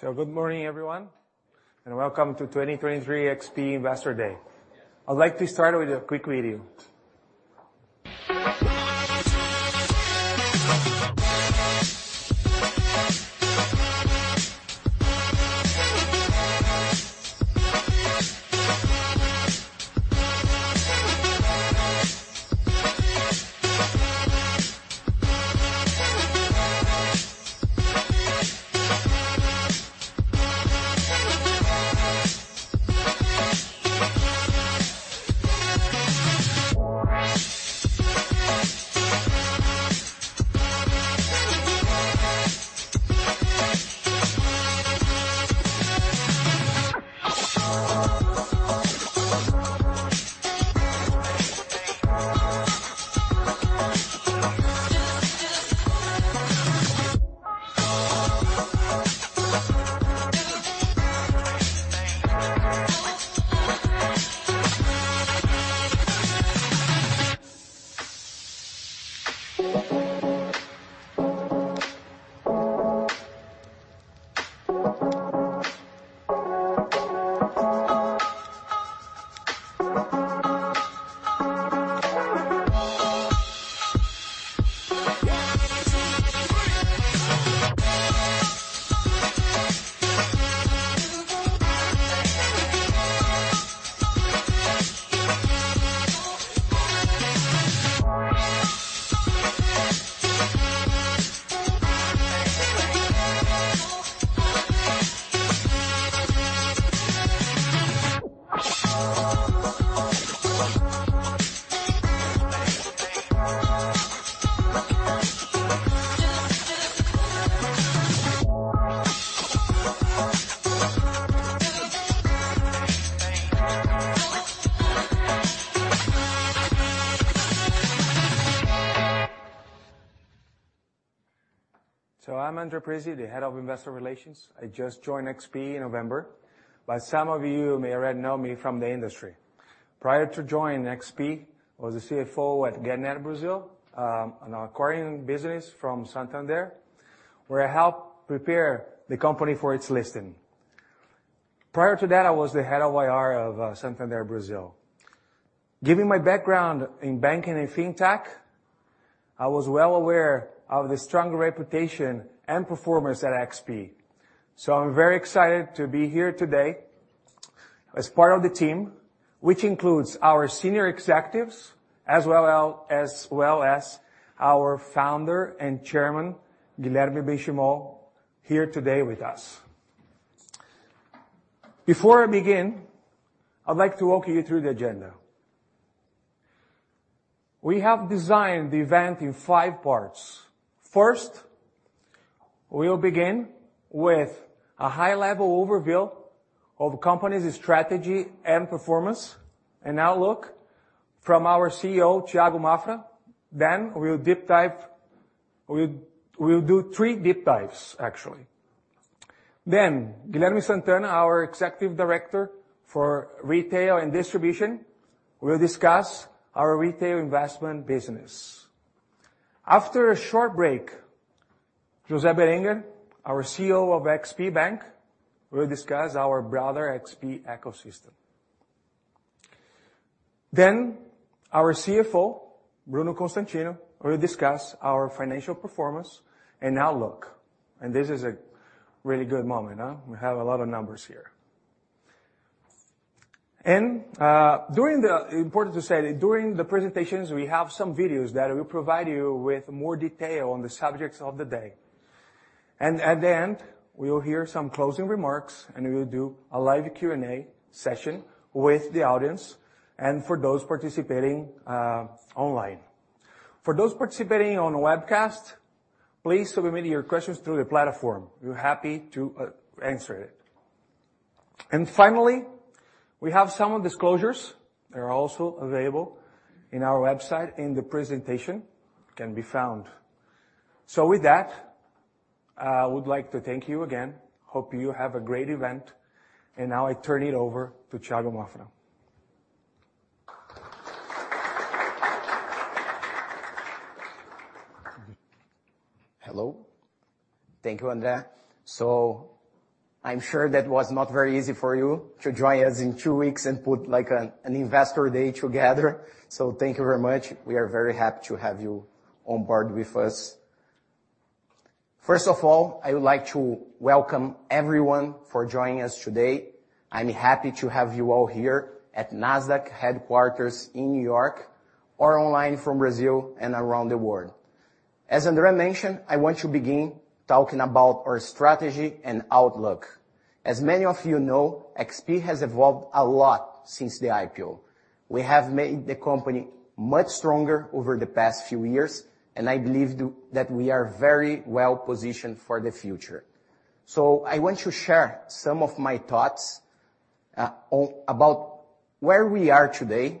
So good morning, everyone, and welcome to 2023 XP Investor Day. I'd like to start with a quick video. So I'm André Parize, the Head of Investor Relations. I just joined XP in November, but some of you may already know me from the industry. Prior to joining XP, I was the CFO at Getnet Brasil, an acquiring business from Santander, where I helped prepare the company for its listing. Prior to that, I was the head of IR of Santander Brasil. Given my background in banking and fintech, I was well aware of the strong reputation and performance at XP. So I'm very excited to be here today as part of the team, which includes our senior executives, as well as our founder and chairman, Guilherme Benchimol, here today with us. Before I begin, I'd like to walk you through the agenda. We have designed the event in five parts. First, we'll begin with a high-level overview of the company's strategy and performance, and outlook from our CEO, Thiago Maffra. Then we'll deep dive. We'll do three deep dives, actually. Then Guilherme Sant'Anna, our Executive Director for Retail and Distribution, will discuss our retail investment business. After a short break, José Berenguer, our CEO of XP Bank, will discuss our broader XP ecosystem. Then, our CFO, Bruno Constantino, will discuss our financial performance and outlook. And this is a really good moment, huh? We have a lot of numbers here. And during the presentations, important to say that during the presentations, we have some videos that will provide you with more detail on the subjects of the day. And at the end, we will hear some closing remarks, and we will do a live Q&A session with the audience and for those participating online. For those participating on the webcast, please submit your questions through the platform. We're happy to answer it. And finally, we have some disclosures. They are also available in our website, and the presentation can be found. So with that, I would like to thank you again. Hope you have a great event, and now I turn it over to Thiago Maffra. Hello. Thank you, André. So I'm sure that was not very easy for you to join us in two weeks and put, like, an investor day together, so thank you very much. We are very happy to have you on board with us. First of all, I would like to welcome everyone for joining us today. I'm happy to have you all here at Nasdaq headquarters in New York or online from Brazil and around the world. As André mentioned, I want to begin talking about our strategy and outlook. As many of you know, XP has evolved a lot since the IPO. We have made the company much stronger over the past few years, and I believe that we are very well positioned for the future. So I want to share some of my thoughts on about where we are today,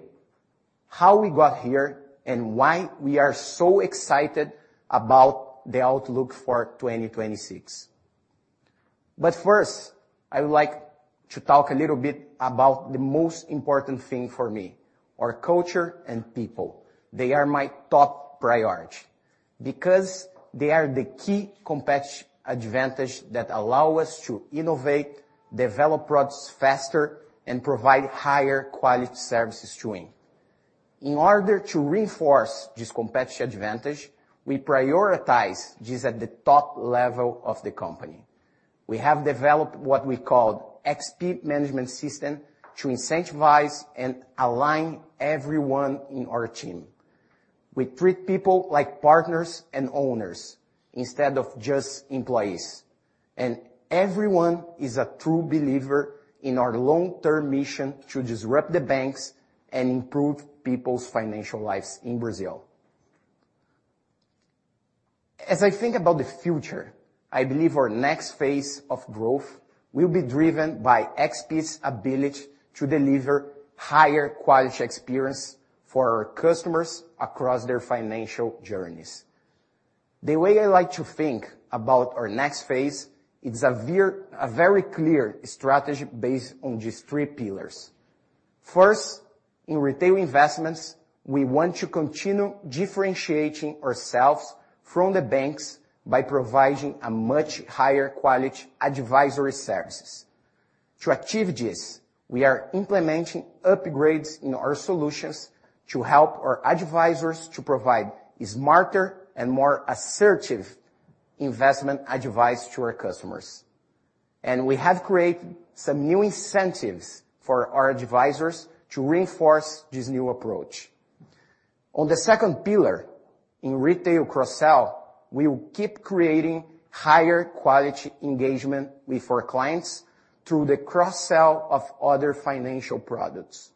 how we got here, and why we are so excited about the outlook for 2026. But first, I would like to talk a little bit about the most important thing for me... our culture and people, they are my top priority, because they are the key competitive advantage that allow us to innovate, develop products faster, and provide higher quality services to him. In order to reinforce this competitive advantage, we prioritize this at the top level of the company. We have developed what we call XP Management System, to incentivize and align everyone in our team. We treat people like partners and owners instead of just employees, and everyone is a true believer in our long-term mission to disrupt the banks and improve people's financial lives in Brazil. As I think about the future, I believe our next phase of growth will be driven by XP's ability to deliver higher quality experience for our customers across their financial journeys. The way I like to think about our next phase is a very clear strategy based on these three pillars. First, in retail investments, we want to continue differentiating ourselves from the banks by providing a much higher quality advisory services. To achieve this, we are implementing upgrades in our solutions to help our advisors to provide smarter and more assertive investment advice to our customers. And we have created some new incentives for our advisors to reinforce this new approach. On the second pillar, in retail cross-sell, we will keep creating higher quality engagement with our clients through the cross-sell of other financial products.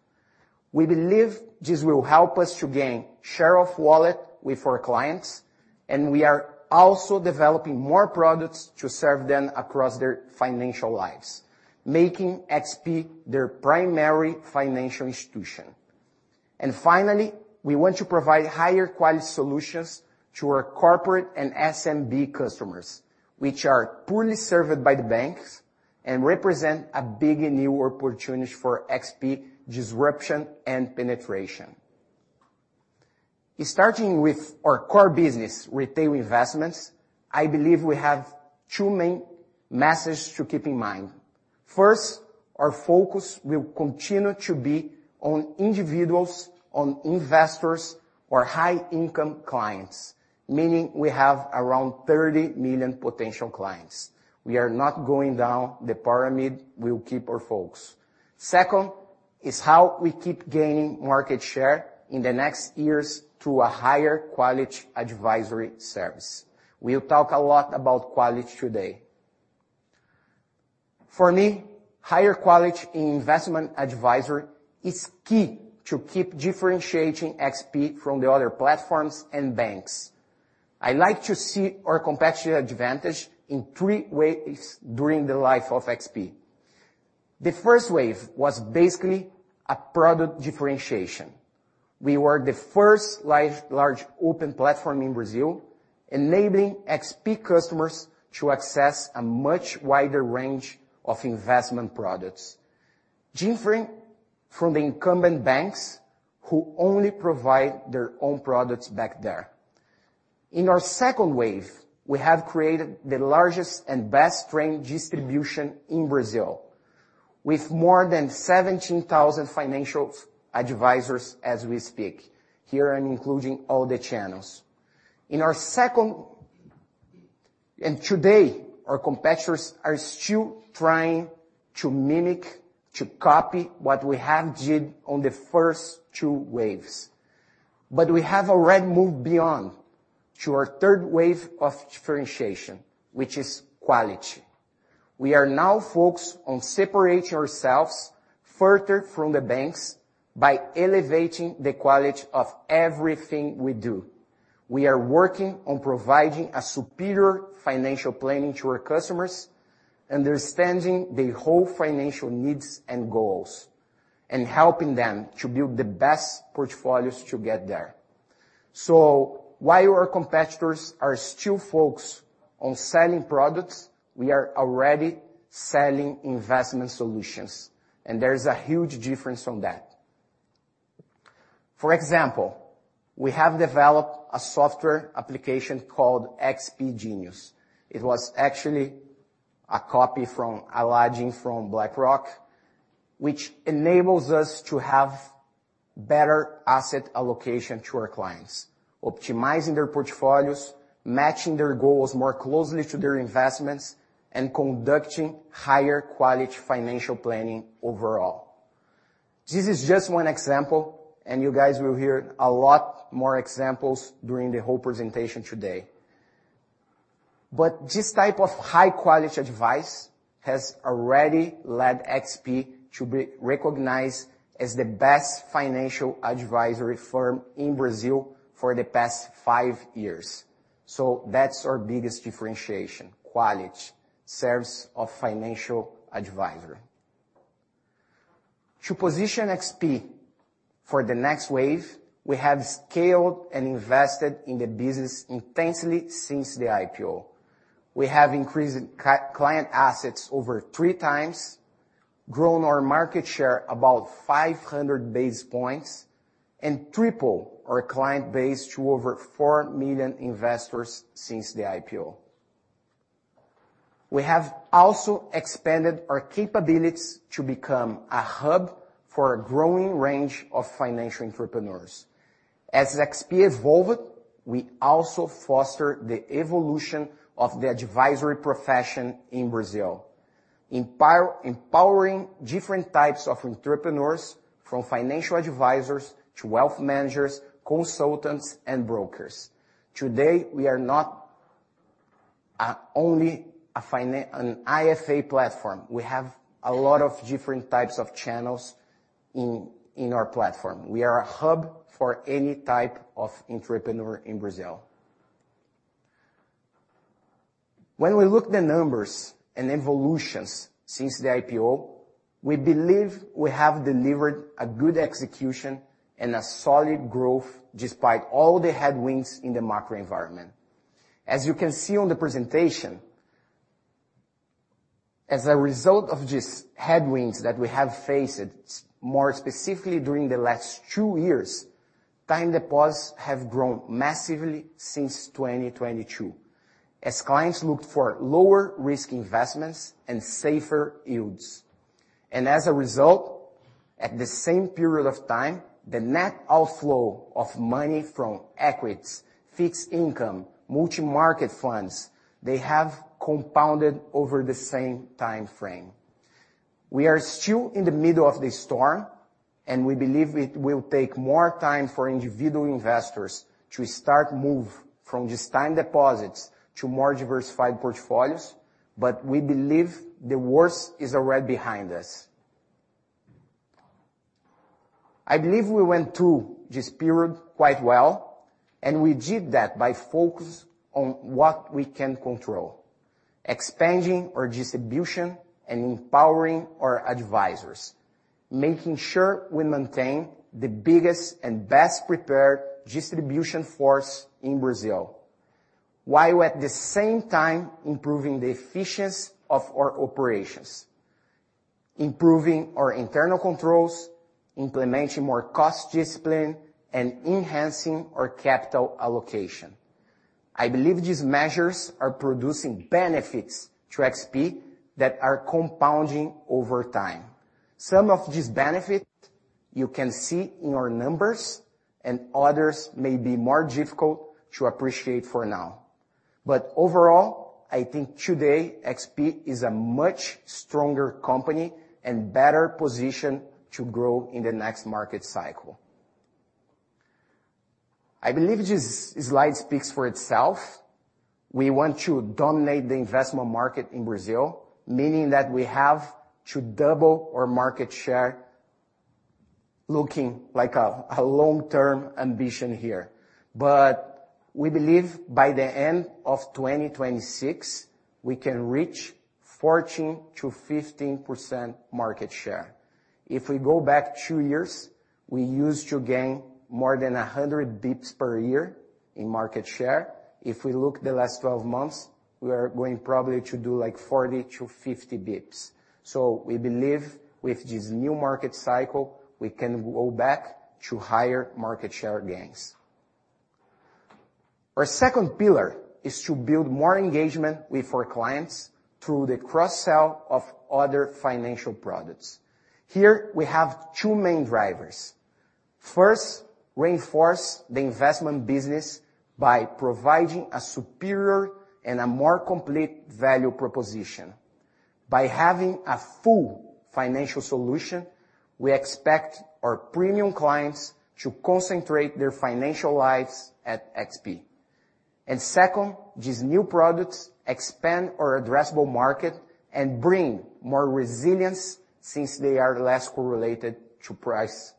We believe this will help us to gain share of wallet with our clients, and we are also developing more products to serve them across their financial lives, making XP their primary financial institution. And finally, we want to provide higher quality solutions to our corporate and SMB customers, which are poorly served by the banks and represent a big new opportunity for XP disruption and penetration. Starting with our core business, retail investments, I believe we have two main messages to keep in mind. First, our focus will continue to be on individuals, on investors or high-income clients, meaning we have around 30 million potential clients. We are not going down the pyramid, we'll keep our focus. Second, is how we keep gaining market share in the next years through a higher quality advisory service. We'll talk a lot about quality today. For me, higher quality in investment advisory is key to keep differentiating XP from the other platforms and banks. I like to see our competitive advantage in three ways during the life of XP. The first wave was basically a product differentiation. We were the first live large open platform in Brazil, enabling XP customers to access a much wider range of investment products, differing from the incumbent banks, who only provide their own products back there. In our second wave, we have created the largest and best trained distribution in Brazil, with more than 17,000 financial advisors as we speak. Here, I'm including all the channels. And today, our competitors are still trying to mimic, to copy what we have did on the first two waves. But we have already moved beyond to our third wave of differentiation, which is quality. We are now focused on separating ourselves further from the banks by elevating the quality of everything we do. We are working on providing a superior financial planning to our customers, understanding their whole financial needs and goals, and helping them to build the best portfolios to get there. So while our competitors are still focused on selling products, we are already selling investment solutions, and there is a huge difference from that. For example, we have developed a software application called XP Genius. It was actually a copy from Aladdin from BlackRock, which enables us to have better asset allocation to our clients, optimizing their portfolios, matching their goals more closely to their investments, and conducting higher quality financial planning overall. This is just one example, and you guys will hear a lot more examples during the whole presentation today. But this type of high-quality advice has already led XP to be recognized as the best financial advisory firm in Brazil for the past five years. So that's our biggest differentiation, quality, service of financial advisory. To position XP for the next wave, we have scaled and invested in the business intensely since the IPO. We have increased client assets over three times, grown our market share about 500 basis points, and triple our client base to over 4 million investors since the IPO. We have also expanded our capabilities to become a hub for a growing range of financial entrepreneurs. As XP evolved, we also foster the evolution of the advisory profession in Brazil, empowering different types of entrepreneurs, from financial advisors to wealth managers, consultants, and brokers. Today, we are not only an IFA platform. We have a lot of different types of channels in our platform. We are a hub for any type of entrepreneur in Brazil. When we look the numbers and evolutions since the IPO, we believe we have delivered a good execution and a solid growth despite all the headwinds in the macro environment. As you can see on the presentation, as a result of these headwinds that we have faced, more specifically during the last two years, time deposits have grown massively since 2022, as clients look for lower risk investments and safer yields. And as a result, at the same period of time, the net outflow of money from equities, fixed income, multi-market funds, they have compounded over the same time frame. We are still in the middle of the storm, and we believe it will take more time for individual investors to start move from just time deposits to more diversified portfolios, but we believe the worst is already behind us. I believe we went through this period quite well, and we did that by focus on what we can control, expanding our distribution and empowering our advisors, making sure we maintain the biggest and best-prepared distribution force in Brazil, while at the same time improving the efficiency of our operations, improving our internal controls, implementing more cost discipline, and enhancing our capital allocation. I believe these measures are producing benefits to XP that are compounding over time. Some of this benefit you can see in our numbers, and others may be more difficult to appreciate for now. But overall, I think today, XP is a much stronger company and better positioned to grow in the next market cycle. I believe this slide speaks for itself. We want to dominate the investment market in Brazil, meaning that we have to double our market share, looking like a long-term ambition here. But we believe by the end of 2026, we can reach 14%-15% market share. If we go back two years, we used to gain more than 100 bps per year in market share. If we look the last 12 months, we are going probably to do, like, 40-50 bps. So we believe with this new market cycle, we can go back to higher market share gains. Our second pillar is to build more engagement with our clients through the cross-sell of other financial products. Here, we have two main drivers. First, reinforce the investment business by providing a superior and a more complete value proposition. By having a full financial solution, we expect our premium clients to concentrate their financial lives at XP. And second, these new products expand our addressable market and bring more resilience since they are less correlated to price,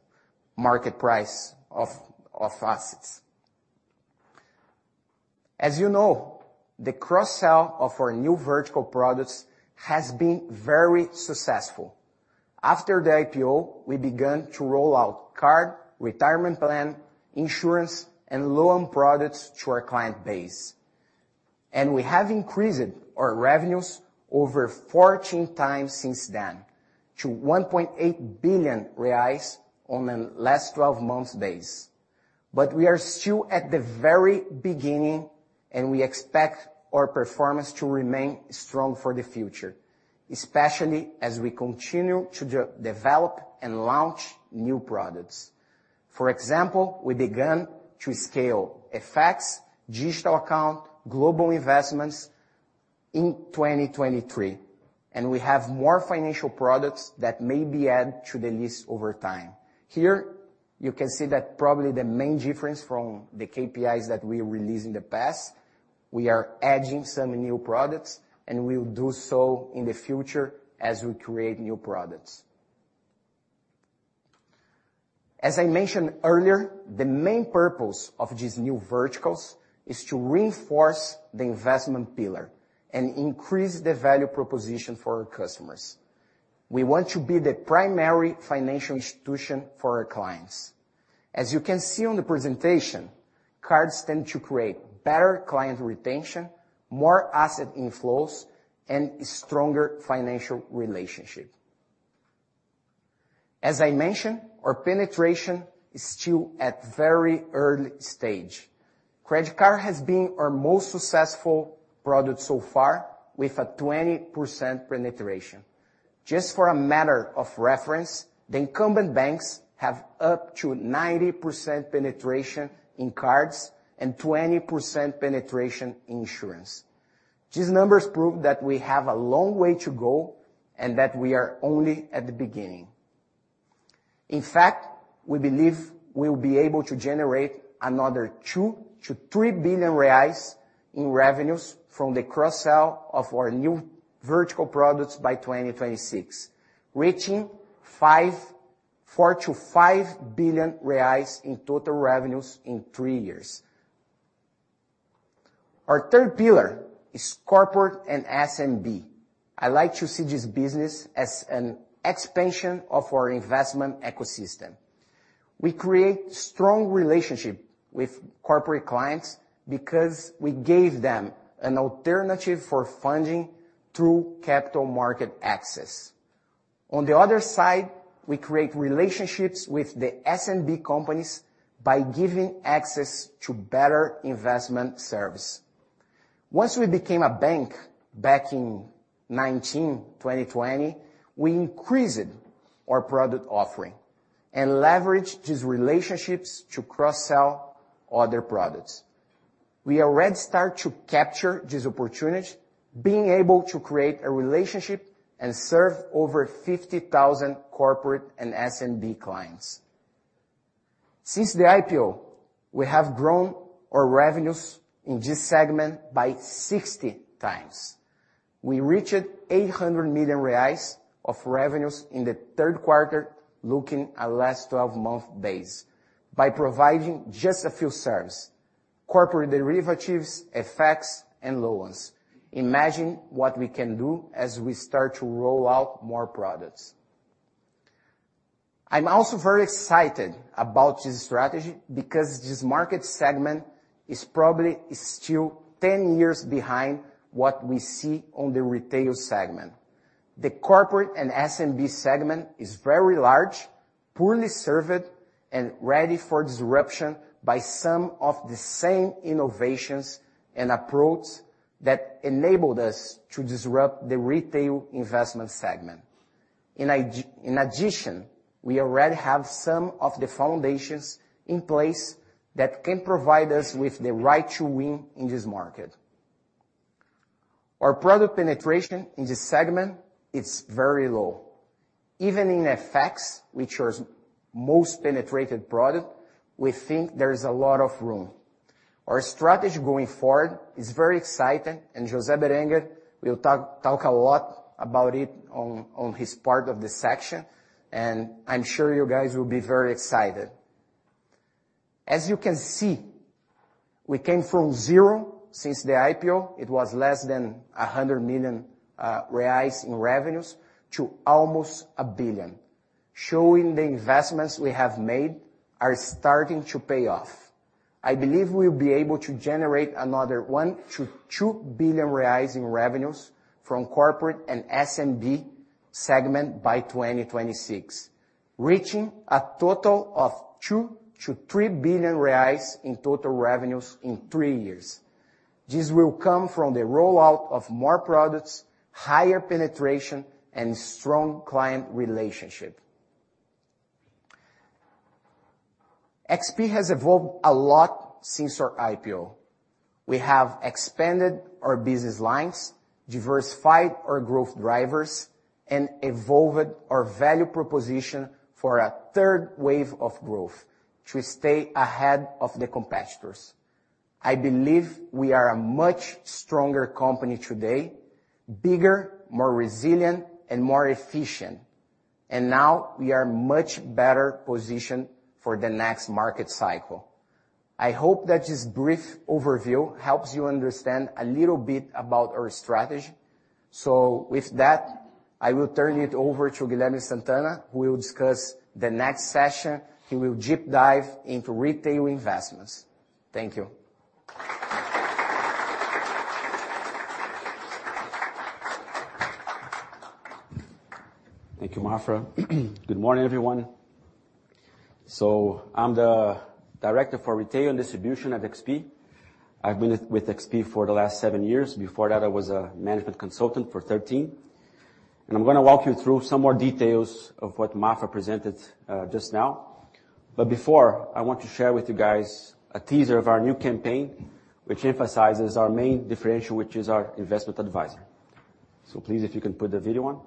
market price of assets. As you know, the cross-sell of our new vertical products has been very successful. After the IPO, we began to roll out card, retirement plan, insurance, and loan products to our client base. And we have increased our revenues over 14 times since then to 1.8 billion reais on a last 12 months basis. But we are still at the very beginning, and we expect our performance to remain strong for the future, especially as we continue to develop and launch new products. For example, we began to scale FX, digital account, global investments in 2023, and we have more financial products that may be added to the list over time. Here, you can see that probably the main difference from the KPIs that we released in the past, we are adding some new products, and we will do so in the future as we create new products. As I mentioned earlier, the main purpose of these new verticals is to reinforce the investment pillar and increase the value proposition for our customers.... We want to be the primary financial institution for our clients. As you can see on the presentation, cards tend to create better client retention, more asset inflows, and stronger financial relationship. As I mentioned, our penetration is still at very early stage. Credit card has been our most successful product so far, with a 20% penetration. Just for a matter of reference, the incumbent banks have up to 90% penetration in cards and 20% penetration in insurance. These numbers prove that we have a long way to go, and that we are only at the beginning. In fact, we believe we'll be able to generate another 2 billion-3 billion reais in revenues from the cross-sell of our new vertical products by 2026, reaching 4 billion-5 billion reais in total revenues in 3 years. Our third pillar is corporate and SMB. I like to see this business as an expansion of our investment ecosystem. We create strong relationship with corporate clients because we gave them an alternative for funding through capital market access. On the other side, we create relationships with the SMB companies by giving access to better investment service. Once we became a bank back in 2020, we increased our product offering and leveraged these relationships to cross-sell other products. We already start to capture this opportunity, being able to create a relationship and serve over 50,000 corporate and SMB clients. Since the IPO, we have grown our revenues in this segment by 60 times. We reached 800 million reais of revenues in the third quarter, looking at last 12-month base, by providing just a few services: corporate derivatives, FX, and loans. Imagine what we can do as we start to roll out more products. I'm also very excited about this strategy because this market segment is probably still 10 years behind what we see on the retail segment. The corporate and SMB segment is very large, poorly served, and ready for disruption by some of the same innovations and approach that enabled us to disrupt the retail investment segment. In addition, we already have some of the foundations in place that can provide us with the right to win in this market. Our product penetration in this segment, it's very low. Even in FX, which is most penetrated product, we think there is a lot of room. Our strategy going forward is very exciting, and José Berenguer will talk a lot about it on his part of the section, and I'm sure you guys will be very excited. As you can see, we came from zero since the IPO, it was less than 100 million reais in revenues, to almost 1 billion, showing the investments we have made are starting to pay off. I believe we'll be able to generate another 1 billion reais-BRL2 billion in revenues from corporate and SMB segment by 2026, reaching a total of 2 billion reais-BRL3 billion in total revenues in three years. This will come from the rollout of more products, higher penetration, and strong client relationship. XP has evolved a lot since our IPO. We have expanded our business lines, diversified our growth drivers, and evolved our value proposition for a third wave of growth to stay ahead of the competitors. I believe we are a much stronger company today, bigger, more resilient, and more efficient, and now we are much better positioned for the next market cycle. I hope that this brief overview helps you understand a little bit about our strategy. So with that, I will turn it over to Guilherme Sant'Anna, who will discuss the next session. He will deep dive into retail investments. Thank you. Thank you, Maffra. Good morning, everyone. I'm the Director for Retail and Distribution at XP. I've been with XP for the last 7 years. Before that, I was a Management Consultant for 13, and I'm gonna walk you through some more details of what Maffra presented just now. But before, I want to share with you guys a teaser of our new campaign, which emphasizes our main differentiator, which is our investment advisor. So please, if you can put the video on. ...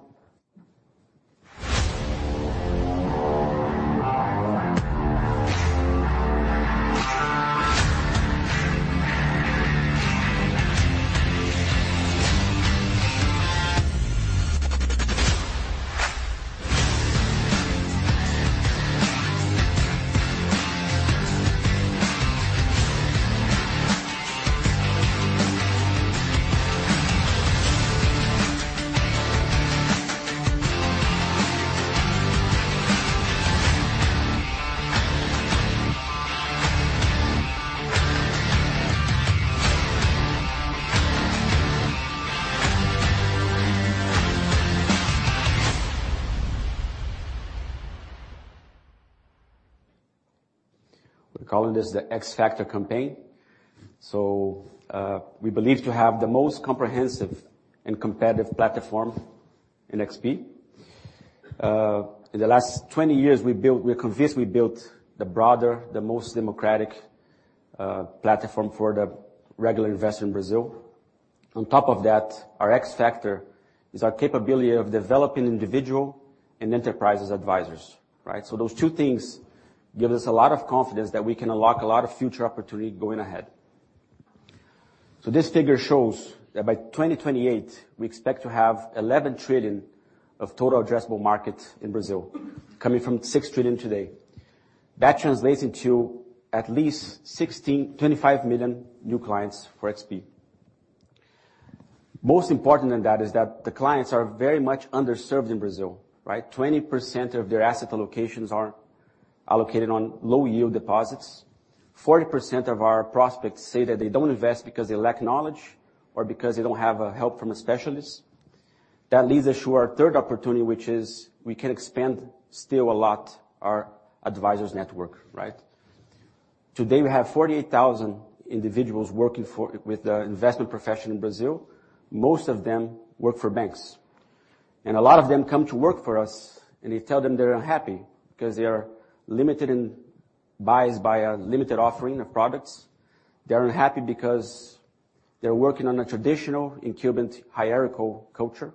We're calling this the X Factor campaign. We believe to have the most comprehensive and competitive platform in XP. In the last 20 years, we built, we are convinced we built the broader, the most democratic platform for the regular investor in Brazil. On top of that, our X Factor is our capability of developing individual and enterprises advisors, right? Those two things give us a lot of confidence that we can unlock a lot of future opportunity going ahead. This figure shows that by 2028, we expect to have 11 trillion of total addressable market in Brazil, coming from 6 trillion today. That translates to at least 25 million new clients for XP. Most important than that is that the clients are very much underserved in Brazil, right? 20% of their asset allocations are allocated on low-yield deposits. 40% of our prospects say that they don't invest because they lack knowledge or because they don't have help from a specialist. That leads us to our third opportunity, which is we can expand still a lot our advisors network, right? Today, we have 48,000 individuals working with the investment profession in Brazil. Most of them work for banks, and a lot of them come to work for us, and they tell them they're unhappy because they are limited in buys by a limited offering of products. They are unhappy because they're working on a traditional incumbent, hierarchical culture.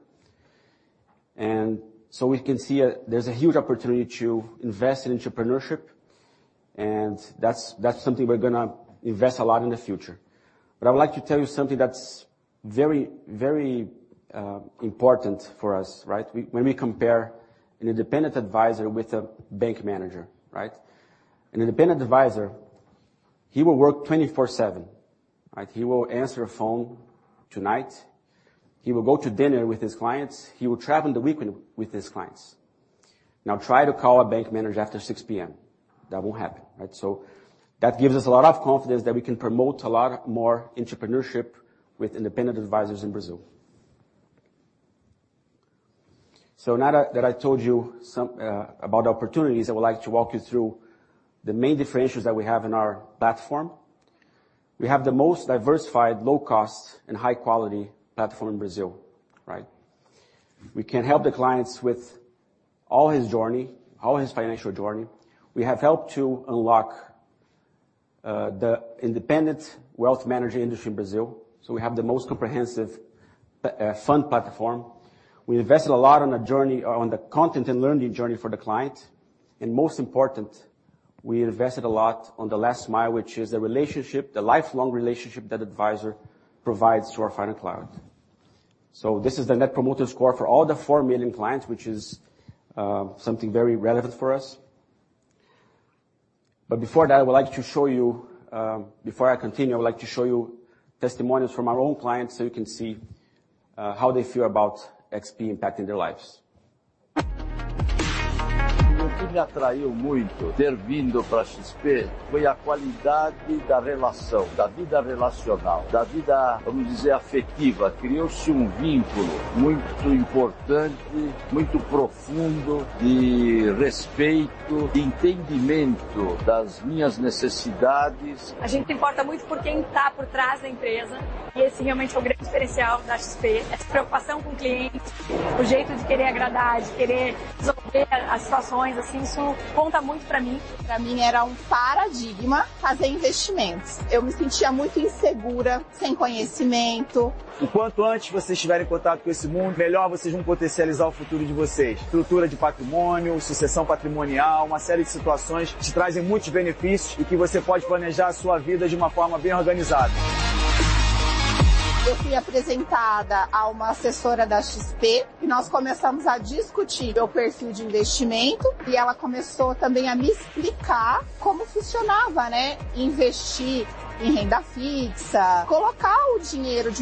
And so we can see, there's a huge opportunity to invest in entrepreneurship, and that's, that's something we're gonna invest a lot in the future. But I would like to tell you something that's very, very, important for us, right? We—when we compare an independent advisor with a bank manager, right? An independent advisor, he will work 24/7, right? He will answer a phone tonight. He will go to dinner with his clients. He will travel on the weekend with his clients. Now, try to call a bank manager after six P.M. That won't happen, right? So that gives us a lot of confidence that we can promote a lot more entrepreneurship with independent advisors in Brazil. So now that, that I told you some about the opportunities, I would like to walk you through the main differentiators that we have in our platform. We have the most diversified, low cost, and high-quality platform in Brazil, right? We can help the clients with all his journey, all his financial journey. We have helped to unlock the independent wealth management industry in Brazil, so we have the most comprehensive fund platform. We invested a lot on the journey, on the content and learning journey for the client, and most important, we invested a lot on the last mile, which is the relationship, the lifelong relationship that advisor provides to our final client. So this is the Net Promoter Score for all the 4 million clients, which is something very relevant for us. But before that, I would like to show you. Before I continue, I would like to show you testimonials from our own clients, so you can see how they feel about XP impacting their lives. What attracted me the most to coming to XP was the quality of the relationship, of the relational life, of the, let's say, affective life. A very important, very deep bond was created of respect and understanding of my needs. We care a lot about who is behind the company, and that really was the great differential of XP, this concern for the client, the desire to please, to want to resolve situations. So that counts a lot for me. For me, it was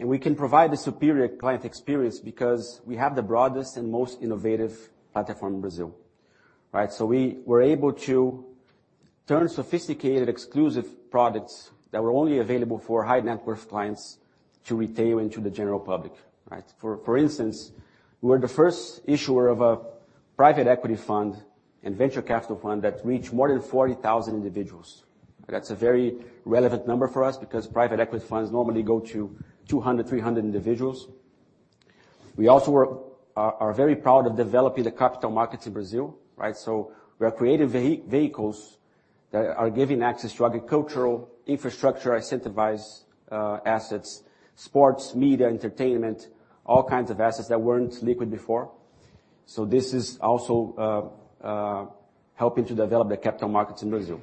and we can provide a superior client experience because we have the broadest and most innovative platform in Brazil, right? So we were able to turn sophisticated, exclusive products that were only available for high net worth clients to retail and to the general public, right? For instance, we're the first issuer of a private equity fund and venture capital fund that reached more than 40,000 individuals. That's a very relevant number for us because private equity funds normally go to 200, 300 individuals. We also are very proud of developing the capital markets in Brazil, right? So we are creative vehicles that are giving access to agricultural, infrastructure, incentivized assets, sports, media, entertainment, all kinds of assets that weren't liquid before. So this is also helping to develop the capital markets in Brazil.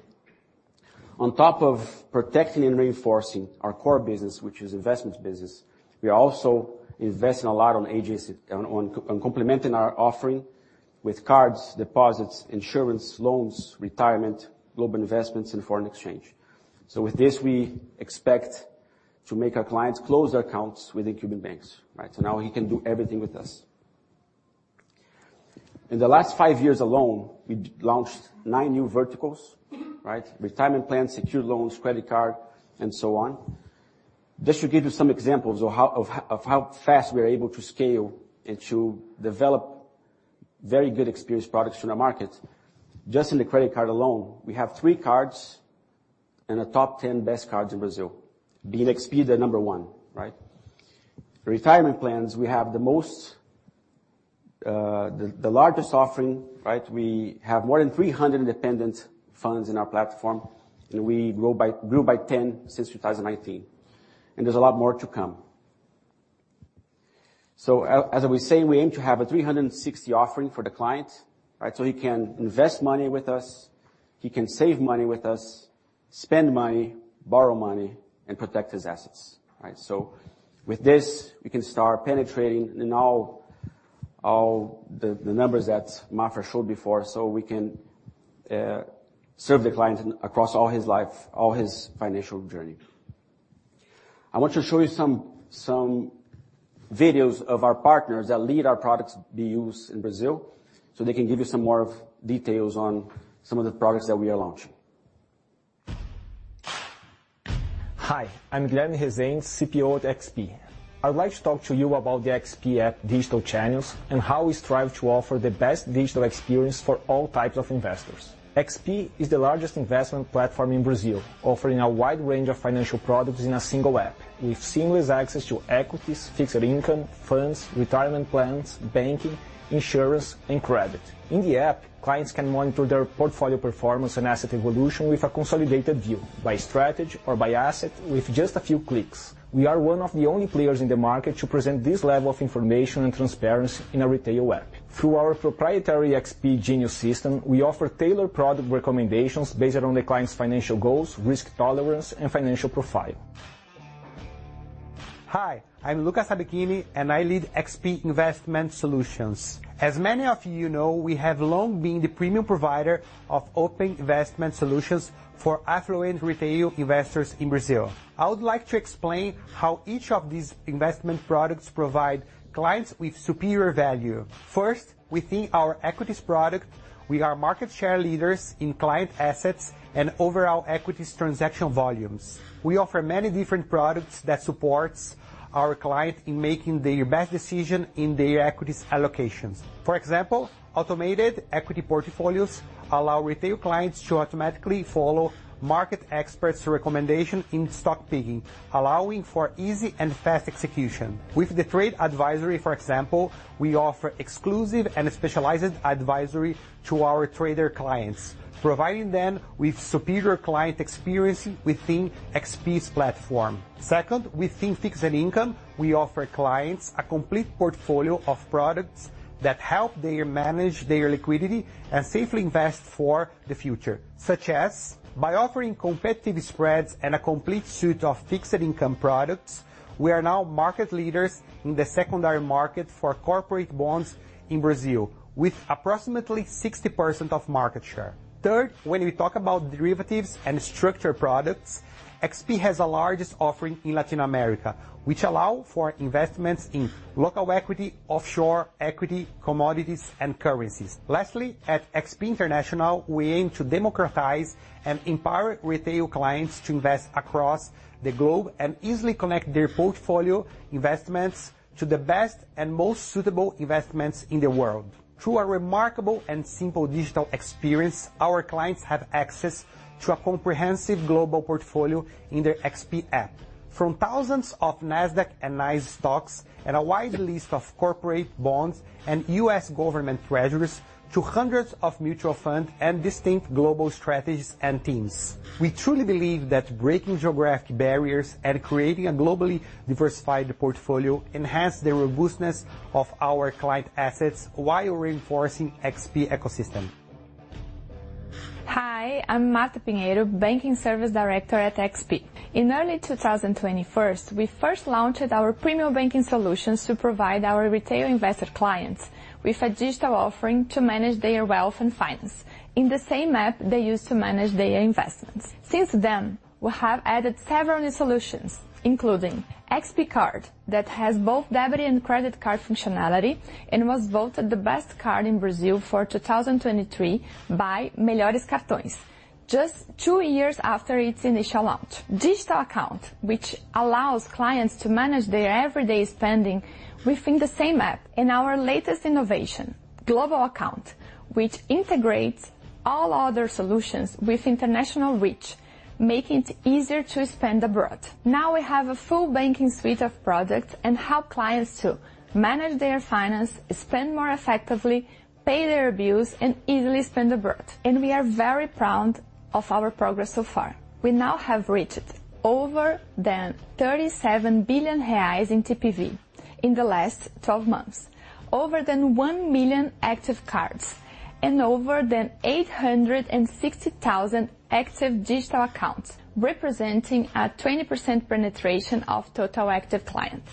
On top of protecting and reinforcing our core business, which is investment business, we are also investing a lot on complementing our offering with cards, deposits, insurance, loans, retirement, global investments, and foreign exchange. So with this, we expect to make our clients close their accounts with incumbent banks, right? So now he can do everything with us. In the last five years alone, we've launched nine new verticals, right? Retirement plans, secured loans, credit card, and so on. Just to give you some examples of how fast we are able to scale and to develop very good experience products in the market. Just in the credit card alone, we have three cards in the top 10 best cards in Brazil, being XP the number one, right? Retirement plans, we have the most, the largest offering, right? We have more than 300 independent funds in our platform, and we grew by 10 since 2019, and there's a lot more to come. So as we say, we aim to have a 360 offering for the client, right? So he can invest money with us, he can save money with us, spend money, borrow money, and protect his assets, right? So with this, we can start penetrating in all the numbers that Maffra showed before, so we can serve the client across all his life, all his financial journey. I want to show you some videos of our partners that lead our products to be used in Brazil, so they can give you some more details on some of the products that we are launching. Hi, I'm Guilherme de Resendes, CPO at XP. I'd like to talk to you about the XP app digital channels and how we strive to offer the best digital experience for all types of investors. XP is the largest investment platform in Brazil, offering a wide range of financial products in a single app, with seamless access to equities, fixed income, funds, retirement plans, banking, insurance, and credit. In the app, clients can monitor their portfolio performance and asset evolution with a consolidated view by strategy or by asset with just a few clicks. We are one of the only players in the market to present this level of information and transparency in a retail app. Through our proprietary XP Genius system, we offer tailored product recommendations based on the client's financial goals, risk tolerance, and financial profile. Hi, I'm Lucas Rabechini, and I lead XP Investment Solutions. As many of you know, we have long been the premium provider of open investment solutions for affluent retail investors in Brazil. I would like to explain how each of these investment products provide clients with superior value. First, within our equities product, we are market share leaders in client assets and overall equities transaction volumes. We offer many different products that supports our clients in making their best decision in their equities allocations. For example, automated equity portfolios allow retail clients to automatically follow market experts' recommendation in stock picking, allowing for easy and fast execution. With the trade advisory, for example, we offer exclusive and specialized advisory to our trader clients, providing them with superior client experience within XP's platform. Second, within fixed income, we offer clients a complete portfolio of products that help them manage their liquidity and safely invest for the future. Such as by offering competitive spreads and a complete suite of fixed income products, we are now market leaders in the secondary market for corporate bonds in Brazil, with approximately 60% of market share. Third, when we talk about derivatives and structured products, XP has the largest offering in Latin America, which allow for investments in local equity, offshore equity, commodities, and currencies. Lastly, at XP International, we aim to democratize and empower retail clients to invest across the globe and easily connect their portfolio investments to the best and most suitable investments in the world. Through a remarkable and simple digital experience, our clients have access to a comprehensive global portfolio in their XP app. From thousands of Nasdaq and NYSE stocks and a wide list of corporate bonds and U.S. government treasuries, to hundreds of mutual funds and distinct global strategies and teams. We truly believe that breaking geographic barriers and creating a globally diversified portfolio enhances the robustness of our client assets while reinforcing XP ecosystem. Hi, I'm Marta Pinheiro, Banking Service Director at XP. In early 2021, we first launched our premium banking solutions to provide our retail investor clients with a digital offering to manage their wealth and finance in the same app they use to manage their investments. Since then, we have added several new solutions, including XP Card, that has both debit and credit card functionality and was voted the best card in Brazil for 2023 by Melhores Cartões, just two years after its initial launch. Digital account, which allows clients to manage their everyday spending within the same app. And our latest innovation, Global Account, which integrates all other solutions with international reach, making it easier to expand abroad. Now we have a full banking suite of products and help clients to manage their finance, spend more effectively, pay their bills, and easily spend abroad. We are very proud of our progress so far. We now have reached more than 37 billion reais in TPV in the last 12 months, more than 1 million active cards, and more than 860,000 active digital accounts, representing a 20% penetration of total active clients.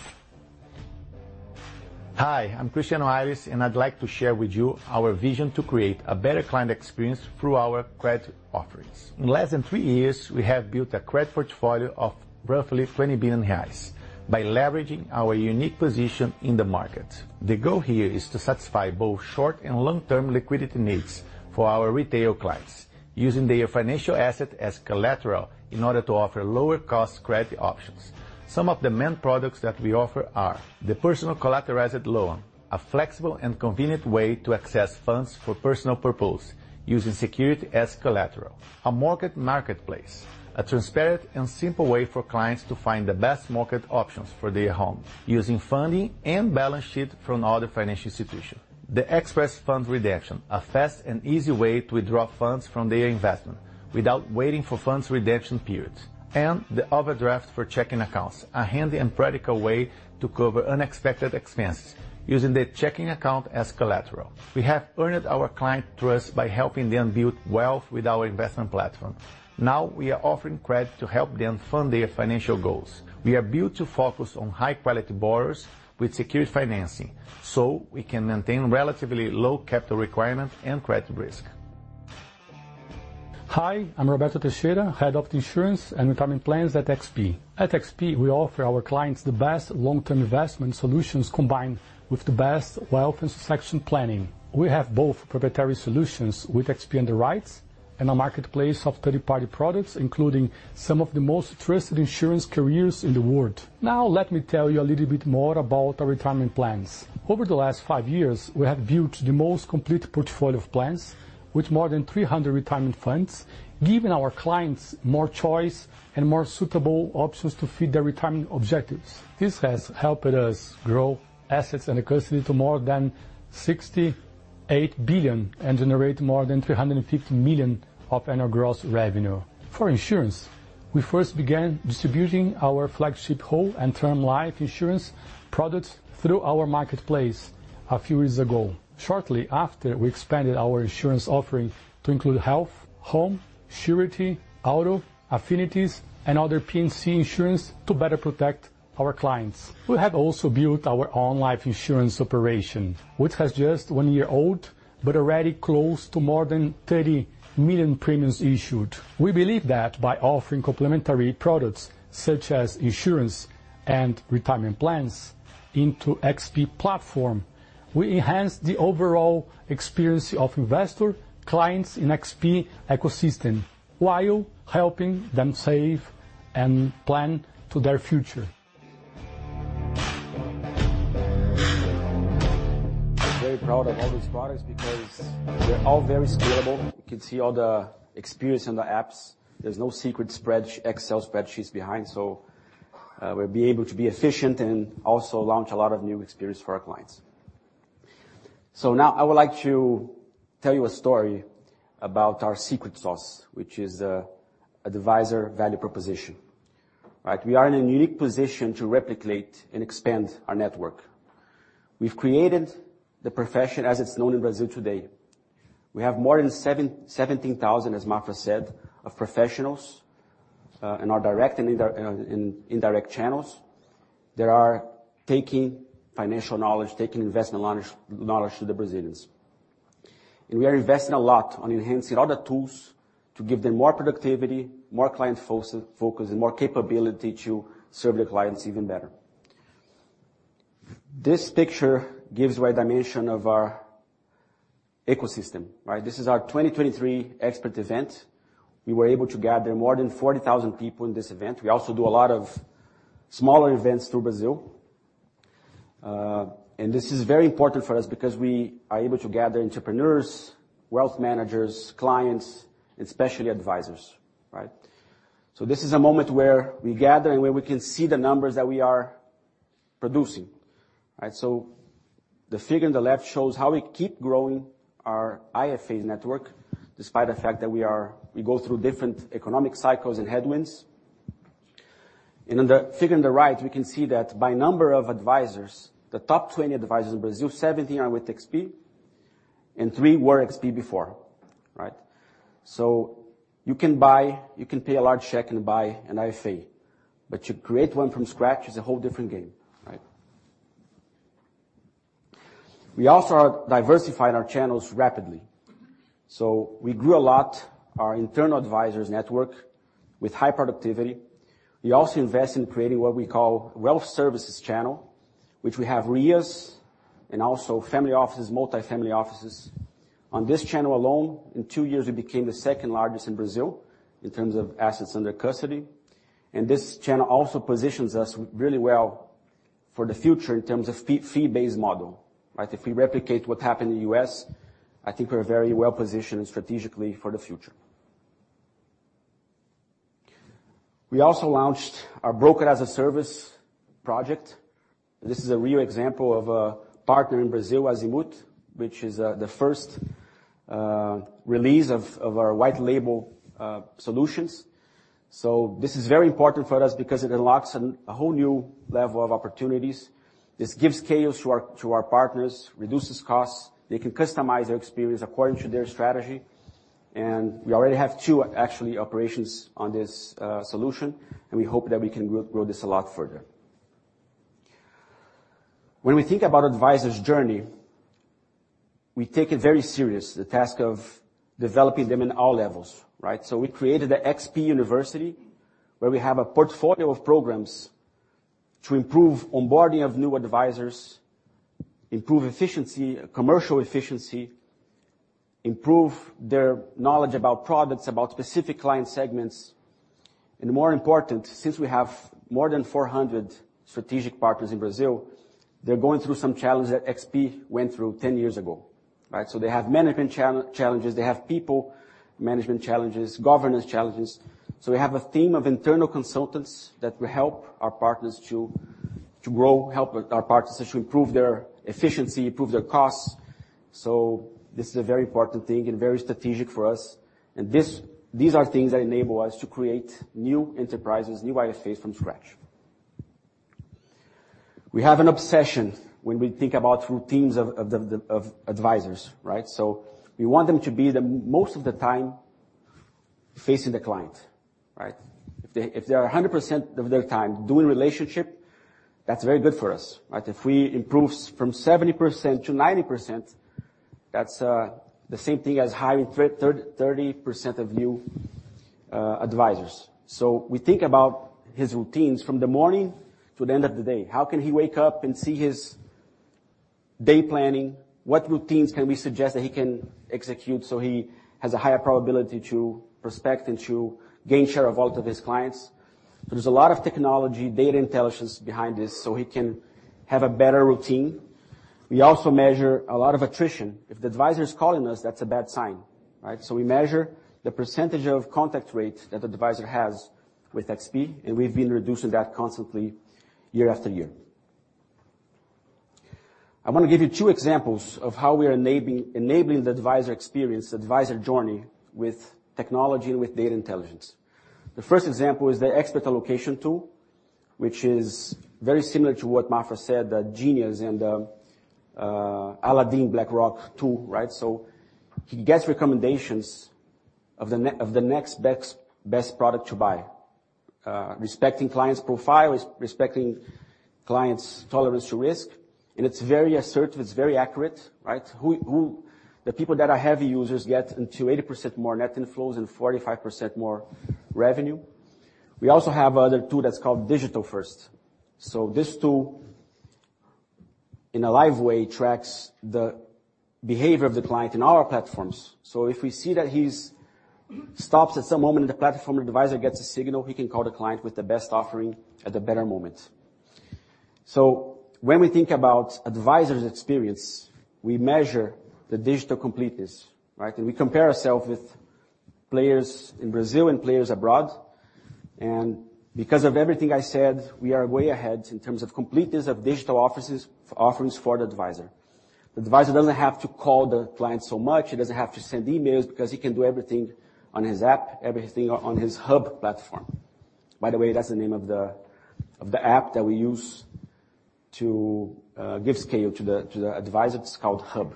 Hi, I'm Cristiano Ayres, and I'd like to share with you our vision to create a better client experience through our credit offerings. In less than 3 years, we have built a credit portfolio of roughly 20 billion reais by leveraging our unique position in the market. The goal here is to satisfy both short- and long-term liquidity needs for our retail clients, using their financial asset as collateral in order to offer lower-cost credit options. Some of the main products that we offer are: the personal collateralized loan, a flexible and convenient way to access funds for personal purposes using security as collateral. A mortgage marketplace, a transparent and simple way for clients to find the best mortgage options for their home, using funding and balance sheet from other financial institutions. The express fund redemption, a fast and easy way to withdraw funds from their investment without waiting for funds redemption periods. The overdraft for checking accounts, a handy and practical way to cover unexpected expenses using their checking account as collateral. We have earned our client trust by helping them build wealth with our investment platform. Now, we are offering credit to help them fund their financial goals. We are built to focus on high-quality borrowers with secured financing, so we can maintain relatively low capital requirements and credit risk. Hi, I'm Roberto Teixeira, Head of Insurance and Retirement Plans at XP. At XP, we offer our clients the best long-term investment solutions, combined with the best wealth and succession planning. We have both proprietary solutions with XP underwrites and a marketplace of third-party products, including some of the most trusted insurance carriers in the world. Now, let me tell you a little bit more about our retirement plans. Over the last five years, we have built the most complete portfolio of plans, with more than 300 retirement funds, giving our clients more choice and more suitable options to fit their retirement objectives. This has helped us grow assets under custody to more than 68 billion and generate more than 350 million of annual gross revenue. For insurance, we first began distributing our flagship whole and term life insurance products through our marketplace a few years ago. Shortly after, we expanded our insurance offering to include health, home, surety, auto, affinities, and other P&C insurance to better protect our clients. We have also built our own life insurance operation, which is just one year old, but already close to more than 30 million premiums issued. We believe that by offering complementary products, such as insurance and retirement plans, into XP platform, we enhance the overall experience of investor clients in XP ecosystem, while helping them save and plan for their future. We're very proud of all these products because they're all very scalable. You can see all the experience in the apps. There's no secret spreadsheet, Excel spreadsheets behind, so we'll be able to be efficient and also launch a lot of new experience for our clients. So now I would like to tell you a story about our secret sauce, which is the advisor value proposition, right? We are in a unique position to replicate and expand our network. We've created the profession as it's known in Brazil today. We have more than 17,000, as Marta said, of professionals in our direct and indirect channels. They are taking financial knowledge, taking investment knowledge to the Brazilians. We are investing a lot on enhancing all the tools to give them more productivity, more client focus, and more capability to serve their clients even better. This picture gives you a dimension of our ecosystem, right? This is our 2023 Expert event. We were able to gather more than 40,000 people in this event. We also do a lot of smaller events throughout Brazil. And this is very important for us because we are able to gather entrepreneurs, wealth managers, clients, especially advisors, right? So this is a moment where we gather and where we can see the numbers that we are producing, right? So the figure on the left shows how we keep growing our IFA network, despite the fact that we go through different economic cycles and headwinds. On the figure on the right, we can see that by number of advisors, the top 20 advisors in Brazil, 17 are with XP and 3 were XP before, right? So you can pay a large check and buy an IFA, but to create one from scratch is a whole different game, right? We also are diversifying our channels rapidly. So we grew a lot our internal advisors network with high productivity. We also invest in creating what we call Wealth Services channel, which we have RIAs and also family offices, multifamily offices. On this channel alone, in 2 years, we became the second largest in Brazil in terms of assets under custody... and this channel also positions us really well for the future in terms of fee, fee-based model, right? If we replicate what happened in the US, I think we're very well positioned strategically for the future. We also launched our Broker as a Service project. This is a real example of a partner in Brazil, Azimut, which is the first release of our white label solutions. So this is very important for us because it unlocks a whole new level of opportunities. This gives scale to our partners, reduces costs. They can customize their experience according to their strategy, and we already have two actually operations on this solution, and we hope that we can grow this a lot further. When we think about advisors' journey, we take it very serious, the task of developing them in all levels, right? So we created the XP University, where we have a portfolio of programs to improve onboarding of new advisors, improve efficiency, commercial efficiency, improve their knowledge about products, about specific client segments. And more important, since we have more than 400 strategic partners in Brazil, they're going through some challenges that XP went through 10 years ago, right? So they have management challenges, they have people management challenges, governance challenges. So we have a team of internal consultants that will help our partners to grow, help our partners to improve their efficiency, improve their costs. So this is a very important thing and very strategic for us. And these are things that enable us to create new enterprises, new IFAs from scratch. We have an obsession when we think about routines of the advisors, right? So we want them to be the most of the time facing the client, right? If they, if they are 100% of their time doing relationship, that's very good for us, right? If we improve from 70% to 90%, that's the same thing as hiring thirty percent of new advisors. So we think about his routines from the morning to the end of the day. How can he wake up and see his day planning? What routines can we suggest that he can execute so he has a higher probability to prospect and to gain share of all of his clients? There's a lot of technology, data intelligence behind this, so he can have a better routine. We also measure a lot of attrition. If the advisor is calling us, that's a bad sign, right? So we measure the percentage of contact rate that the advisor has with XP, and we've been reducing that constantly year after year. I want to give you two examples of how we are enabling the advisor experience, the advisor journey with technology and with data intelligence. The first example is the Expert Allocation tool, which is very similar to what Maffra said, that Genius and Aladdin, BlackRock, too, right? So he gets recommendations of the next best product to buy, respecting client's profile, respecting client's tolerance to risk. And it's very assertive, it's very accurate, right? The people that are heavy users get up to 80% more net inflows and 45% more revenue. We also have other tool that's called Digital First. This tool, in a live way, tracks the behavior of the client in our platforms. If we see that he stops at some moment in the platform, the advisor gets a signal, he can call the client with the best offering at a better moment. When we think about advisors' experience, we measure the digital completeness, right? We compare ourselves with players in Brazil and players abroad. Because of everything I said, we are way ahead in terms of completeness of digital office offerings for the advisor. The advisor doesn't have to call the client so much, he doesn't have to send emails because he can do everything on his app, everything on his Hub platform. By the way, that's the name of the app that we use to give scale to the advisor. It's called Hub.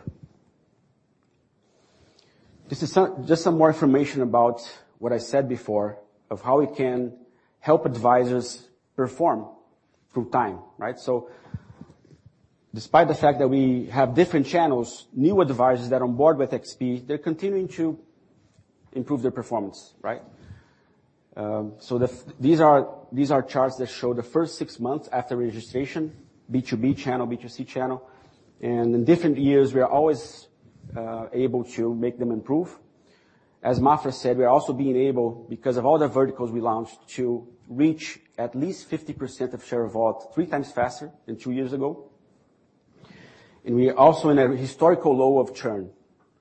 This is just some more information about what I said before, of how we can help advisors perform through time, right? So despite the fact that we have different channels, newer advisors that are on board with XP, they're continuing to improve their performance, right? So these are, these are charts that show the first six months after registration, B2B channel, B2C channel. And in different years, we are always able to make them improve. As Maffra said, we are also being able, because of all the verticals we launched, to reach at least 50% of share of wallet, three times faster than two years ago. And we are also in a historical low of churn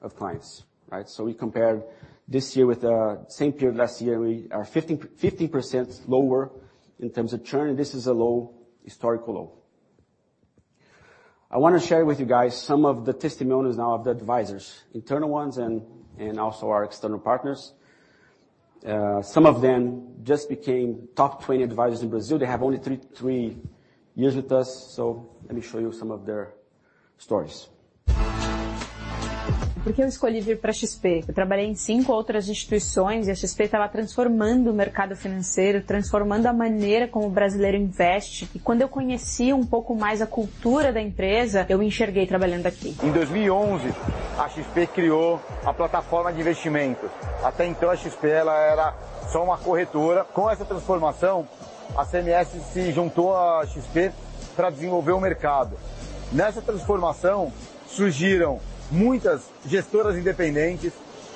of clients, right? So we compared this year with the same period last year; we are 50% lower in terms of churn, and this is a low, historical low. I want to share with you guys some of the testimonials now of the advisors, internal ones and also our external partners. Some of them just became top 20 advisors in Brazil. They have only 3 years with us, so let me show you some of their stories.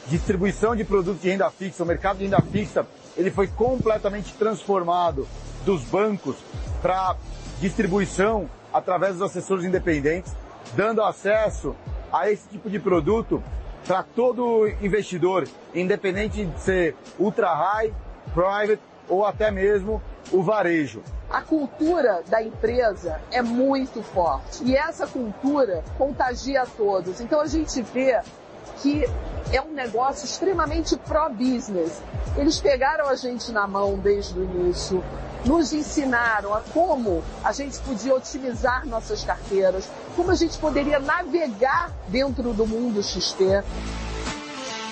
Distribuição de produtos de renda fixa, o mercado de renda fixa, ele foi completamente transformado dos bancos pra distribuição através dos assessores independentes, dando acesso a esse tipo de produto pra todo investidor, independente de ser ultra high, private ou até mesmo o varejo. A cultura da empresa é muito forte e essa cultura contagia a todos. Então a gente vê que é um negócio extremamente pró-business. Eles pegaram a gente na mão desde o início, nos ensinaram a como a gente podia otimizar nossas carteiras, como a gente poderia navegar dentro do mundo XP.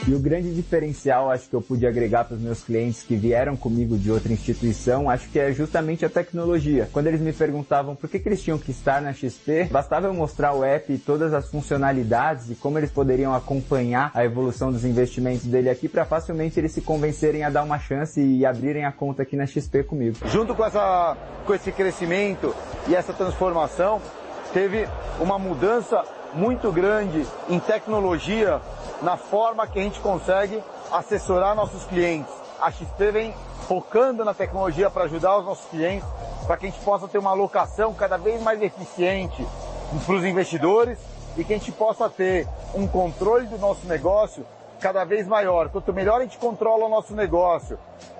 O grande diferencial, acho que eu pude agregar pros meus clientes que vieram comigo de outra instituição, acho que é justamente a tecnologia. Quando eles me perguntavam por que que eles tinham que estar na XP, bastava eu mostrar o app e todas as funcionalidades, e como eles poderiam acompanhar a evolução dos investimentos dele aqui, pra facilmente eles se convencerem a dar uma chance e abrirem a conta aqui na XP comigo. Junto com essa, com esse crescimento e essa transformação, teve uma mudança muito grande em tecnologia, na forma que a gente consegue assessorar nossos clientes. A XP vem focando na tecnologia pra ajudar os nossos clientes, pra que a gente possa ter uma alocação cada vez mais eficiente pros investidores e que a gente possa ter um controle do nosso negócio cada vez maior. Quanto melhor a gente controla o nosso negócio,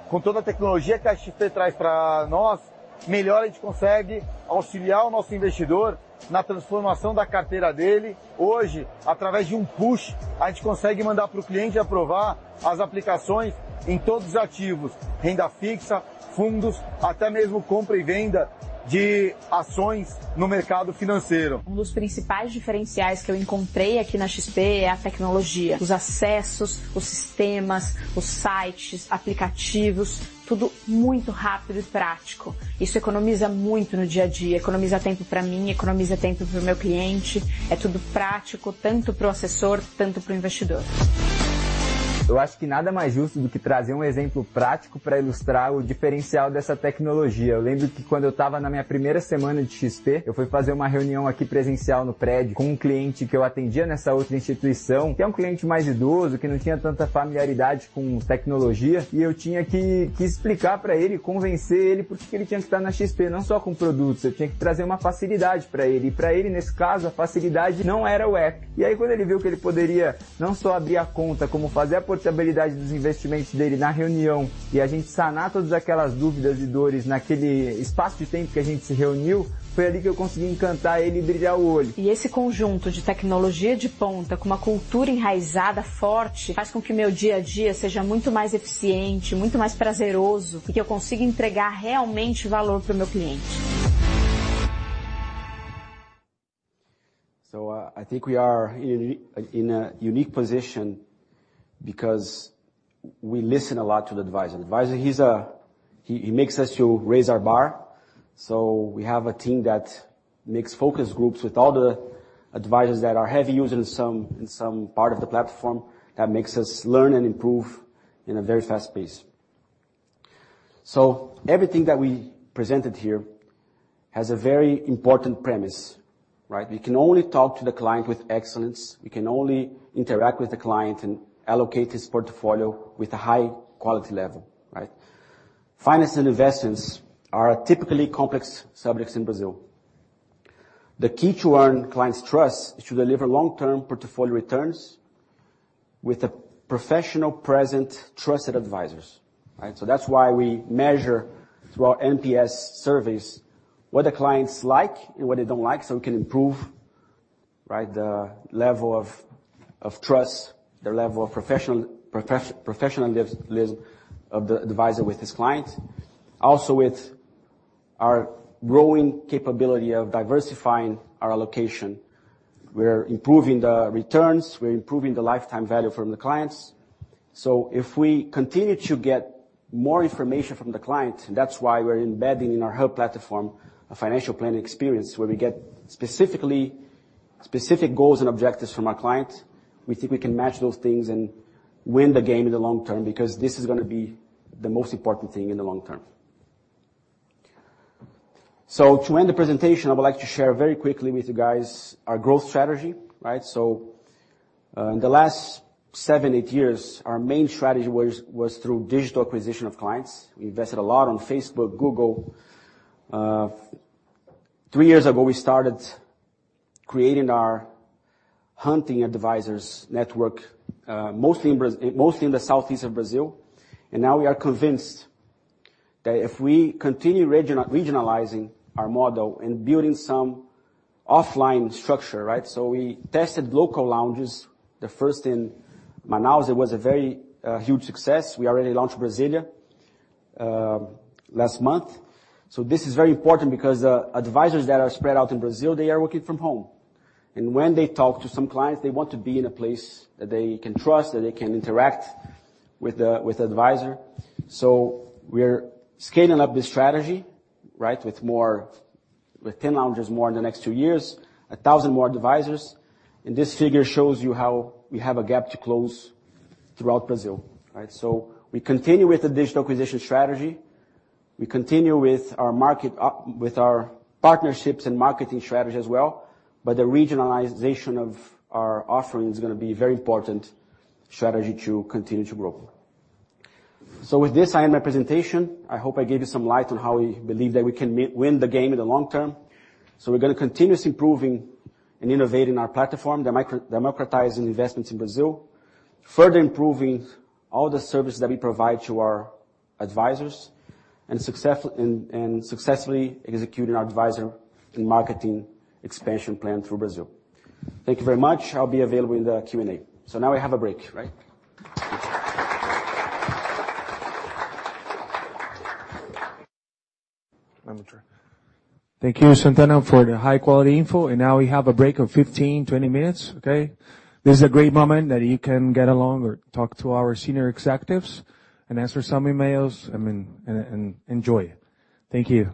com toda a tecnologia que a XP traz pra nós, melhor a gente consegue auxiliar o nosso investidor na transformação da carteira dele. Hoje, através de um push, a gente consegue mandar pro cliente aprovar as aplicações em todos os ativos: renda fixa, fundos, até mesmo compra e venda de ações no mercado financeiro. Um dos principais diferenciais que eu encontrei aqui na XP é a tecnologia, os acessos, os sistemas, os sites, aplicativos, tudo muito rápido e prático. Isso economiza muito no dia a dia, economiza tempo pra mim, economiza tempo pro meu cliente. É tudo prático, tanto pro assessor, tanto pro investidor. Eu acho que nada mais justo do que trazer um exemplo prático pra ilustrar o diferencial dessa tecnologia. Eu lembro que quando eu tava na minha primeira semana de XP, eu fui fazer uma reunião aqui presencial no prédio, com um cliente que eu atendia nessa outra instituição, que é um cliente mais idoso, que não tinha tanta familiaridade com tecnologia, e eu tinha que explicar pra ele, convencer ele, por que que ele tinha que estar na XP, não só com produtos, eu tinha que trazer uma facilidade pra ele. E pra ele, nesse caso, a facilidade não era o app. E aí, quando ele viu que ele poderia não só abrir a conta, como fazer a portabilidade dos investimentos dele na reunião, e a gente sanar todas aquelas dúvidas e dores naquele espaço de tempo que a gente se reuniu, foi ali que eu consegui encantar ele e brilhar o olho. E esse conjunto de tecnologia de ponta, com uma cultura enraizada, forte, faz com que meu dia a dia seja muito mais eficiente, muito mais prazeroso, porque eu consigo entregar realmente valor pro meu cliente. So I think we are in a unique position, because we listen a lot to the advisor. Advisor, he makes us raise our bar, so we have a team that makes focus groups with all the advisors that are heavy users in some part of the platform. That makes us learn and improve in a very fast pace. So everything that we presented here has a very important premise, right? We can only talk to the client with excellence. We can only interact with the client and allocate his portfolio with a high quality level, right? Finance and investments are typically complex subjects in Brazil. The key to earn clients' trust is to deliver long-term portfolio returns with the professional present, trusted advisors, right? So that's why we measure through our NPS surveys what the clients like and what they don't like, so we can improve, right, the level of trust, the level of professionalism of the advisor with his client. Also, with our growing capability of diversifying our allocation, we're improving the returns, we're improving the lifetime value from the clients. So if we continue to get more information from the client, that's why we're embedding in our whole platform a financial planning experience, where we get specific goals and objectives from our clients. We think we can match those things and win the game in the long term, because this is gonna be the most important thing in the long term. So to end the presentation, I would like to share very quickly with you guys our growth strategy, right? So, in the last 7-8 years, our main strategy was through digital acquisition of clients. We invested a lot on Facebook, Google. Three years ago, we started creating our hunting advisors network, mostly in the Southeast of Brazil. And now we are convinced that if we continue regionalizing our model and building some offline structure, right? So we tested local lounges. The first in Manaus, it was a very huge success. We already launched Brasília last month. So this is very important because advisors that are spread out in Brazil, they are working from home. And when they talk to some clients, they want to be in a place that they can trust, that they can interact with the advisor. So we're scaling up this strategy, right, with 10 lounges, more in the next 2 years, 1,000 more advisors. And this figure shows you how we have a gap to close throughout Brazil, right? So we continue with the digital acquisition strategy. We continue with our market, with our partnerships and marketing strategy as well, but the regionalization of our offering is gonna be very important strategy to continue to grow. So with this, I end my presentation. I hope I gave you some light on how we believe that we can win the game in the long term. So we're gonna continuously improving and innovating our platform, democratizing investments in Brazil, further improving all the services that we provide to our advisors, and successfully executing our advisor and marketing expansion plan through Brazil. Thank you very much. I'll be available in the Q&A. So now we have a break, right? Thank you, Sant'Anna, for the high-quality info, and now we have a break of 15-20 minutes, okay? This is a great moment that you can get along or talk to our senior executives and answer some emails. I mean, and enjoy it. Thank you.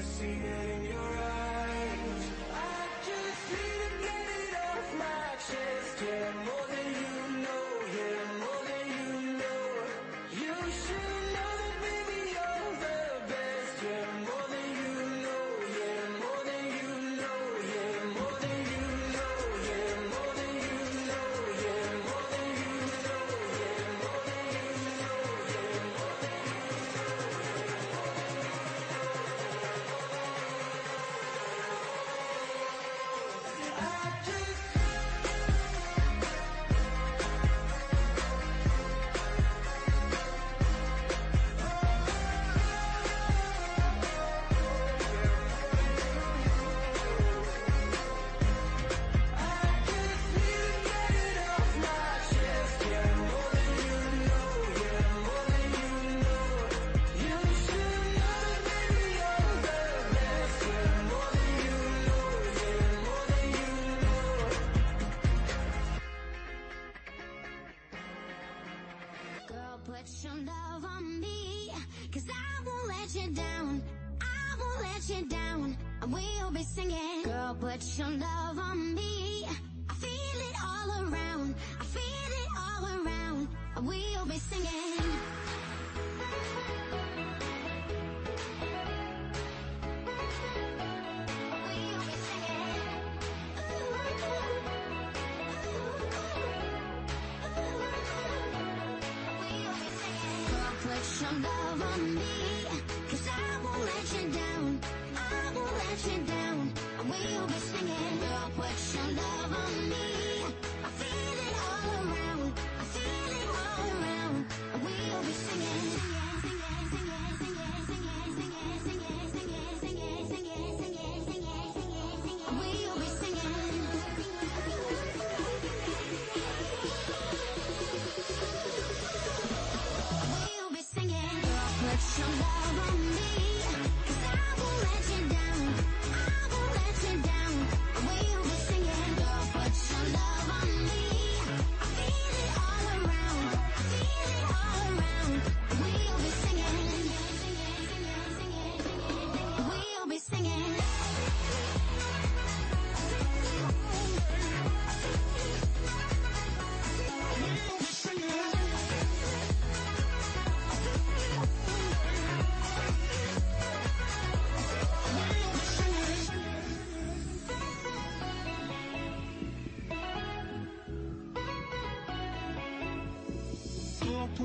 The board está sabendo? Basically, it's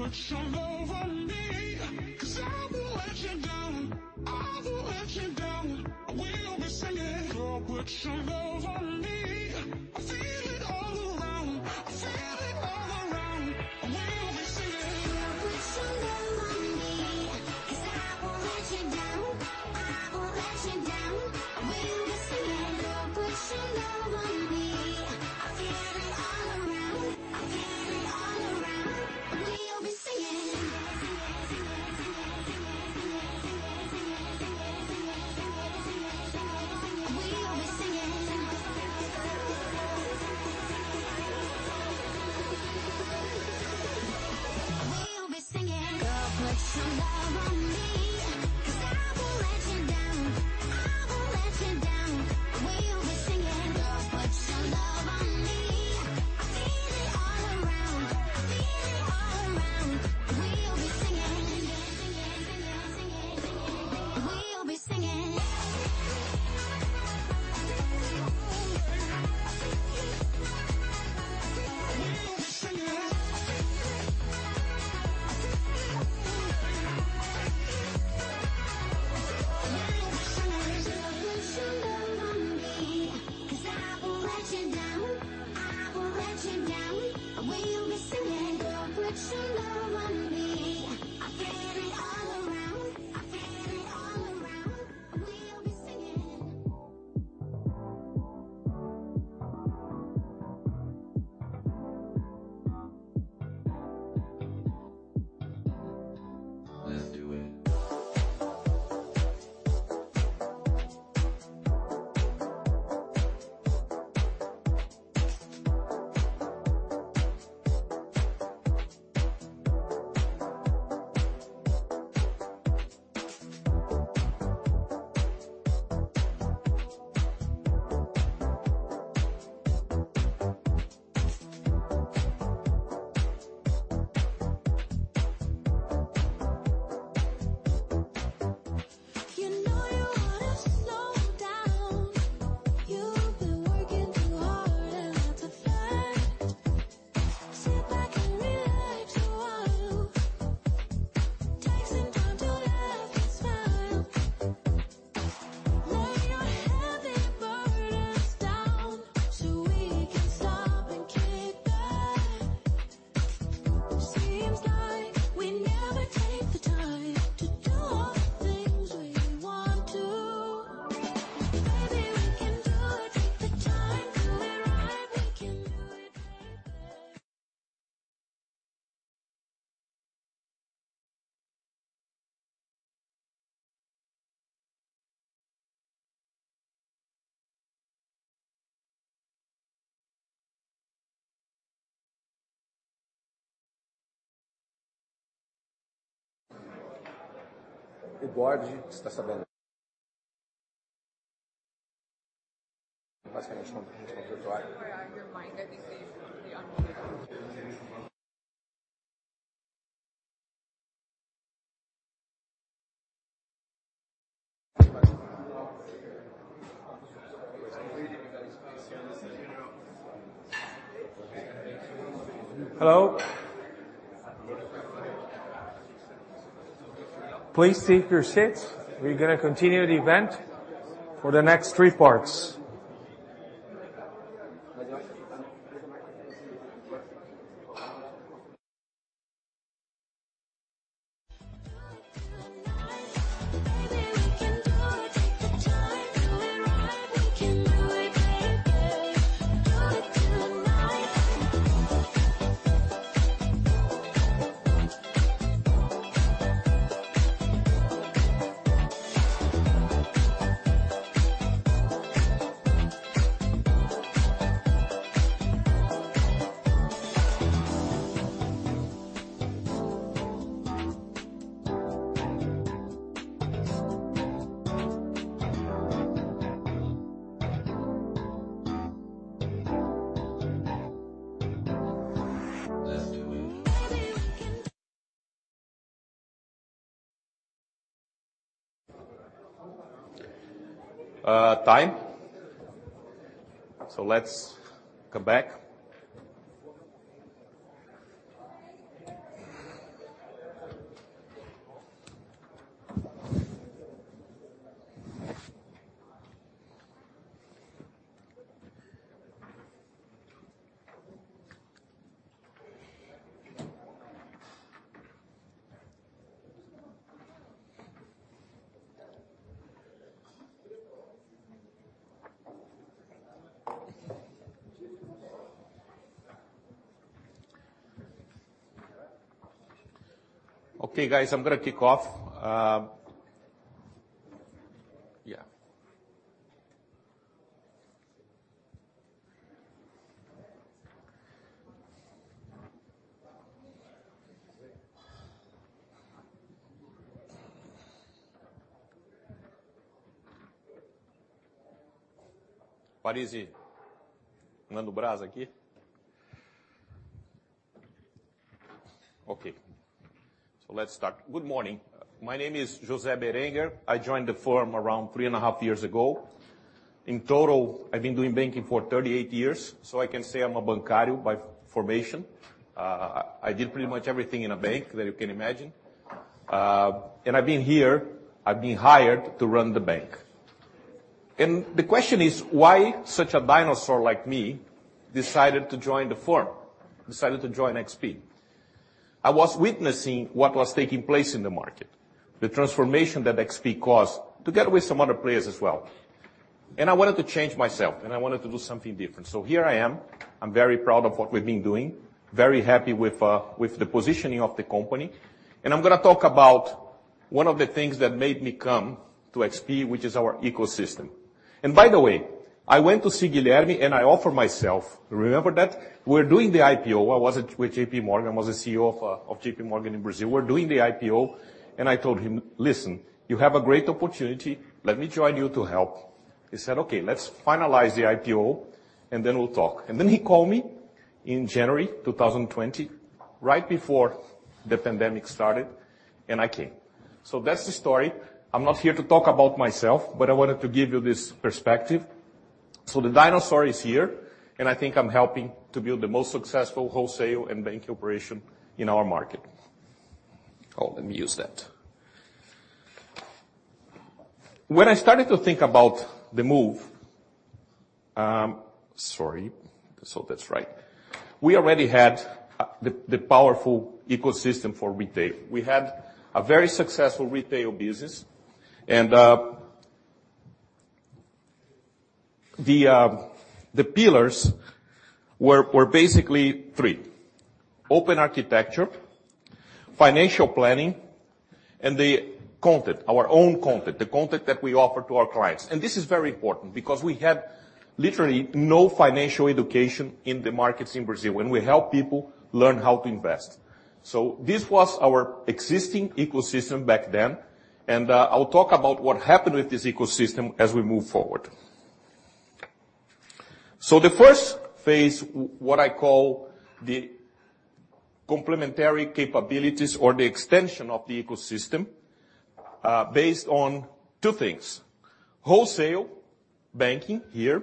not, it's not virtual. Hello. Please take your seats. We're gonna continue the event for the next three parts. Do it tonight. Baby, we can do it, take the time, do it right. We can do it, baby. Do it tonight. Good morning. My name is José Berenguer. I joined the firm around 3.5 years ago. In total, I've been doing banking for 38 years, so I can say I'm a bancário by formation. And I've been here, I've been hired to run the bank. And the question is: Why such a dinosaur like me decided to join the firm, decided to join XP? I was witnessing what was taking place in the market, the transformation that XP caused, together with some other players as well, and I wanted to change myself, and I wanted to do something different. So here I am. I'm very proud of what we've been doing, very happy with the positioning of the company. And I'm gonna talk about one of the things that made me come to XP, which is our ecosystem. And by the way, I went to see Guilherme, and I offered myself. Remember that? We're doing the IPO. I was with J.P. Morgan. I was the CEO of J.P. Morgan in Brazil. We're doing the IPO, and I told him, "Listen, you have a great opportunity. Let me join you to help." He said, "Okay, let's finalize the IPO, and then we'll talk." And then he called me in January 2020, right before the pandemic started, and I came. So that's the story. I'm not here to talk about myself, but I wanted to give you this perspective. So the dinosaur is here, and I think I'm helping to build the most successful wholesale and banking operation in our market. Oh, let me use that. When I started to think about the move... Sorry. So that's right. We already had the powerful ecosystem for retail. We had a very successful retail business, and the pillars were basically three: open architecture, financial planning, and the content, our own content, the content that we offer to our clients. And this is very important because we had literally no financial education in the markets in Brazil, and we help people learn how to invest. So this was our existing ecosystem back then, and I'll talk about what happened with this ecosystem as we move forward. So the first phase, what I call the complementary capabilities or the extension of the ecosystem-... Based on two things: wholesale banking here,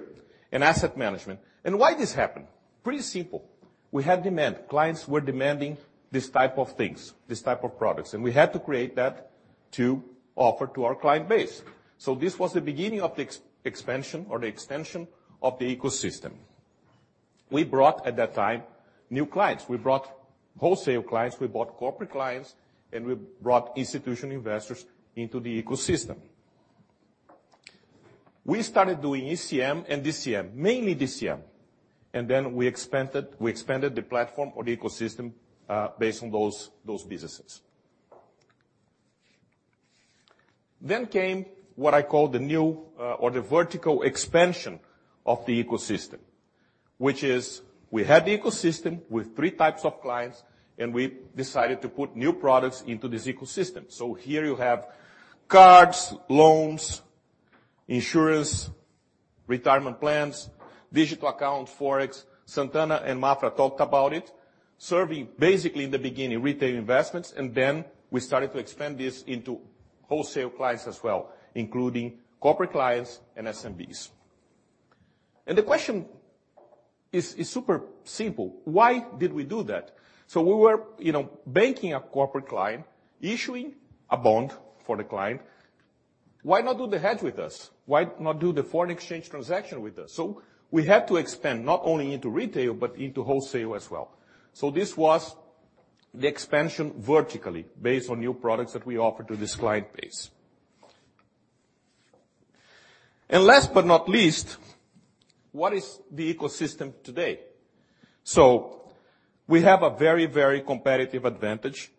and asset management. Why this happened? Pretty simple. We had demand. Clients were demanding this type of things, this type of products, and we had to create that to offer to our client base. So this was the beginning of the expansion or the extension of the ecosystem. We brought, at that time, new clients. We brought wholesale clients, we brought corporate clients, and we brought institutional investors into the ecosystem. We started doing ECM and DCM, mainly DCM, and then we expanded, we expanded the platform or the ecosystem, based on those, those businesses. Then came what I call the new, or the vertical expansion of the ecosystem, which is, we had the ecosystem with three types of clients, and we decided to put new products into this ecosystem. So here you have cards, loans, insurance, retirement plans, digital account, forex, Sant'Anna and Maffra talked about it, serving basically in the beginning, retail investments, and then we started to expand this into wholesale clients as well, including corporate clients and SMBs. And the question is, it's super simple: why did we do that? So we were, you know, banking a corporate client, issuing a bond for the client. Why not do the hedge with us? Why not do the foreign exchange transaction with us? So we had to expand not only into retail, but into wholesale as well. So this was the expansion vertically, based on new products that we offer to this client base. And last but not least, what is the ecosystem today? So we have a very, very competitive advantage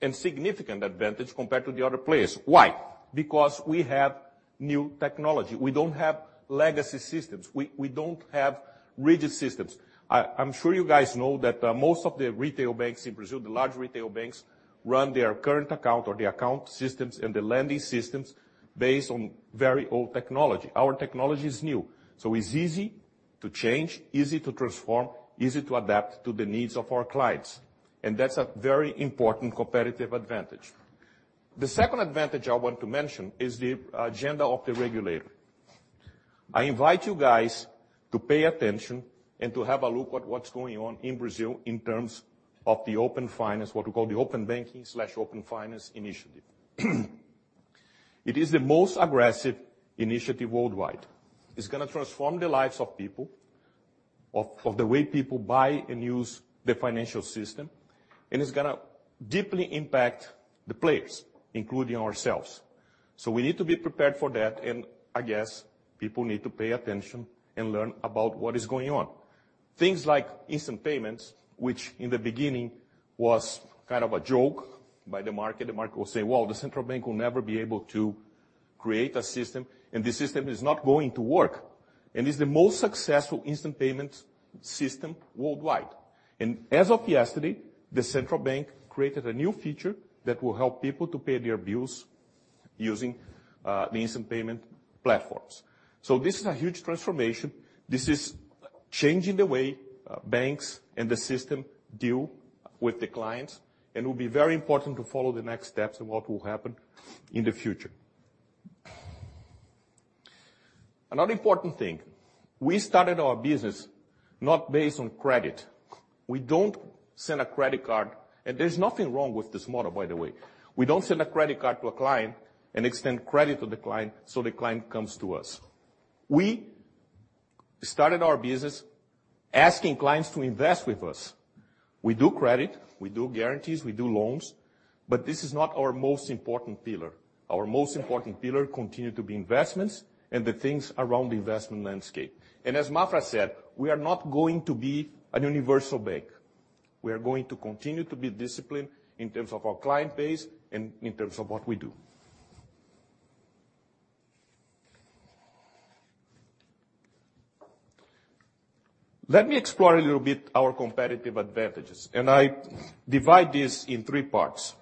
and significant advantage compared to the other players. Why? Because we have new technology. We don't have legacy systems. We don't have rigid systems. I'm sure you guys know that, most of the retail banks in Brazil, the large retail banks, run their current account or the account systems and the lending systems based on very old technology. Our technology is new, so it's easy to change, easy to transform, easy to adapt to the needs of our clients, and that's a very important competitive advantage. The second advantage I want to mention is the agenda of the regulator. I invite you guys to pay attention and to have a look at what's going on in Brazil in terms of the Open Finance, what we call the Open Banking/Open Finance initiative. It is the most aggressive initiative worldwide. It's gonna transform the lives of people, of, of the way people buy and use the financial system, and it's gonna deeply impact the players, including ourselves. So we need to be prepared for that, and I guess people need to pay attention and learn about what is going on. Things like instant payments, which in the beginning was kind of a joke by the market. The market will say, "Well, the Central Bank will never be able to create a system, and the system is not going to work." And it's the most successful instant payment system worldwide. And as of yesterday, the Central Bank created a new feature that will help people to pay their bills using the instant payment platforms. So this is a huge transformation. This is changing the way banks and the system deal with the clients, and it will be very important to follow the next steps and what will happen in the future. Another important thing, we started our business not based on credit. We don't send a credit card, and there's nothing wrong with this model, by the way. We don't send a credit card to a client and extend credit to the client, so the client comes to us. We started our business asking clients to invest with us. We do credit, we do guarantees, we do loans, but this is not our most important pillar. Our most important pillar continue to be investments and the things around the investment landscape. And as Maffra said, we are not going to be a universal bank. We are going to continue to be disciplined in terms of our client base and in terms of what we do. Let me explore a little bit our competitive advantages, and I divide this in three parts.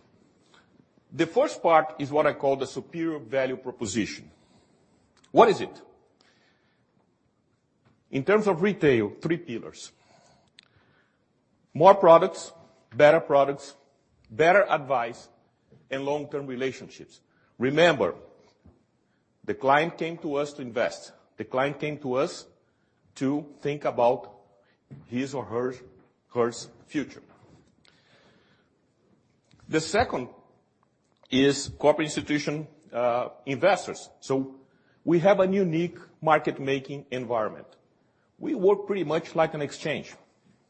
The first part is what I call the superior value proposition. What is it? In terms of retail, three pillars: more products, better products, better advice, and long-term relationships. Remember, the client came to us to invest, the client came to us to think about his or her, hers future. The second is corporate institutional investors. So we have a unique market-making environment. We work pretty much like an exchange.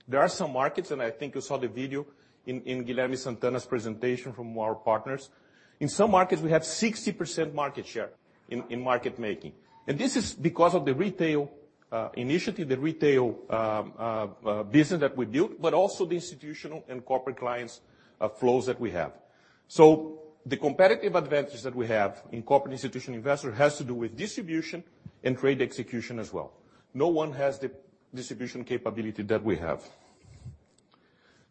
There are some markets, and I think you saw the video in Guilherme Sant'Anna's presentation from our partners. In some markets, we have 60% market share in market making, and this is because of the retail initiative, the retail business that we built, but also the institutional and corporate clients flows that we have. So the competitive advantage that we have in corporate institution investor has to do with distribution and trade execution as well. No one has the distribution capability that we have.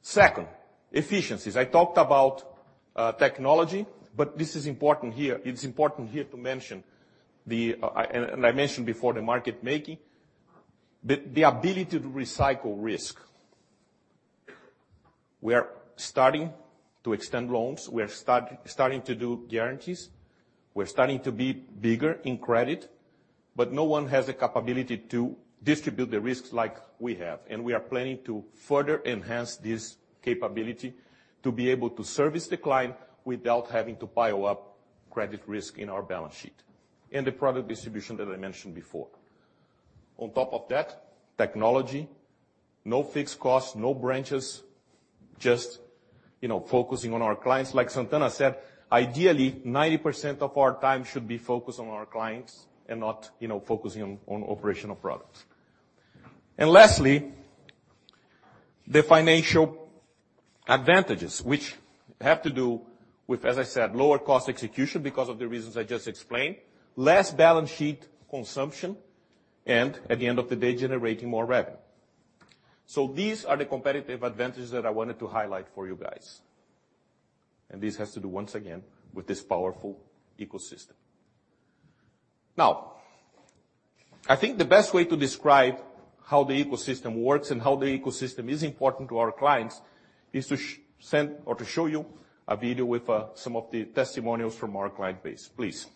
Second, efficiencies. I talked about technology, but this is important here—it's important here to mention the, and I mentioned before the market making. The ability to recycle risk. We are starting to extend loans, we are starting to do guarantees, we're starting to be bigger in credit, but no one has the capability to distribute the risks like we have. We are planning to further enhance this capability to be able to service the client without having to pile up credit risk in our balance sheet, and the product distribution that I mentioned before. On top of that, technology, no fixed costs, no branches, just, you know, focusing on our clients. Like Sant'Anna said, ideally, 90% of our time should be focused on our clients and not, you know, focusing on operational products. Lastly, the financial advantages, which have to do with, as I said, lower cost execution because of the reasons I just explained, less balance sheet consumption, and at the end of the day, generating more revenue. These are the competitive advantages that I wanted to highlight for you guys. This has to do, once again, with this powerful ecosystem. Now, I think the best way to describe how the ecosystem works and how the ecosystem is important to our clients, is to send or to show you a video with some of the testimonials from our client base. Please.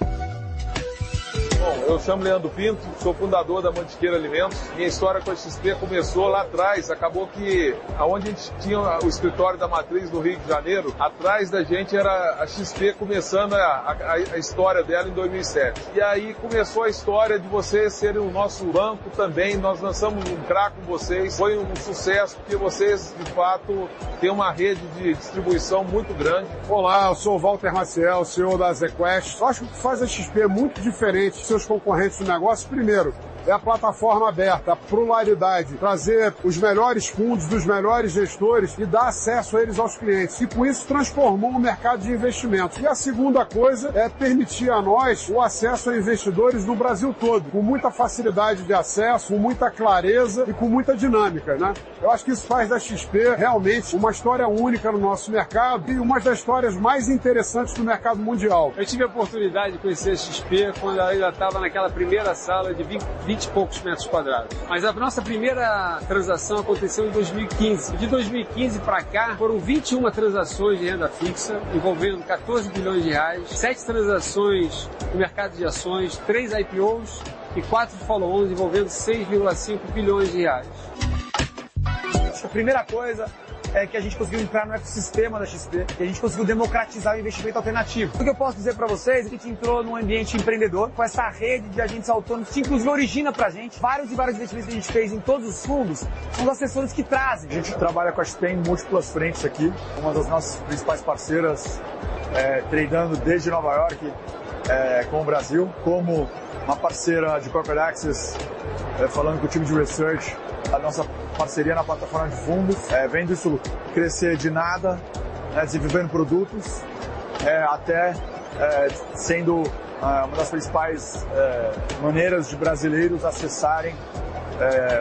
Well, eu sou Leandro Pinto, sou fundador da Mantiqueira Alimentos. Minha história com a XP começou lá atrás. Acabou que, aonde a gente tinha o escritório da matriz, no Rio de Janeiro, atrás da gente, era a XP, começando a história dela em 2007. E aí, começou a história de vocês serem o nosso banco também. Nós lançamos um CRA com vocês. Foi um sucesso, porque vocês, de fato, têm uma rede de distribuição muito grande. Olá, eu sou o Walter Maciel, CEO da AZ Quest. Eu acho que o que faz a XP muito diferente dos seus concorrentes no negócio, primeiro, é a plataforma aberta, a pluralidade, trazer os melhores fundos, dos melhores gestores, e dar acesso a eles, aos clientes, e com isso, transformou o mercado de investimento. E a segunda coisa é permitir a nós, o acesso a investidores no Brasil todo, com muita facilidade de acesso, com muita clareza e com muita dinâmica, né? Eu acho que isso faz da XP, realmente, uma história única no nosso mercado, e uma das histórias mais interessantes do mercado mundial. Eu tive a oportunidade de conhecer a XP, quando ela ainda tava naquela primeira sala de vinte e poucos metros quadrados. Mas a nossa primeira transação aconteceu em 2015. De 2015 pra cá, foram 21 transações de renda fixa, envolvendo 14 billion reais, 7 transações no mercado de ações, 3 IPOs e 4 follow-ons, envolvendo 6.5 billion reais. Acho que a primeira coisa, é que a gente conseguiu entrar no ecossistema da XP, e a gente conseguiu democratizar o investimento alternativo. O que eu posso dizer pra vocês, é que a gente entrou num ambiente empreendedor, com essa rede de agentes autônomos, que inclusive, origina pra gente, vários e vários investimentos que a gente fez em todos os fundos, com os assessores que trazem. A gente trabalha com a XP, em múltiplas frentes aqui. Uma das nossas principais parceiras, tradando desde Nova York, com o Brasil, como uma parceira de corporate access, falando com o time de research. A nossa parceria na plataforma de fundos, vendo isso crescer de nada, desenvolvendo produtos, até, sendo uma das principais maneiras de brasileiros acessarem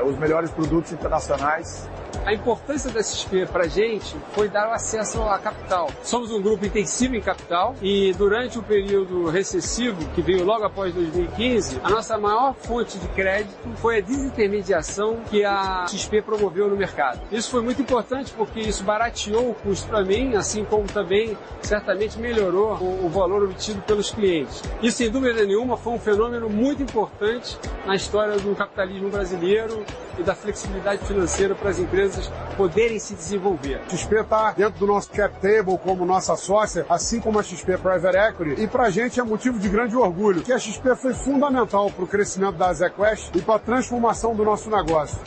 os melhores produtos internacionais. A importância da XP pra gente foi dar o acesso à capital. Somos um grupo intensivo em capital e durante o período recessivo, que veio logo após 2015, a nossa maior fonte de crédito foi a desintermediação que a XP promoveu no mercado. Isso foi muito importante, porque isso barateou o custo pra mim, assim como também, certamente, melhorou o valor obtido pelos clientes. Isso, sem dúvida nenhuma, foi um fenômeno muito importante na história do capitalismo brasileiro e da flexibilidade financeira pras empresas poderem se desenvolver. XP tá dentro do nosso cap table, como nossa sócia, assim como a XP Private Equity, e pra gente, é motivo de grande orgulho, porque a XP foi fundamental pro crescimento da AZ Quest e pra transformação do nosso negócio.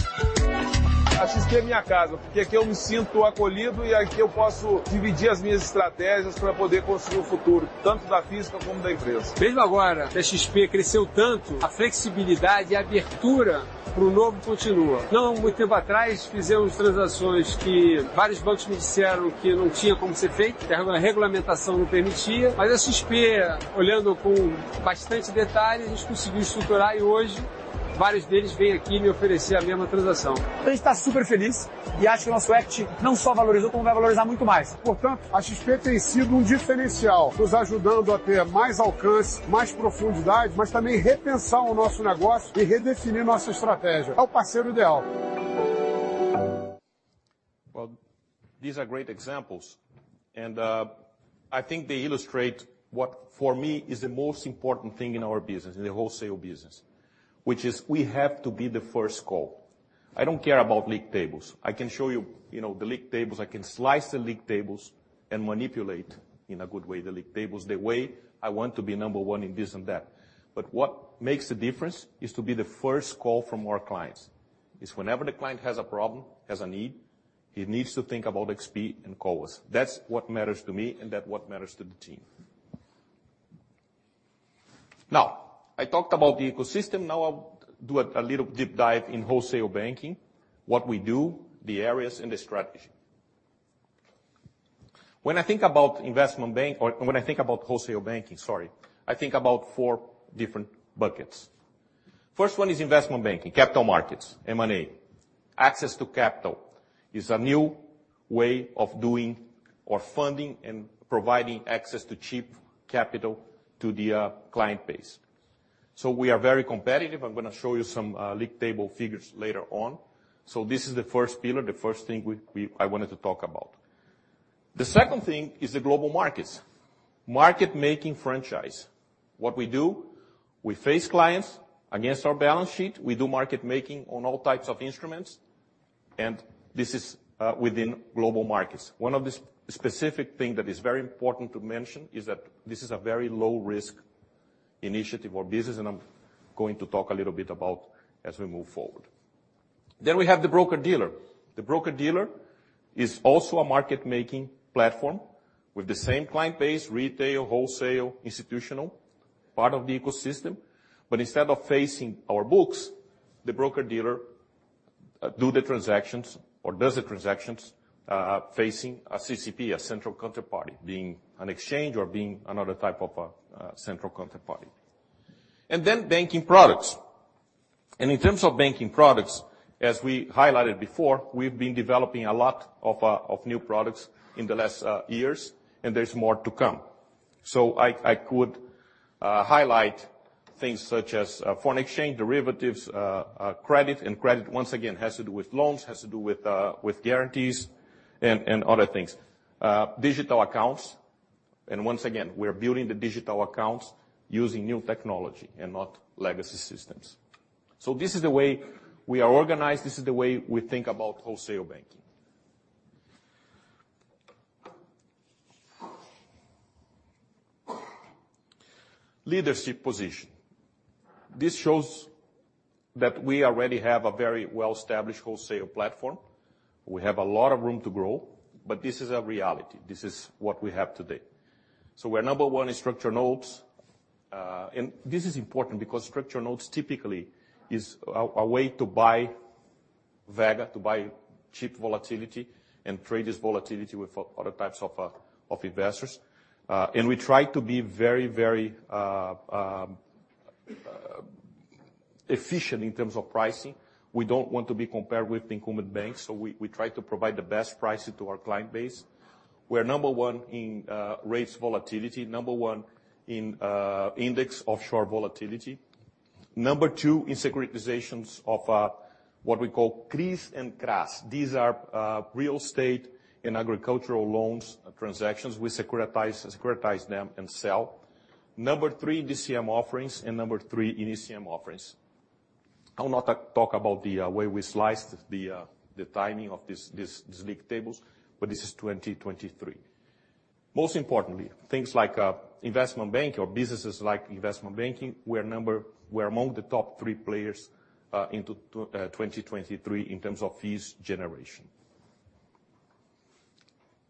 A XP é minha casa, porque aqui eu me sinto acolhido e aqui eu posso dividir as minhas estratégias pra poder construir o futuro, tanto da física, como da empresa. Mesmo agora, que a XP cresceu tanto, a flexibilidade e a abertura pro novo continua. Não muito tempo atrás, fizemos transações que vários bancos me disseram que não tinha como ser feito, que a regulamentação não permitia, mas a XP, olhando com bastante detalhe, a gente conseguiu estruturar, e hoje, vários deles vêm aqui me oferecer a mesma transação. A gente tá superfeliz e acha que o nosso equity não só valorizou, como vai valorizar muito mais. Portanto, a XP tem sido um diferencial, nos ajudando a ter mais alcance, mais profundidade, mas também repensar o nosso negócio e redefinir nossa estratégia. É o parceiro ideal. Well, these are great examples, and I think they illustrate what for me is the most important thing in our business, in the wholesale business, which is we have to be the first call. I don't care about league tables. I can show you, you know, the league tables, I can slice the league tables and manipulate, in a good way, the league tables, the way I want to be number one in this and that. But what makes the difference is to be the first call from our clients. Is whenever the client has a problem, has a need, he needs to think about XP and call us. That's what matters to me, and that what matters to the team. Now, I talked about the ecosystem. Now I'll do a little deep dive in wholesale banking, what we do, the areas and the strategy. When I think about investment bank-- or when I think about wholesale banking, sorry, I think about four different buckets. First one is investment banking, capital markets, M&A. Access to capital is a new way of doing or funding and providing access to cheap capital to the client base. So we are very competitive. I'm gonna show you some league table figures later on. So this is the first pillar, the first thing we I wanted to talk about. The second thing is the global markets. Market making franchise. What we do, we face clients against our balance sheet. We do market making on all types of instruments, and this is within global markets. One of the XP-specific things that is very important to mention is that this is a very low risk initiative or business, and I'm going to talk a little bit about as we move forward. Then we have the broker-dealer. The broker-dealer is also a market-making platform, with the same client base: retail, wholesale, institutional, part of the ecosystem. But instead of facing our books, the broker-dealer do the transactions or does the transactions facing a CCP, a central counterparty, being an exchange or being another type of a central counterparty. And then banking products. And in terms of banking products, as we highlighted before, we've been developing a lot of of new products in the last years, and there's more to come. So I could highlight things such as foreign exchange, derivatives, credit, and credit, once again, has to do with loans, has to do with guarantees and other things. Digital accounts, and once again, we're building the digital accounts using new technology and not legacy systems. So this is the way we are organized, this is the way we think about wholesale banking. Leadership position. This shows that we already have a very well-established wholesale platform. We have a lot of room to grow, but this is a reality. This is what we have today. So we're number one in structured notes. And this is important because structured notes typically is a way to buy vega, to buy cheap volatility, and trade this volatility with other types of investors. And we try to be very, very efficient in terms of pricing. We don't want to be compared with incumbent banks, so we try to provide the best pricing to our client base. We're number one in rates volatility, number one in index offshore volatility, number two in securitizations of what we call CRI and CRA. These are real estate and agricultural loans transactions. We securitize them and sell. Number three in DCM offerings, and number three in ECM offerings. I will not talk about the way we sliced the timing of this, these league tables, but this is 2023. Most importantly, things like investment bank or businesses like investment banking, we're among the top three players in 2023 in terms of fees generation.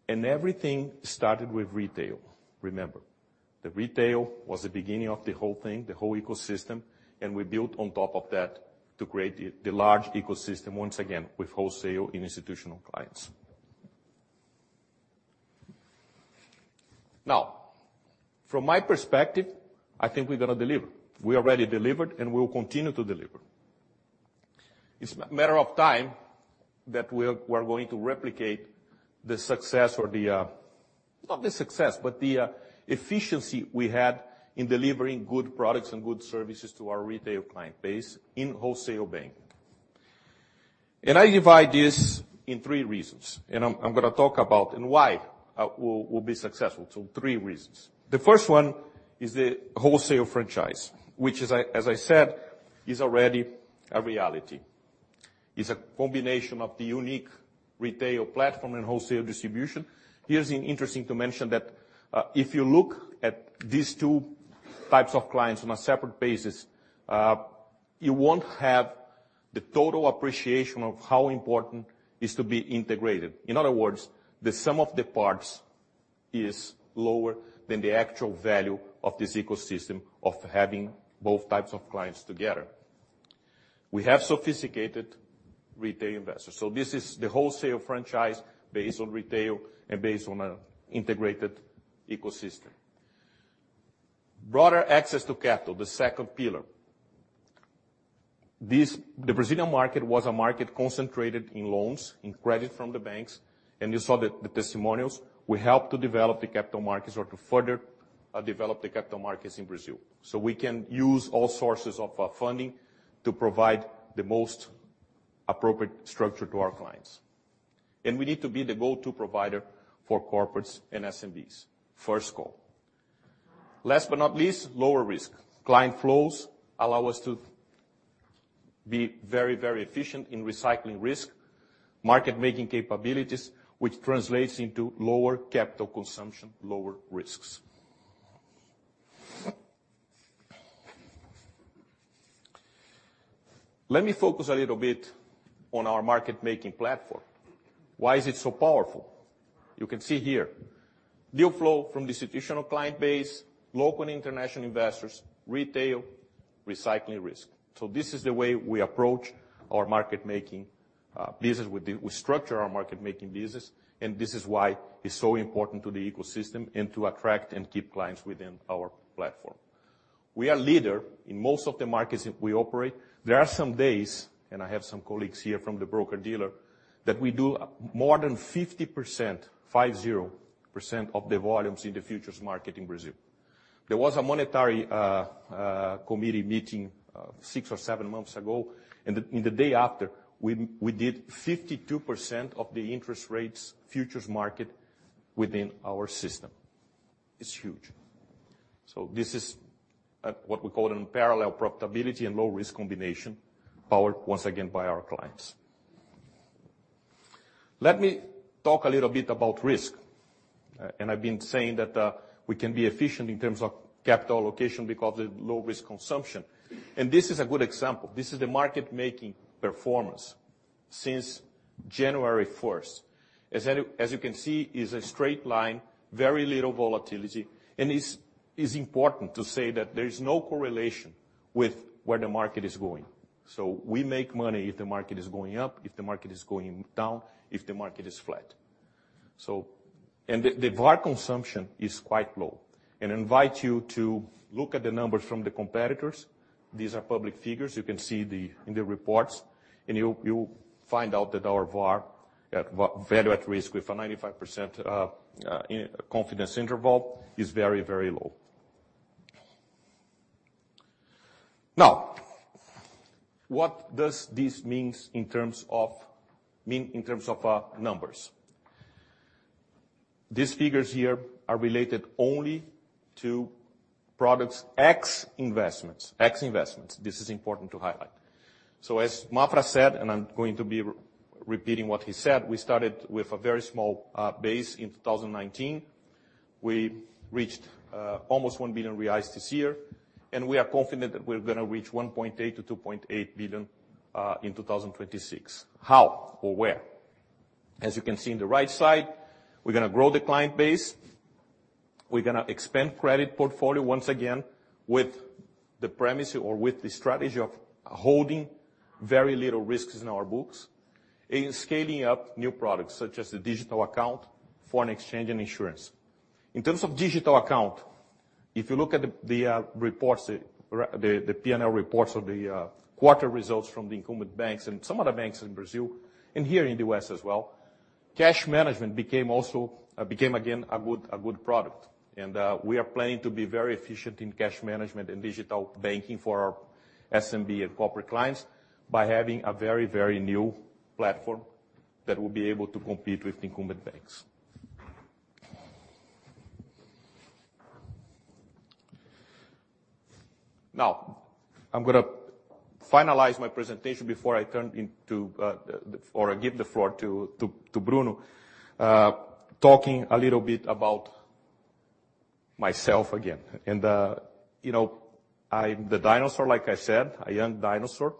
Everything started with retail, remember. The retail was the beginning of the whole thing, the whole ecosystem, and we built on top of that to create the large ecosystem, once again, with wholesale and institutional clients. Now, from my perspective, I think we're gonna deliver. We already delivered, and we will continue to deliver. It's a matter of time that we are going to replicate the success or the, not the success, but the efficiency we had in delivering good products and good services to our retail client base in wholesale banking. And I divide this in three reasons, and I'm gonna talk about and why we'll be successful. So three reasons. The first one is the wholesale franchise, which is, as I said, already a reality. It's a combination of the unique retail platform and wholesale distribution. It's interesting to mention that if you look at these two types of clients on a separate basis, you won't have the total appreciation of how important it is to be integrated. In other words, the sum of the parts is lower than the actual value of this ecosystem of having both types of clients together. We have sophisticated retail investors, so this is the wholesale franchise based on retail and based on an integrated ecosystem. Broader access to capital, the second pillar. The Brazilian market was a market concentrated in loans, in credit from the banks, and you saw the testimonials. We helped to develop the capital markets or to further develop the capital markets in Brazil. So we can use all sources of funding to provide the most appropriate structure to our clients. We need to be the go-to provider for corporates and SMBs. First goal. Last but not least, lower risk. Client flows allow us to be very, very efficient in recycling risk. Market-making capabilities, which translates into lower capital consumption, lower risks. Let me focus a little bit on our market-making platform. Why is it so powerful? You can see here, deal flow from the institutional client base, local and international investors, retail, recycling risk. So this is the way we approach our market-making business. We structure our market-making business, and this is why it's so important to the ecosystem and to attract and keep clients within our platform. We are leader in most of the markets that we operate. There are some days, and I have some colleagues here from the broker-dealer-... that we do more than 50%, 50%, of the volumes in the futures market in Brazil. There was a monetary committee meeting six or seven months ago, and in the day after, we did 52% of the interest rates futures market within our system. It's huge. So this is what we call it an parallel profitability and low risk combination, powered once again by our clients. Let me talk a little bit about risk. And I've been saying that we can be efficient in terms of capital allocation because of low risk consumption, and this is a good example. This is the market making performance since January first. As you can see, it's a straight line, very little volatility, and it's important to say that there is no correlation with where the market is going. So we make money if the market is going up, if the market is going down, if the market is flat. So and the VaR consumption is quite low. And I invite you to look at the numbers from the competitors. These are public figures. You can see the in the reports, and you you'll find out that our VaR at value at risk with a 95% confidence interval is very, very low. Now, what does this mean in terms of numbers? These figures here are related only to products XP Investimentos, XP Investimentos. This is important to highlight. So as Maffra said, and I'm going to be repeating what he said, we started with a very small base in 2019. We reached almost 1 billion reais this year, and we are confident that we're gonna reach 1.8 billion-2.8 billion in 2026. How or where? As you can see on the right side, we're gonna grow the client base. We're gonna expand credit portfolio once again with the premise or with the strategy of holding very little risks in our books, and scaling up new products, such as the digital account, foreign exchange, and insurance. In terms of digital account, if you look at the reports, the P&L reports or the quarter results from the incumbent banks and some other banks in Brazil and here in the U.S. as well, cash management became also, became again, a good product. We are planning to be very efficient in cash management and digital banking for our SMB and corporate clients by having a very, very new platform that will be able to compete with incumbent banks. Now, I'm gonna finalize my presentation before I turn into or give the floor to Bruno, talking a little bit about myself again. You know, I'm the dinosaur, like I said, a young dinosaur.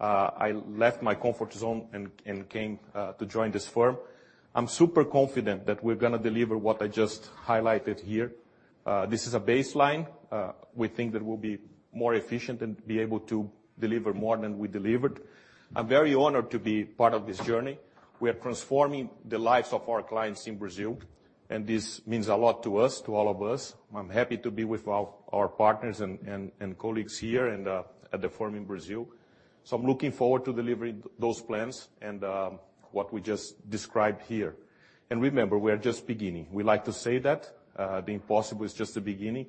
I left my comfort zone and came to join this firm. I'm super confident that we're gonna deliver what I just highlighted here. This is a baseline. We think that we'll be more efficient and be able to deliver more than we delivered. I'm very honored to be part of this journey. We are transforming the lives of our clients in Brazil, and this means a lot to us, to all of us. I'm happy to be with our partners and colleagues here and at the firm in Brazil. So I'm looking forward to delivering those plans and what we just described here. And remember, we are just beginning. We like to say that the impossible is just the beginning,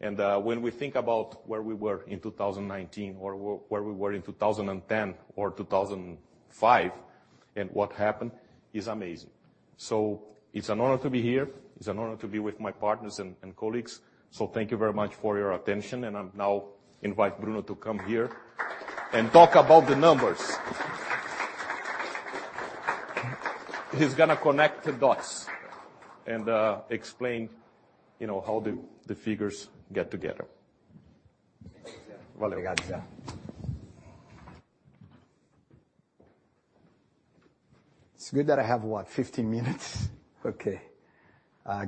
and when we think about where we were in 2019 or where we were in 2010 or 2005, and what happened, it's amazing. So it's an honor to be here. It's an honor to be with my partners and colleagues. So thank you very much for your attention, and I'll now invite Bruno to come here and talk about the numbers. He's gonna connect the dots and explain, you know, how the figures get together. Thank you, sir. Welcome. It's good that I have, what, 15 minutes? Okay.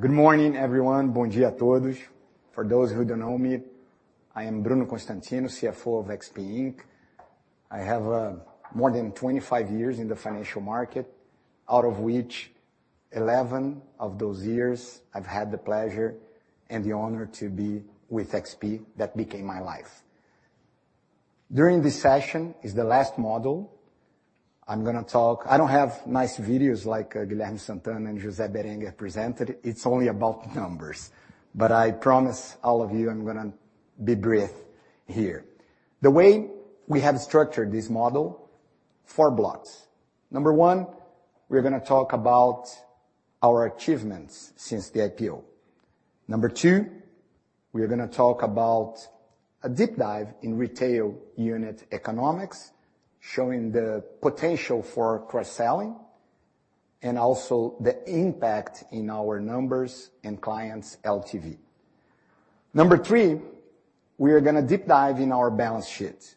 Good morning, everyone. Bom dia a todos. For those who don't know me, I am Bruno Constantino, CFO of XP Inc. I have, more than 25 years in the financial market, out of which 11 of those years I've had the pleasure and the honor to be with XP. That became my life. During this session, is the last module, I'm gonna talk... I don't have nice videos like Guilherme Sant'Anna and José Berenguer presented. It's only about numbers, but I promise all of you I'm gonna be brief here. The way we have structured this model, four blocks. Number one, we're gonna talk about our achievements since the IPO. Number two, we are gonna talk about a deep dive in retail unit economics, showing the potential for cross-selling and also the impact in our numbers and clients' LTV. 3, we are gonna deep dive in our balance sheet.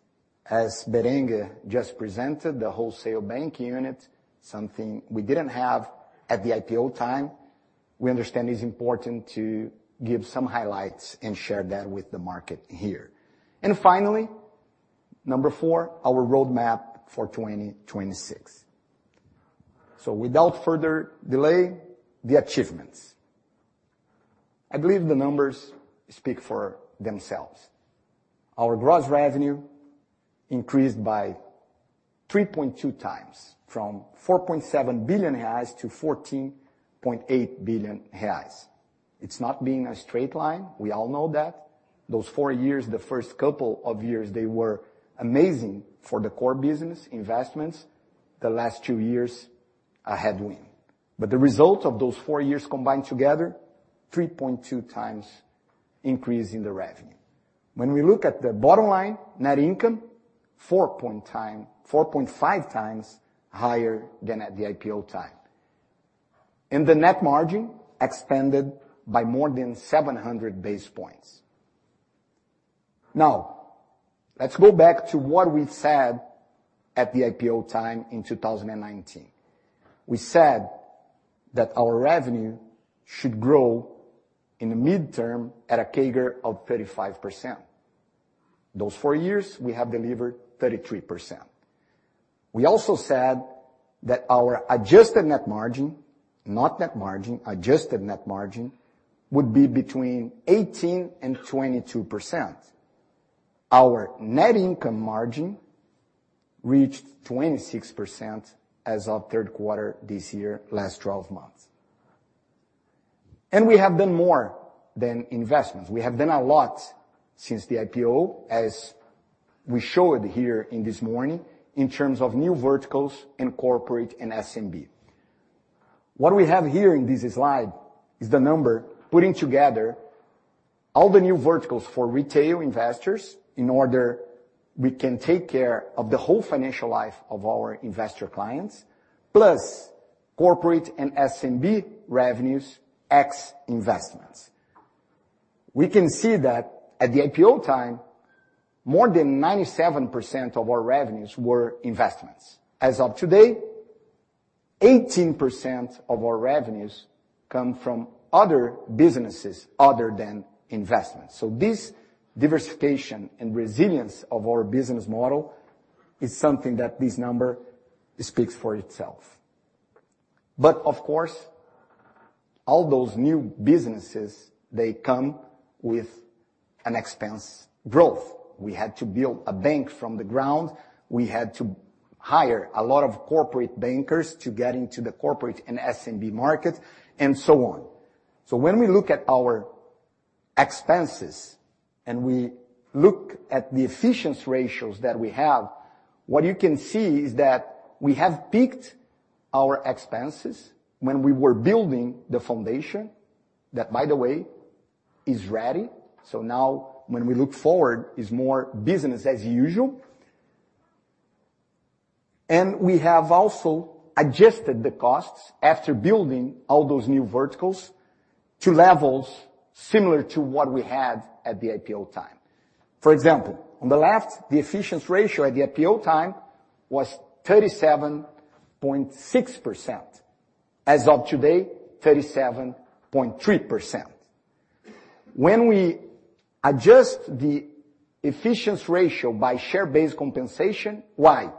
As Berenguer just presented, the wholesale bank unit, something we didn't have at the IPO time, we understand it's important to give some highlights and share that with the market here. And finally, 4, our roadmap for 2026. So without further delay, the achievements... I believe the numbers speak for themselves. Our gross revenue increased by 3.2 times, from 4.7 billion reais to 14.8 billion reais. It's not being a straight line, we all know that. Those four years, the first couple of years, they were amazing for the core business, investments. The last two years, a headwind. But the result of those four years combined together, 3.2 times increase in the revenue. When we look at the bottom line, net income, 4.5 times higher than at the IPO time. The net margin expanded by more than 700 basis points. Now, let's go back to what we said at the IPO time in 2019. We said that our revenue should grow in the midterm at a CAGR of 35%. Those 4 years, we have delivered 33%. We also said that our adjusted net margin, not net margin, adjusted net margin, would be between 18%-22%. Our net income margin reached 26% as of third quarter this year, last twelve months. We have done more than investments. We have done a lot since the IPO, as we showed here this morning, in terms of new verticals and corporate and SMB. What we have here in this slide is the number, putting together all the new verticals for retail investors, in order we can take care of the whole financial life of our investor clients, plus corporate and SMB revenues, ex investments. We can see that at the IPO time, more than 97% of our revenues were investments. As of today, 18% of our revenues come from other businesses other than investments. So this diversification and resilience of our business model is something that this number speaks for itself. But of course, all those new businesses, they come with an expense growth. We had to build a bank from the ground. We had to hire a lot of corporate bankers to get into the corporate and SMB market, and so on. So when we look at our expenses and we look at the efficiency ratios that we have, what you can see is that we have peaked our expenses when we were building the foundation, that, by the way, is ready. So now, when we look forward, it's more business as usual. And we have also adjusted the costs after building all those new verticals to levels similar to what we had at the IPO time. For example, on the left, the efficiency ratio at the IPO time was 37.6%. As of today, 37.3%. When we adjust the efficiency ratio by share-based compensation, why?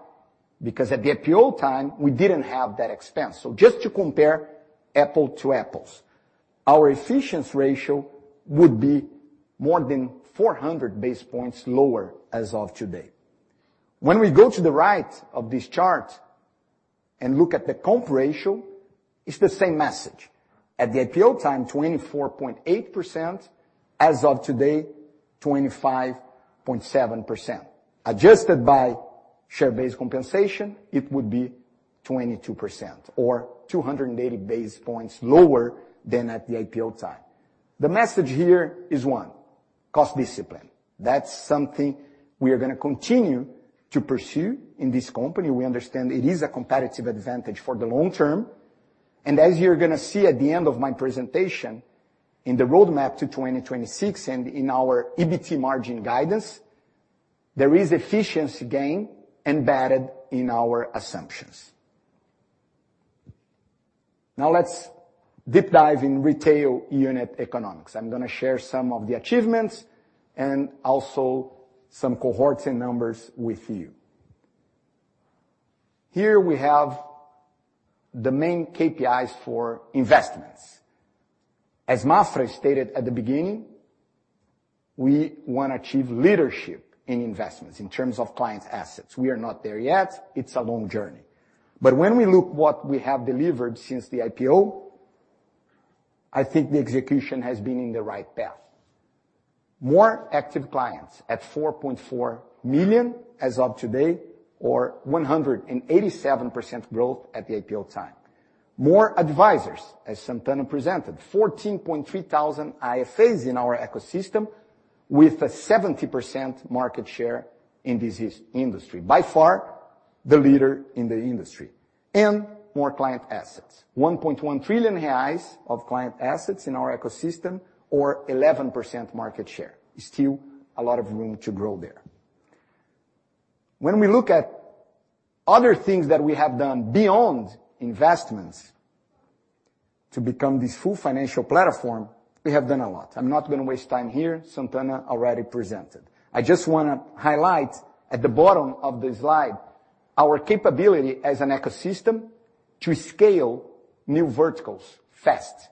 Because at the IPO time, we didn't have that expense. So just to compare apples to apples, our efficiency ratio would be more than 400 basis points lower as of today. When we go to the right of this chart and look at the comp ratio, it's the same message. At the IPO time, 24.8%. As of today, 25.7%. Adjusted by share-based compensation, it would be 22% or 280 basis points lower than at the IPO time. The message here is 1, cost discipline. That's something we are gonna continue to pursue in this company. We understand it is a competitive advantage for the long term, and as you're gonna see at the end of my presentation, in the roadmap to 2026 and in our EBT margin guidance, there is efficiency gain embedded in our assumptions. Now, let's deep dive in retail unit economics. I'm gonna share some of the achievements and also some cohorts and numbers with you. Here we have the main KPIs for investments. As Maffra stated at the beginning, we wanna achieve leadership in investments in terms of clients' assets. We are not there yet. It's a long journey. But when we look what we have delivered since the IPO, I think the execution has been in the right path. More active clients at 4.4 million as of today, or 187% growth at the IPO time. More advisors, as Sant'Anna presented, 14.3 thousand IFAs in our ecosystem with a 70% market share in this industry. By far, the leader in the industry. And more client assets, 1.1 trillion reais of client assets in our ecosystem or 11% market share. Still a lot of room to grow there. When we look at other things that we have done beyond investments to become this full financial platform, we have done a lot. I'm not gonna waste time here. Sant'Anna already presented. I just wanna highlight at the bottom of the slide, our capability as an ecosystem to scale new verticals fast.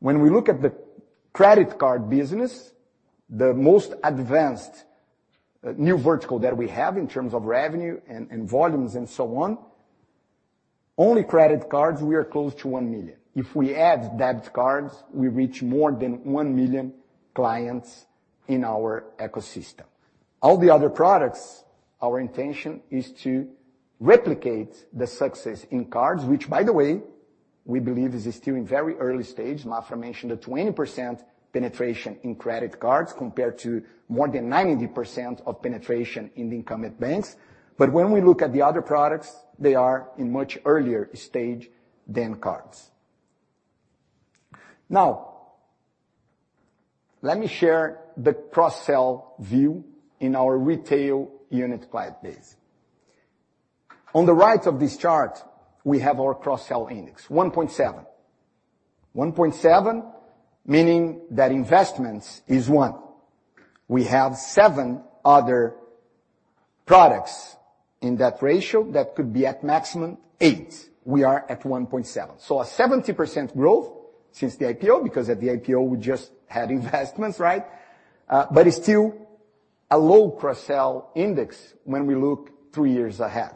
When we look at the credit card business, the most advanced new vertical that we have in terms of revenue and volumes and so on, only credit cards, we are close to 1 million. If we add debit cards, we reach more than 1 million clients in our ecosystem. All the other products, our intention is to replicate the success in cards, which, by the way, we believe is still in very early stage. Maffra mentioned a 20% penetration in credit cards, compared to more than 90% of penetration in the incumbent banks. But when we look at the other products, they are in much earlier stage than cards. Now, let me share the cross-sell view in our retail unit client base. On the right of this chart, we have our cross-sell index, 1.7. 1.7, meaning that investments is one. We have seven other products in that ratio that could be at maximum eight. We are at 1.7, so a 70% growth since the IPO, because at the IPO, we just had investments, right? But it's still a low cross-sell index when we look three years ahead.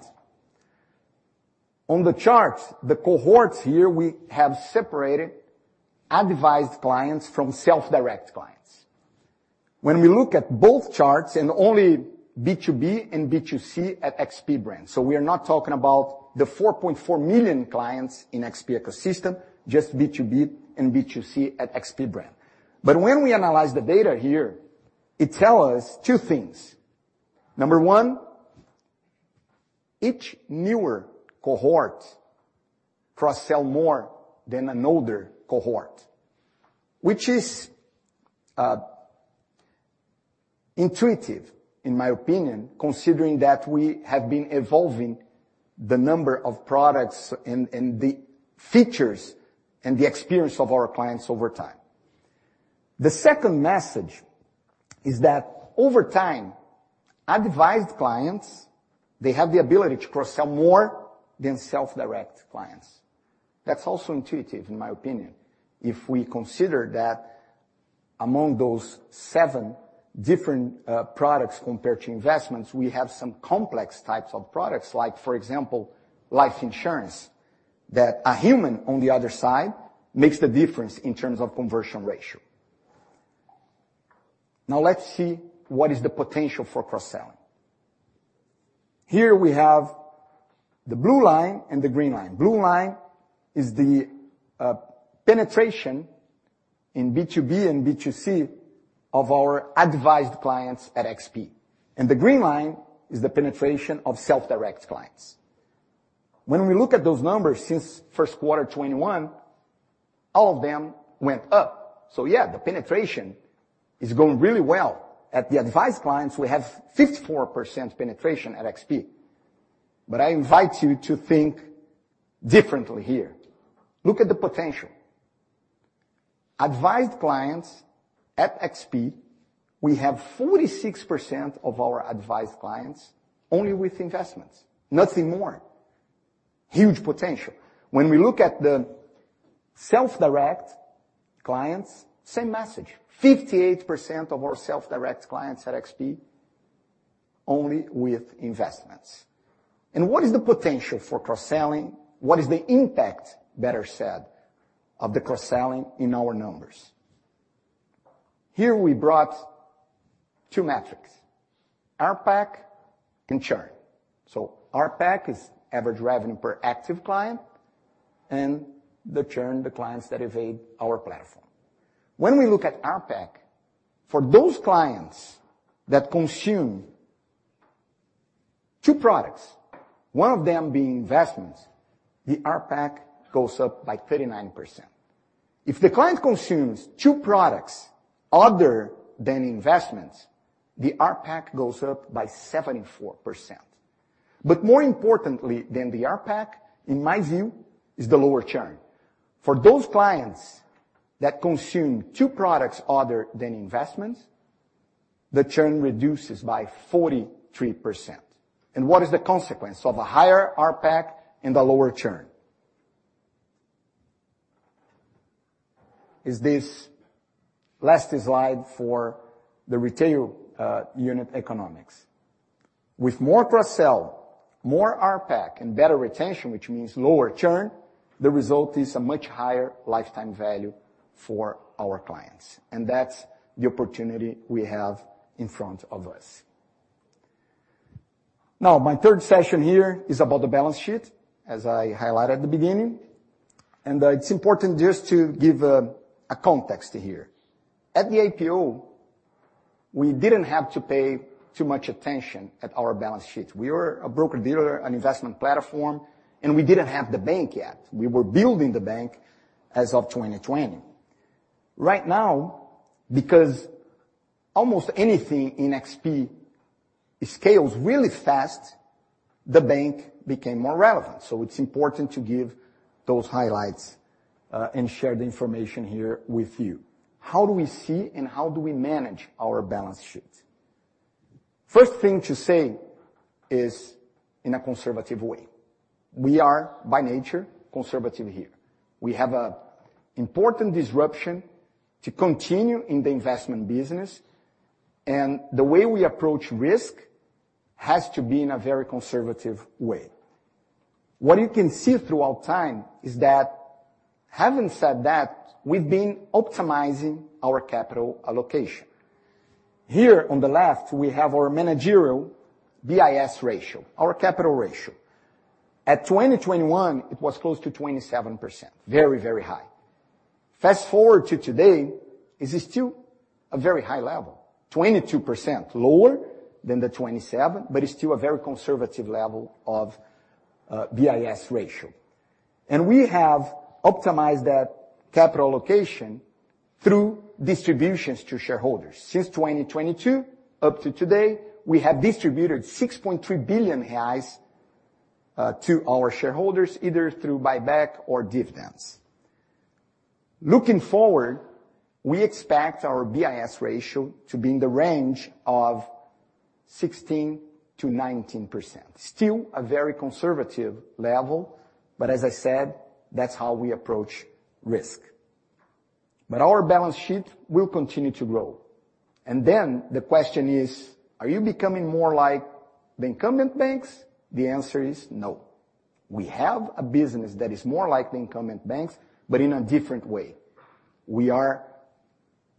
On the charts, the cohorts here, we have separated advised clients from self-direct clients. When we look at both charts and only B2B and B2C at XP brand, so we are not talking about the 4.4 million clients in XP ecosystem, just B2B and B2C at XP brand. But when we analyze the data here, it tell us two things. Number one, each newer cohort cross-sell more than an older cohort, which is intuitive, in my opinion, considering that we have been evolving the number of products and the features and the experience of our clients over time. The second message is that over time, advised clients, they have the ability to cross-sell more than self-direct clients. That's also intuitive, in my opinion, if we consider that among those seven different products compared to investments, we have some complex types of products, like, for example, life insurance, that a human on the other side makes the difference in terms of conversion ratio. Now, let's see what is the potential for cross-selling. Here we have the blue line and the green line. Blue line is the penetration in B2B and B2C of our advised clients at XP, and the green line is the penetration of self-direct clients. When we look at those numbers since first quarter 2021, all of them went up. So yeah, the penetration is going really well. At the advised clients, we have 54% penetration at XP, but I invite you to think differently here. Look at the potential. Advised clients at XP, we have 46% of our advised clients only with investments, nothing more. Huge potential. When we look at the self-direct clients, same message, 58% of our self-direct clients at XP, only with investments. And what is the potential for cross-selling? What is the impact, better said, of the cross-selling in our numbers? Here we brought two metrics, ARPAC and churn. So ARPAC is average revenue per active client, and the churn, the clients that evade our platform. When we look at ARPAC, for those clients that consume two products, one of them being investments, the ARPAC goes up by 39%. If the client consumes two products other than investments, the ARPAC goes up by 74%. But more importantly than the ARPAC, in my view, is the lower churn. For those clients that consume two products other than investments, the churn reduces by 43%. And what is the consequence of a higher ARPAC and a lower churn? Is this last slide for the retail unit economics. With more cross-sell, more ARPAC and better retention, which means lower churn, the result is a much higher lifetime value for our clients, and that's the opportunity we have in front of us. Now, my third session here is about the balance sheet, as I highlighted at the beginning, and it's important just to give a context here. At the IPO, we didn't have to pay too much attention at our balance sheet. We were a broker-dealer, an investment platform, and we didn't have the bank yet. We were building the bank as of 2020. Right now, because almost anything in XP scales really fast, the bank became more relevant, so it's important to give those highlights, and share the information here with you. How do we see and how do we manage our balance sheet? First thing to say is in a conservative way, we are, by nature, conservative here. We have a important disruption to continue in the investment business, and the way we approach risk has to be in a very conservative way. What you can see throughout time is that, having said that, we've been optimizing our capital allocation. Here, on the left, we have our managerial BIS ratio, our capital ratio. At 2021, it was close to 27%, very, very high. Fast-forward to today, this is still a very high level, 22%, lower than the 27, but it's still a very conservative level of BIS ratio. And we have optimized that capital allocation through distributions to shareholders. Since 2022 up to today, we have distributed 6.3 billion reais to our shareholders, either through buyback or dividends. Looking forward, we expect our BIS ratio to be in the range of 16%-19%. Still a very conservative level, but as I said, that's how we approach risk. But our balance sheet will continue to grow. Then the question is: Are you becoming more like the incumbent banks? The answer is no. We have a business that is more like the incumbent banks, but in a different way. We are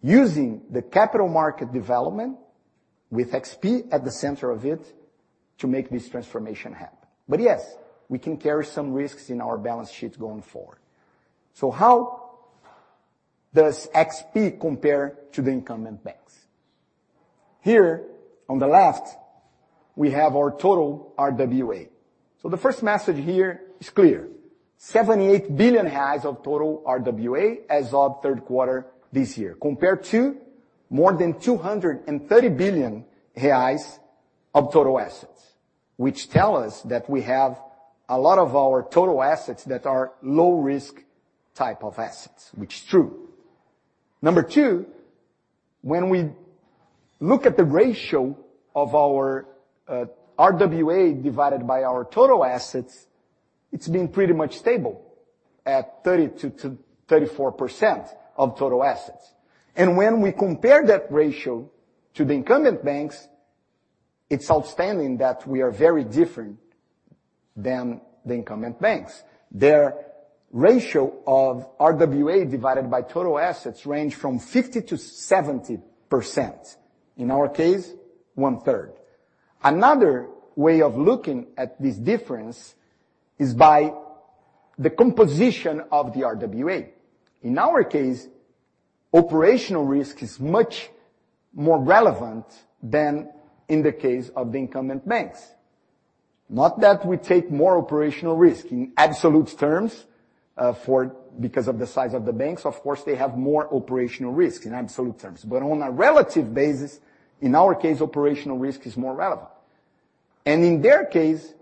using the capital market development with XP at the center of it to make this transformation happen. But yes, we can carry some risks in our balance sheet going forward. So how does XP compare to the incumbent banks? Here, on the left, we have our total RWA. So the first message here is clear, 78 billion reais of total RWA as of third quarter this year, compared to more than 230 billion reais of total assets, which tell us that we have a lot of our total assets that are low risk type of assets, which is true. Number two, when we look at the ratio of our RWA divided by our total assets, it's been pretty much stable at 30%-34% of total assets. When we compare that ratio to the incumbent banks, it's outstanding that we are very different than the incumbent banks. Their ratio of RWA divided by total assets range from 50%-70%. In our case, one-third. Another way of looking at this difference is by the composition of the RWA. In our case, operational risk is much more relevant than in the case of the incumbent banks. Not that we take more operational risk. In absolute terms, because of the size of the banks, of course, they have more operational risk in absolute terms. But on a relative basis, in our case, operational risk is more relevant, and in their case,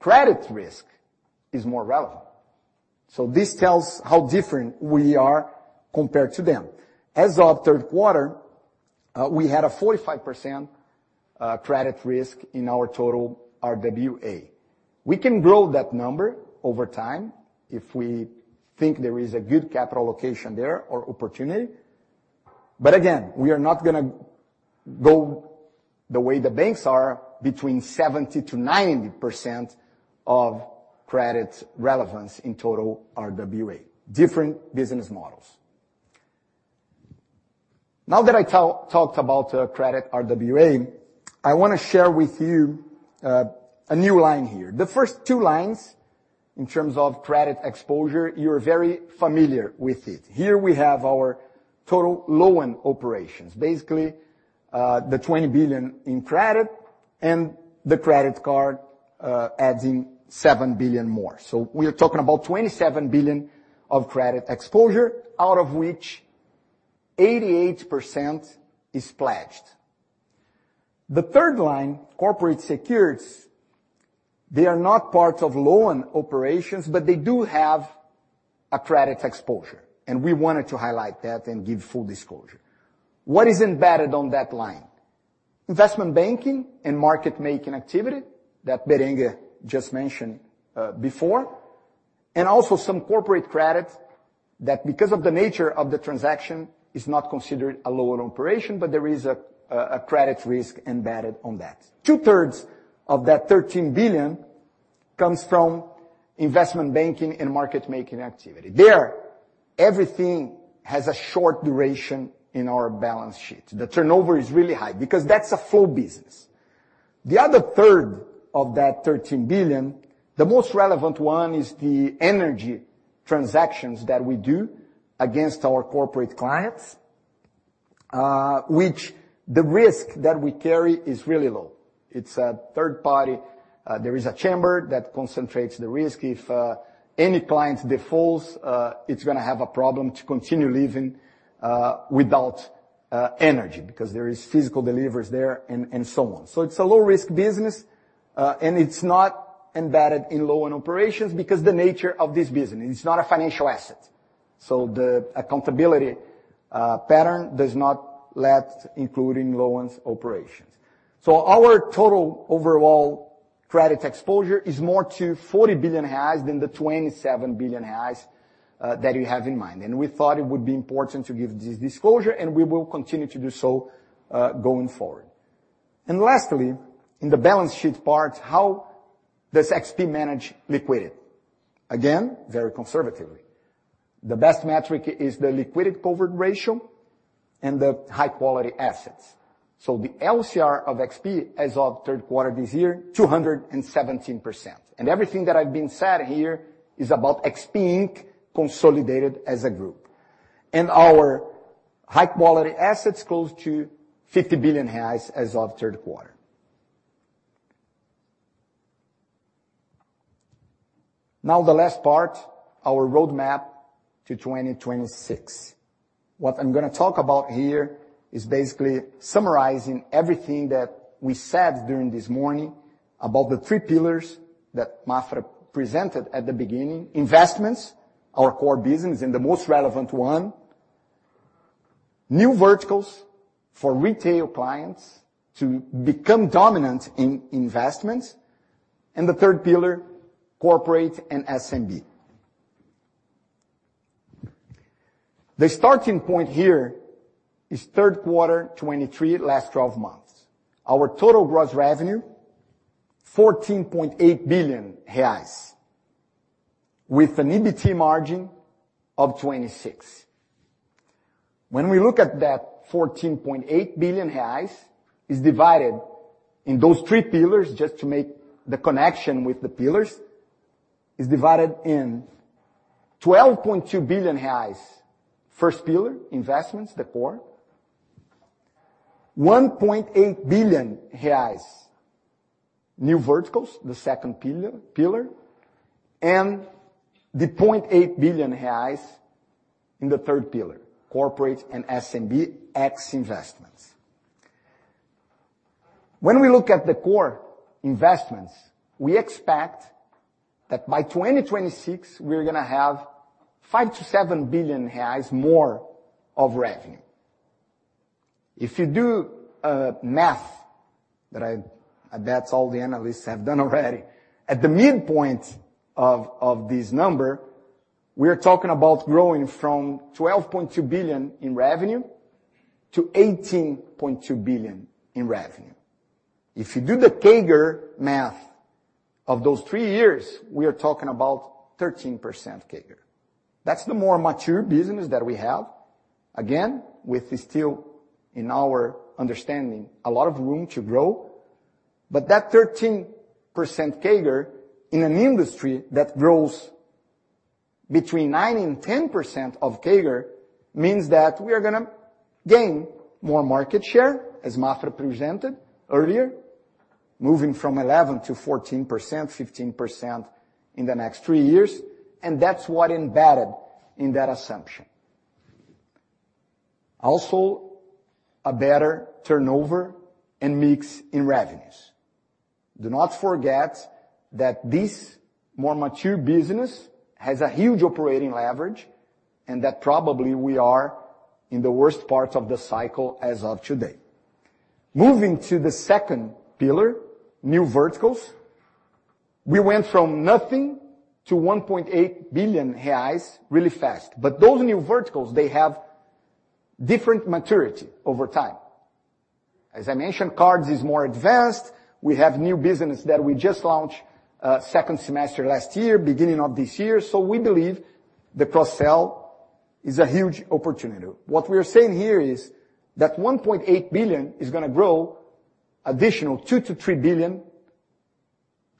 credit risk is more relevant. So this tells how different we are compared to them. As of third quarter, we had 45% credit risk in our total RWA. We can grow that number over time if we think there is a good capital allocation there or opportunity. But again, we are not gonna go the way the banks are between 70%-90% of credit relevance in total RWA. Different business models. Now that I talked about credit RWA, I wanna share with you a new line here. The first two lines, in terms of credit exposure, you're very familiar with it. Here we have our total loan operations. Basically, the 20 billion in credit and the credit card, adding 7 billion more. So we are talking about 27 billion of credit exposure, out of which 88% is pledged. The third line, corporate securities, they are not part of loan operations, but they do have a credit exposure, and we wanted to highlight that and give full disclosure. What is embedded on that line? Investment banking and market-making activity that Berenguer just mentioned before, and also some corporate credit that, because of the nature of the transaction, is not considered a loan operation, but there is a credit risk embedded on that. Two-thirds of that 13 billion comes from investment banking and market-making activity. There, everything has a short duration in our balance sheet. The turnover is really high because that's a full business. The other third of that 13 billion, the most relevant one is the energy transactions that we do against our corporate clients, which the risk that we carry is really low. It's a third party. There is a chamber that concentrates the risk. If any client defaults, it's gonna have a problem to continue living without energy because there is physical deliveries there and so on. So it's a low-risk business, and it's not embedded in loan operations because the nature of this business, it's not a financial asset. So the accountability pattern does not let including loans operations. So our total overall credit exposure is more to 40 billion reais than the 27 billion reais that you have in mind. We thought it would be important to give this disclosure, and we will continue to do so, going forward. Lastly, in the balance sheet part, how does XP manage liquidity? Again, very conservatively. The best metric is the liquidity coverage ratio and the high-quality assets. So the LCR of XP as of third quarter this year, 217%. Everything that I've been said here is about XP Inc. consolidated as a group. Our high-quality assets close to 50 billion reais as of third quarter. Now, the last part, our roadmap to 2026. What I'm gonna talk about here is basically summarizing everything that we said during this morning about the three pillars that Maffra presented at the beginning. Investments, our core business, and the most relevant one, new verticals for retail clients to become dominant in investments, and the third pillar, corporate and SMB. The starting point here is third quarter 2023, last twelve months. Our total gross revenue, 14.8 billion reais, with an EBT margin of 26%. When we look at that 14.8 billion, is divided in those three pillars, just to make the connection with the pillars, is divided in 12.2 billion reais, first pillar, investments, the core. 1.8 billion reais, new verticals, the second pillar, pillar, and the 0.8 billion reais in the third pillar, corporate and SMB, ex investments. When we look at the core investments, we expect that by 2026, we are gonna have 5 billion-7 billion reais more of revenue. If you do math, that I bet all the analysts have done already, at the midpoint of this number, we are talking about growing from 12.2 billion in revenue to 18.2 billion in revenue. If you do the CAGR math of those three years, we are talking about 13% CAGR. That's the more mature business that we have. Again, with still, in our understanding, a lot of room to grow, but that 13% CAGR in an industry that grows between 9%-10% CAGR means that we are gonna gain more market share, as Maffra presented earlier, moving from 11%-14%, 15% in the next three years, and that's what embedded in that assumption. Also, a better turnover and mix in revenues. Do not forget that this more mature business has a huge operating leverage, and that probably we are in the worst part of the cycle as of today. Moving to the second pillar, new verticals, we went from nothing to 1.8 billion reais really fast. But those new verticals, they have different maturity over time. As I mentioned, cards is more advanced. We have new business that we just launched, second semester last year, beginning of this year, so we believe the cross-sell is a huge opportunity. What we are saying here is that 1.8 billion is gonna grow additional 2 billion-3 billion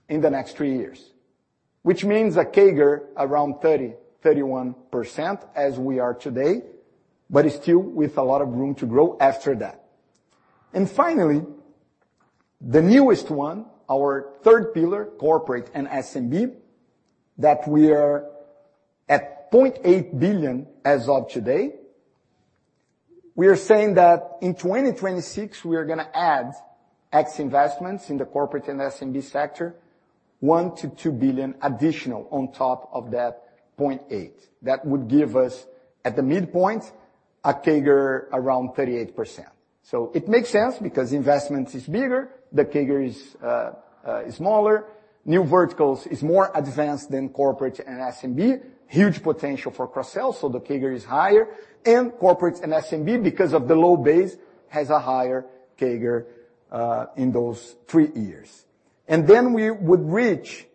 in the next three years, which means a CAGR around 30%-31% as we are today, but still with a lot of room to grow after that. And finally, the newest one, our third pillar, corporate and SMB, that we are at 0.8 billion as of today. We are saying that in 2026, we are gonna add ex investments in the corporate and SMB sector, 1 billion-2 billion additional on top of that 0.8. That would give us, at the midpoint, a CAGR around 38%. So it makes sense because investments is bigger, the CAGR is smaller. New verticals is more advanced than corporate and SMB, huge potential for cross-sell, so the CAGR is higher, and corporate and SMB, because of the low base, has a higher CAGR in those three years. Then we would reach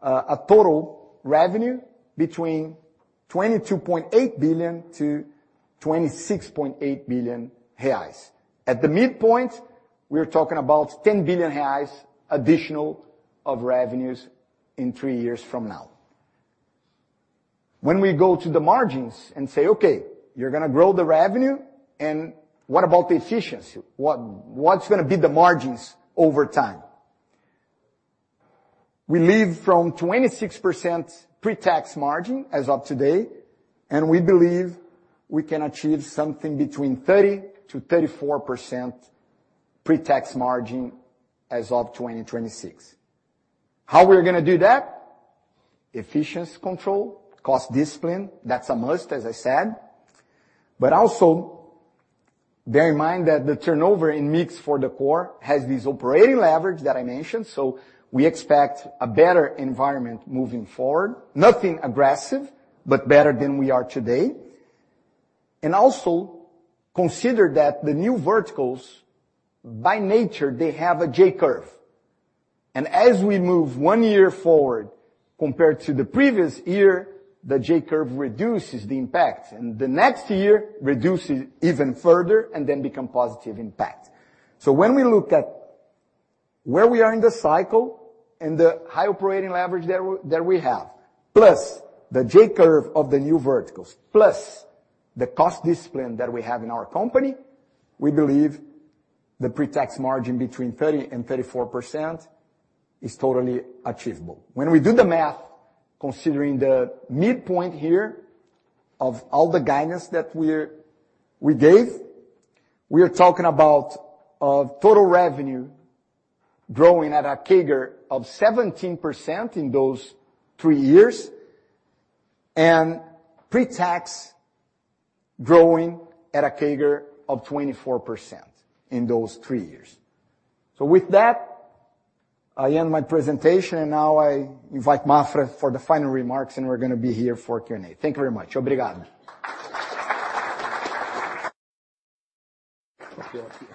a total revenue between 22.8 billion-26.8 billion reais. At the midpoint, we're talking about 10 billion reais additional of revenues in three years from now. When we go to the margins and say, "Okay, you're gonna grow the revenue, and what about the efficiency? What, what's gonna be the margins over time?" We leave from 26% pre-tax margin as of today, and we believe we can achieve something between 30%-34% pre-tax margin as of 2026. How we're gonna do that? Efficiency control, cost discipline, that's a must, as I said. But also, bear in mind that the turnover in mix for the core has this operating leverage that I mentioned, so we expect a better environment moving forward. Nothing aggressive, but better than we are today. And also, consider that the new verticals, by nature, they have a J-curve. And as we move one year forward compared to the previous year, the J-curve reduces the impact, and the next year reduces even further, and then become positive impact. So when we look at where we are in the cycle and the high operating leverage that we have, plus the J-curve of the new verticals, plus the cost discipline that we have in our company, we believe the pre-tax margin between 30% and 34% is totally achievable. When we do the math, considering the midpoint here of all the guidance that we gave, we are talking about total revenue growing at a CAGR of 17% in those three years, and pre-tax growing at a CAGR of 24% in those three years. So with that, I end my presentation, and now I invite Maffra for the final remarks, and we're gonna be here for Q&A. Thank you very much. Obrigado. Thank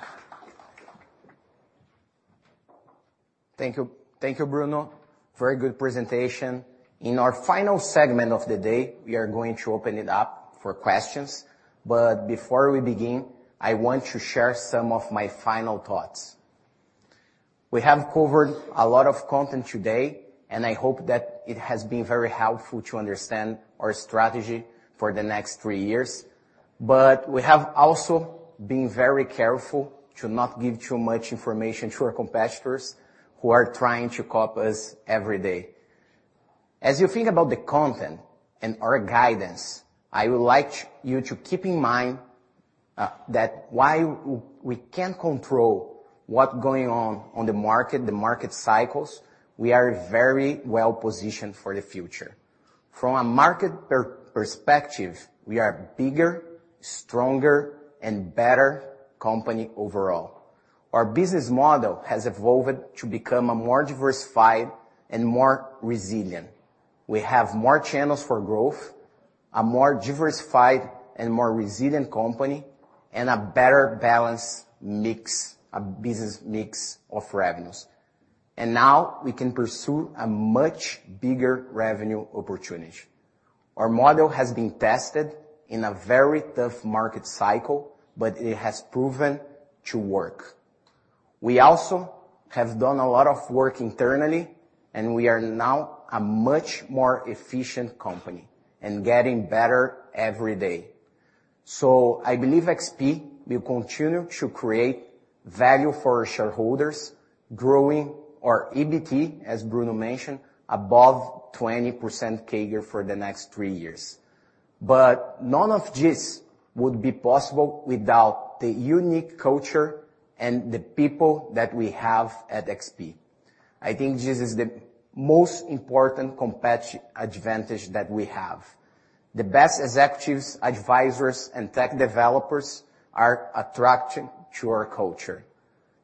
you. Thank you, Bruno. Very good presentation. In our final segment of the day, we are going to open it up for questions. But before we begin, I want to share some of my final thoughts. We have covered a lot of content today, and I hope that it has been very helpful to understand our strategy for the next three years. But we have also been very careful to not give too much information to our competitors, who are trying to copy us every day. As you think about the content and our guidance, I would like you to keep in mind that while we can't control what's going on the market, the market cycles, we are very well positioned for the future. From a market perspective, we are bigger, stronger, and better company overall. Our business model has evolved to become a more diversified and more resilient. We have more channels for growth, a more diversified and more resilient company, and a better balanced mix, a business mix of revenues. Now we can pursue a much bigger revenue opportunity. Our model has been tested in a very tough market cycle, but it has proven to work. We also have done a lot of work internally, and we are now a much more efficient company, and getting better every day. So I believe XP will continue to create value for our shareholders, growing our EBT, as Bruno mentioned, above 20% CAGR for the next three years. But none of this would be possible without the unique culture and the people that we have at XP. I think this is the most important competitive advantage that we have at XP. The best executives, advisors, and tech developers are attracted to our culture.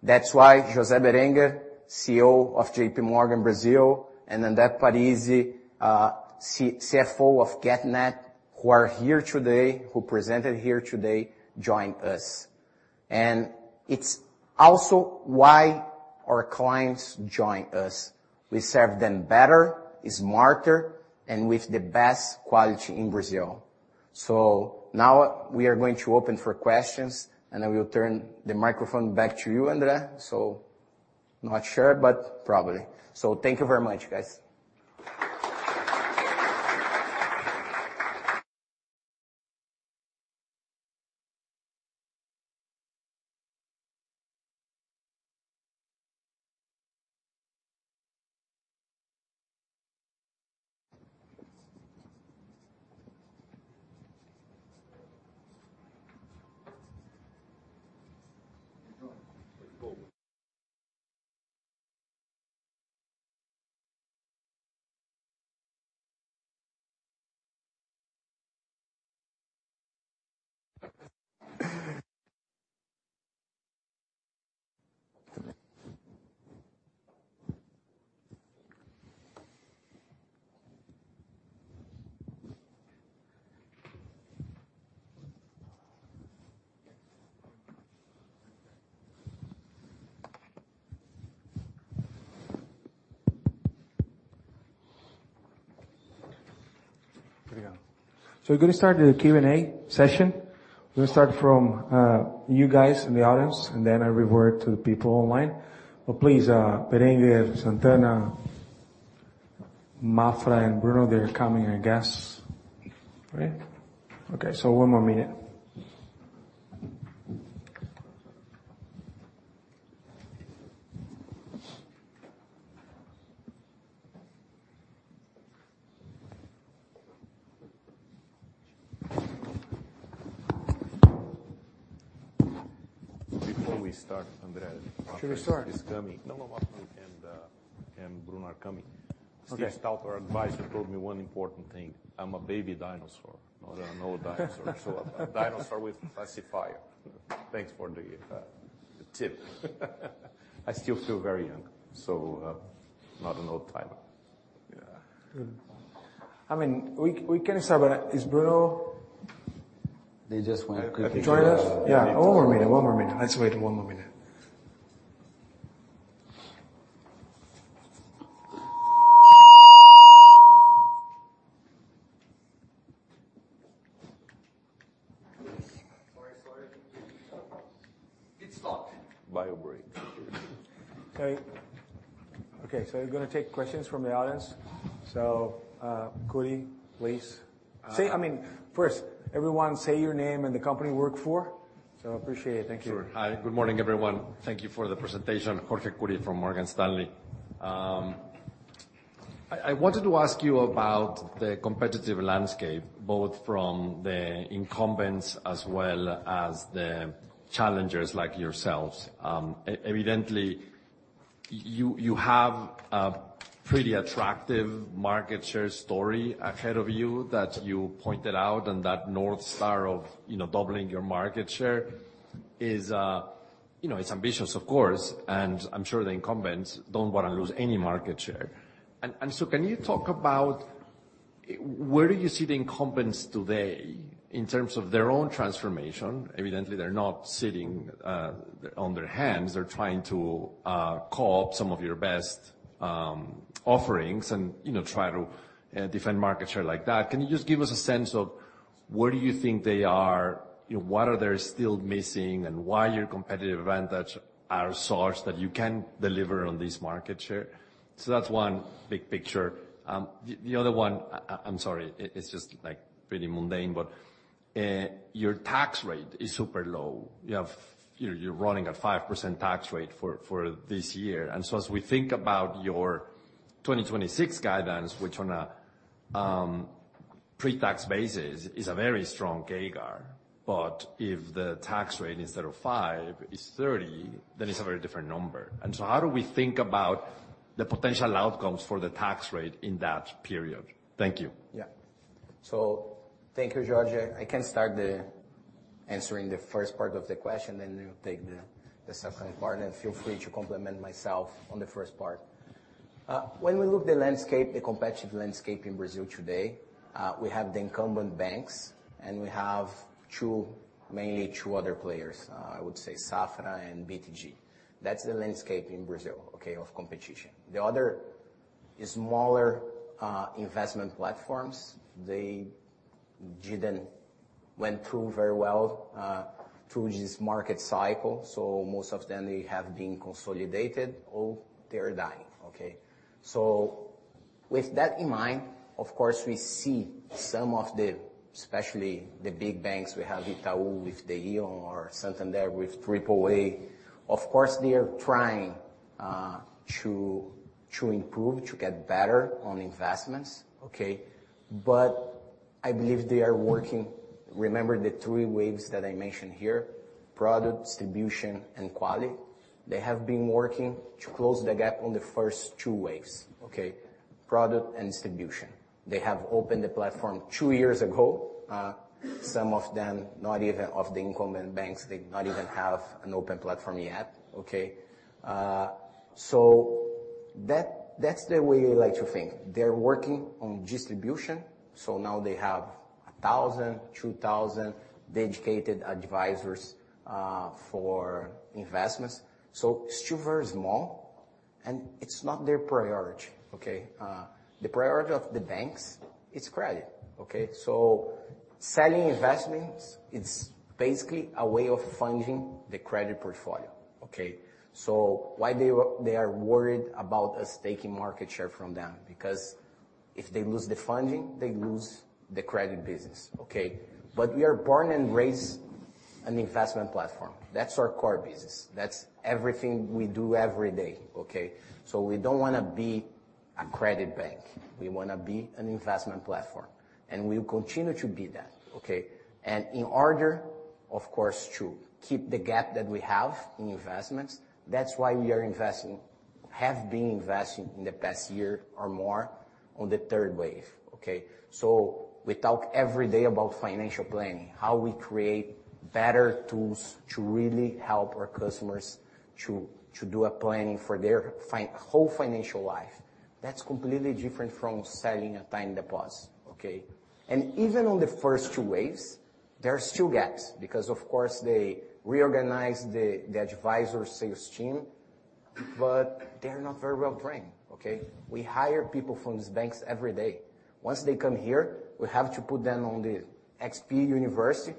That's why José Berenguer, CEO of J.P. Morgan Brazil, and then André Parize, CFO of Getnet, who are here today, who presented here today, joined us. It's also why our clients join us. We serve them better, smarter, and with the best quality in Brazil. Now we are going to open for questions, and I will turn the microphone back to you, André. Not sure, but probably. Thank you very much, guys. So we're gonna start the Q&A session. We're gonna start from, you guys in the audience, and then I revert to the people online. But please, Berenguer, Sant'Anna, Maffra, and Bruno, they are coming, I guess. Right? Okay, so one more minute. We start, André? Should we start? Is coming. No, no, and Bruno are coming. Okay. Steve Staut, our advisor, told me one important thing: I'm a baby dinosaur, not an old dinosaur. So a dinosaur with pacifier. Thanks for the tip. I still feel very young, so, not an old timer. Yeah. Good. I mean, we, we can start, but is Bruno- They just went- Yeah. One more minute, one more minute. Let's wait one more minute. Sorry, sorry. It's stopped. Don't worry. So, okay, so we're gonna take questions from the audience. So, Kuri, please. Say, I mean, first, everyone, say your name and the company you work for. So appreciate it. Thank you. Sure. Hi, good morning, everyone. Thank you for the presentation. Jorge Kuri from Morgan Stanley. I wanted to ask you about the competitive landscape, both from the incumbents as well as the challengers like yourselves. Evidently, you have a pretty attractive market share story ahead of you that you pointed out, and that North Star of, you know, doubling your market share is, you know, it's ambitious, of course, and I'm sure the incumbents don't wanna lose any market share. And so can you talk about where do you see the incumbents today in terms of their own transformation? Evidently, they're not sitting on their hands. They're trying to call up some of your best offerings and, you know, try to defend market share like that. Can you just give us a sense of where do you think they are? You know, what are they still missing, and why your competitive advantage are such that you can deliver on this market share? So that's one big picture. The other one, I'm sorry, it's just, like, pretty mundane, but, your tax rate is super low. You have-- you're running a 5% tax rate for this year. And so as we think about your 2026 guidance, which on a pre-tax basis is a very strong CAGR, but if the tax rate, instead of five, is 30, then it's a very different number. And so how do we think about the potential outcomes for the tax rate in that period? Thank you. Yeah. So thank you, Jorge. I can start answering the first part of the question, then you take the second part, and feel free to compliment myself on the first part. When we look at the landscape, the competitive landscape in Brazil today, we have the incumbent banks, and we have two, mainly two other players, I would say Safra and BTG. That's the landscape in Brazil, okay, of competition. The other is smaller investment platforms. They didn't went through very well through this market cycle, so most of them, they have been consolidated or they are dying, okay? So with that in mind, of course, we see some of the, especially the big banks, we have Itaú with the íon or Santander with AAA. Of course, they are trying to improve, to get better on investments, okay? But I believe they are working... Remember the three waves that I mentioned here, product, distribution, and quality? They have been working to close the gap on the first two waves, okay, product and distribution. They have opened the platform two years ago. Some of them, not even, of the incumbent banks, they not even have an open platform yet, okay? So that, that's the way we like to think. They're working on distribution, so now they have 1,000, 2,000 dedicated advisors for investments. So it's still very small, and it's not their priority, okay? The priority of the banks is credit, okay? So selling investments, it's basically a way of funding the credit portfolio, okay? So why they are worried about us taking market share from them? Because if they lose the funding, they lose the credit business, okay? But we are born and raised an investment platform. That's our core business. That's everything we do every day, okay? So we don't wanna be a credit bank. We wanna be an investment platform, and we will continue to be that, okay? And in order, of course, to keep the gap that we have in investments, that's why we are investing, have been investing in the past year or more on the third wave, okay? So we talk every day about financial planning, how we create better tools to really help our customers to do a planning for their whole financial life. That's completely different from selling a time deposit, okay? And even on the first two waves, there are still gaps, because, of course, they reorganized the advisor sales team, but they are not very well trained, okay? We hire people from these banks every day. Once they come here, we have to put them on the XP University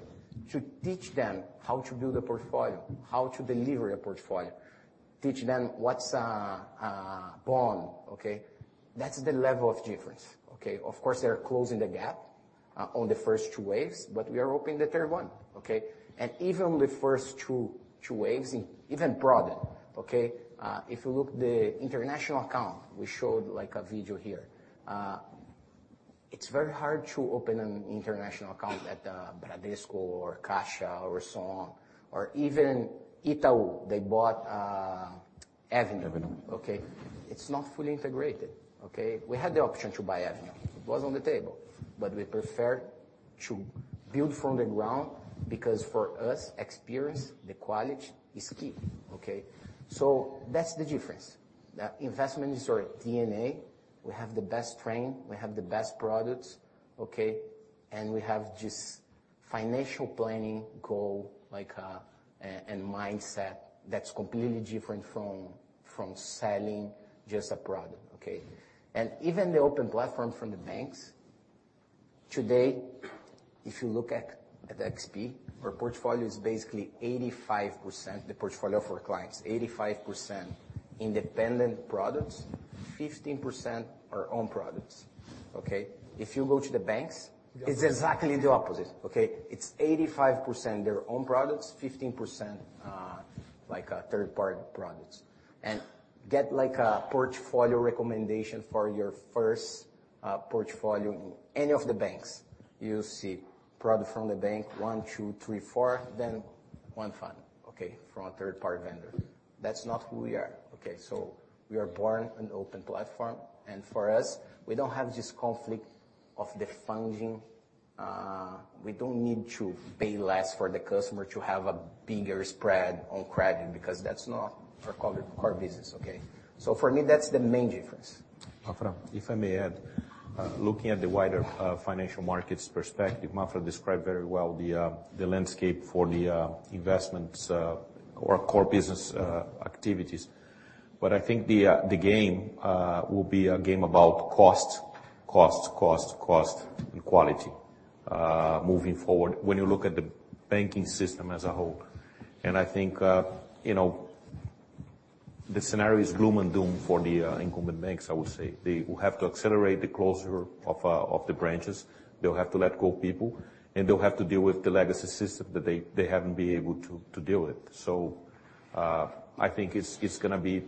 to teach them how to build a portfolio, how to deliver a portfolio, teach them what's a, a bond, okay? That's the level of difference, okay? Of course, they are closing the gap on the first two waves, but we are opening the third one, okay? And even on the first two, two waves, even broader, okay, if you look the international account, we showed, like, a video here, it's very hard to open an international account at Bradesco or Caixa or so on, or even Itaú. They bought Avenue, okay? It's not fully integrated, okay? We had the option to buy Avenue. It was on the table, but we preferred to build from the ground, because for us, experience, the quality is key, okay? So that's the difference. Investment is our DNA. We have the best team, we have the best products, okay? And we have this financial planning goal, like, and mindset that's completely different from selling just a product, okay? And even the open platform from the banks, today, if you look at XP, our portfolio is basically 85%, the portfolio for our clients, 85% independent products, 15% our own products, okay? If you go to the banks, it's exactly the opposite, okay? It's 85% their own products, 15%, like, third-party products. And get, like, a portfolio recommendation for your first portfolio in any of the banks. You see product from the bank one, two, three, four, then one fund, okay, from a third-party vendor. That's not who we are, okay? So we are born an open platform, and for us, we don't have this conflict of the funding. We don't need to pay less for the customer to have a bigger spread on credit, because that's not our core, core business, okay? So for me, that's the main difference. Maffra, if I may add, looking at the wider financial markets perspective, Maffra described very well the landscape for the investments or core business activities. But I think the game will be a game about cost, cost, cost, cost, and quality moving forward, when you look at the banking system as a whole. And I think, you know, the scenario is gloom and doom for the incumbent banks, I would say. They will have to accelerate the closure of the branches, they'll have to let go of people, and they'll have to deal with the legacy system that they haven't been able to deal with. I think it's, it's gonna be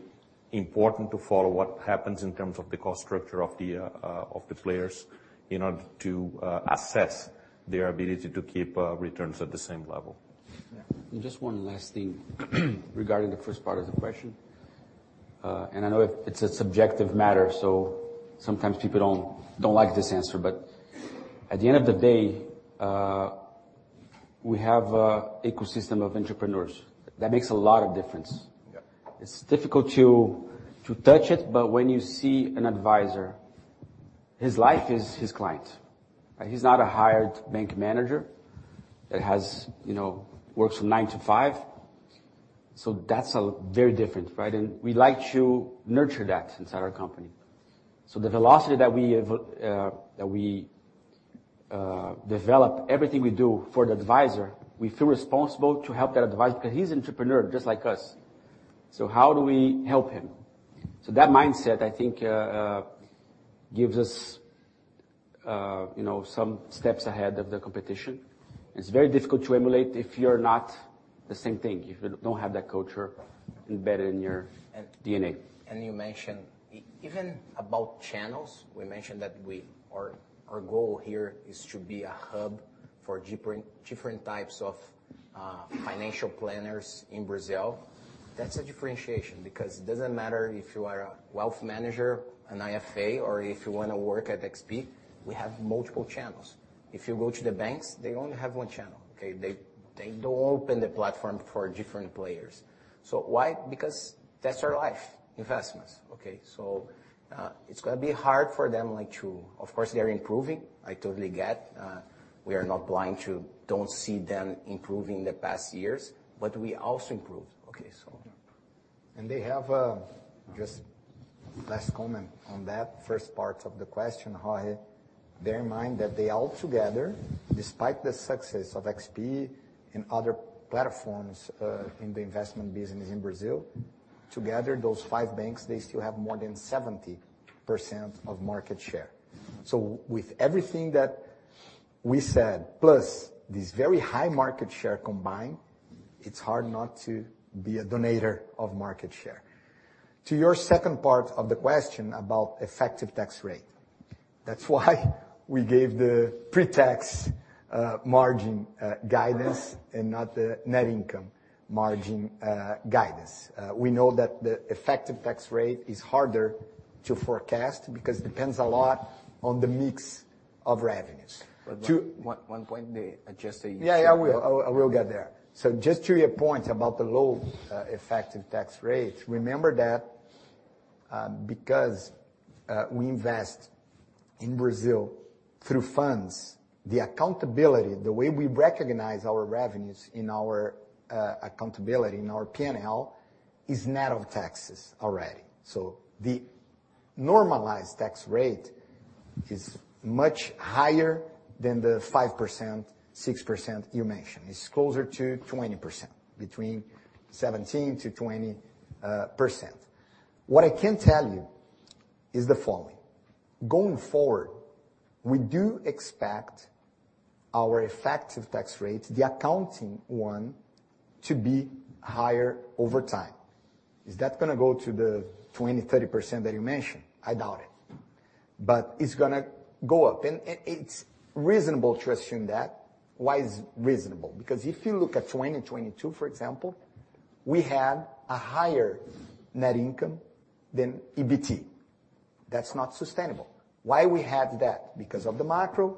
important to follow what happens in terms of the cost structure of the, of the players in order to, assess their ability to keep, returns at the same level. Yeah. And just one last thing regarding the first part of the question. And I know it, it's a subjective matter, so sometimes people don't like this answer. But at the end of the day, we have a ecosystem of entrepreneurs. That makes a lot of difference. Yeah. It's difficult to touch it, but when you see an advisor, his life is his client. He's not a hired bank manager that has, you know, works from nine to five. So that's very different, right? And we like to nurture that inside our company. So the velocity that we develop, everything we do for the advisor, we feel responsible to help that advisor, because he's entrepreneur, just like us. So how do we help him? So that mindset, I think, gives us, you know, some steps ahead of the competition. It's very difficult to emulate if you're not the same thing, if you don't have that culture embedded in your DNA. You mentioned even about channels. We mentioned that our goal here is to be a hub for different types of financial planners in Brazil. That's a differentiation, because it doesn't matter if you are a wealth manager, an IFA, or if you wanna work at XP, we have multiple channels. If you go to the banks, they only have one channel, okay? They don't open the platform for different players. So why? Because that's our life, investments, okay? So, it's gonna be hard for them, like, to... Of course, they're improving. I totally get. We are not blind to don't see them improving in the past years, but we also improved, okay, so. Just last comment on that first part of the question, Roy. Bear in mind, that they all together, despite the success of XP and other platforms, in the investment business in Brazil, together, those five banks, they still have more than 70% of market share. So with everything that we said, plus this very high market share combined, it's hard not to be a donator of market share. To your second part of the question about effective tax rate, that's why we gave the pre-tax margin guidance and not the net income margin guidance. We know that the effective tax rate is harder to forecast because it depends a lot on the mix of revenues. To- One, one point, just Yeah, yeah, I will. I will get there. So just to your point about the low, effective tax rates, remember that, because, we invest in Brazil through funds, the accounting, the way we recognize our revenues in our, accounting, in our P&L, is net of taxes already. So the normalized tax rate is much higher than the 5%, 6% you mentioned. It's closer to 20%, between 17%-20%. What I can tell you is the following: Going forward, we do expect our effective tax rate, the accounting one, to be higher over time. Is that gonna go to the 20%-30% that you mentioned? I doubt it, but it's gonna go up, and it's reasonable to assume that. Why is it reasonable? Because if you look at 2022, for example, we had a higher net income than EBT. That's not sustainable. Why we had that? Because of the macro,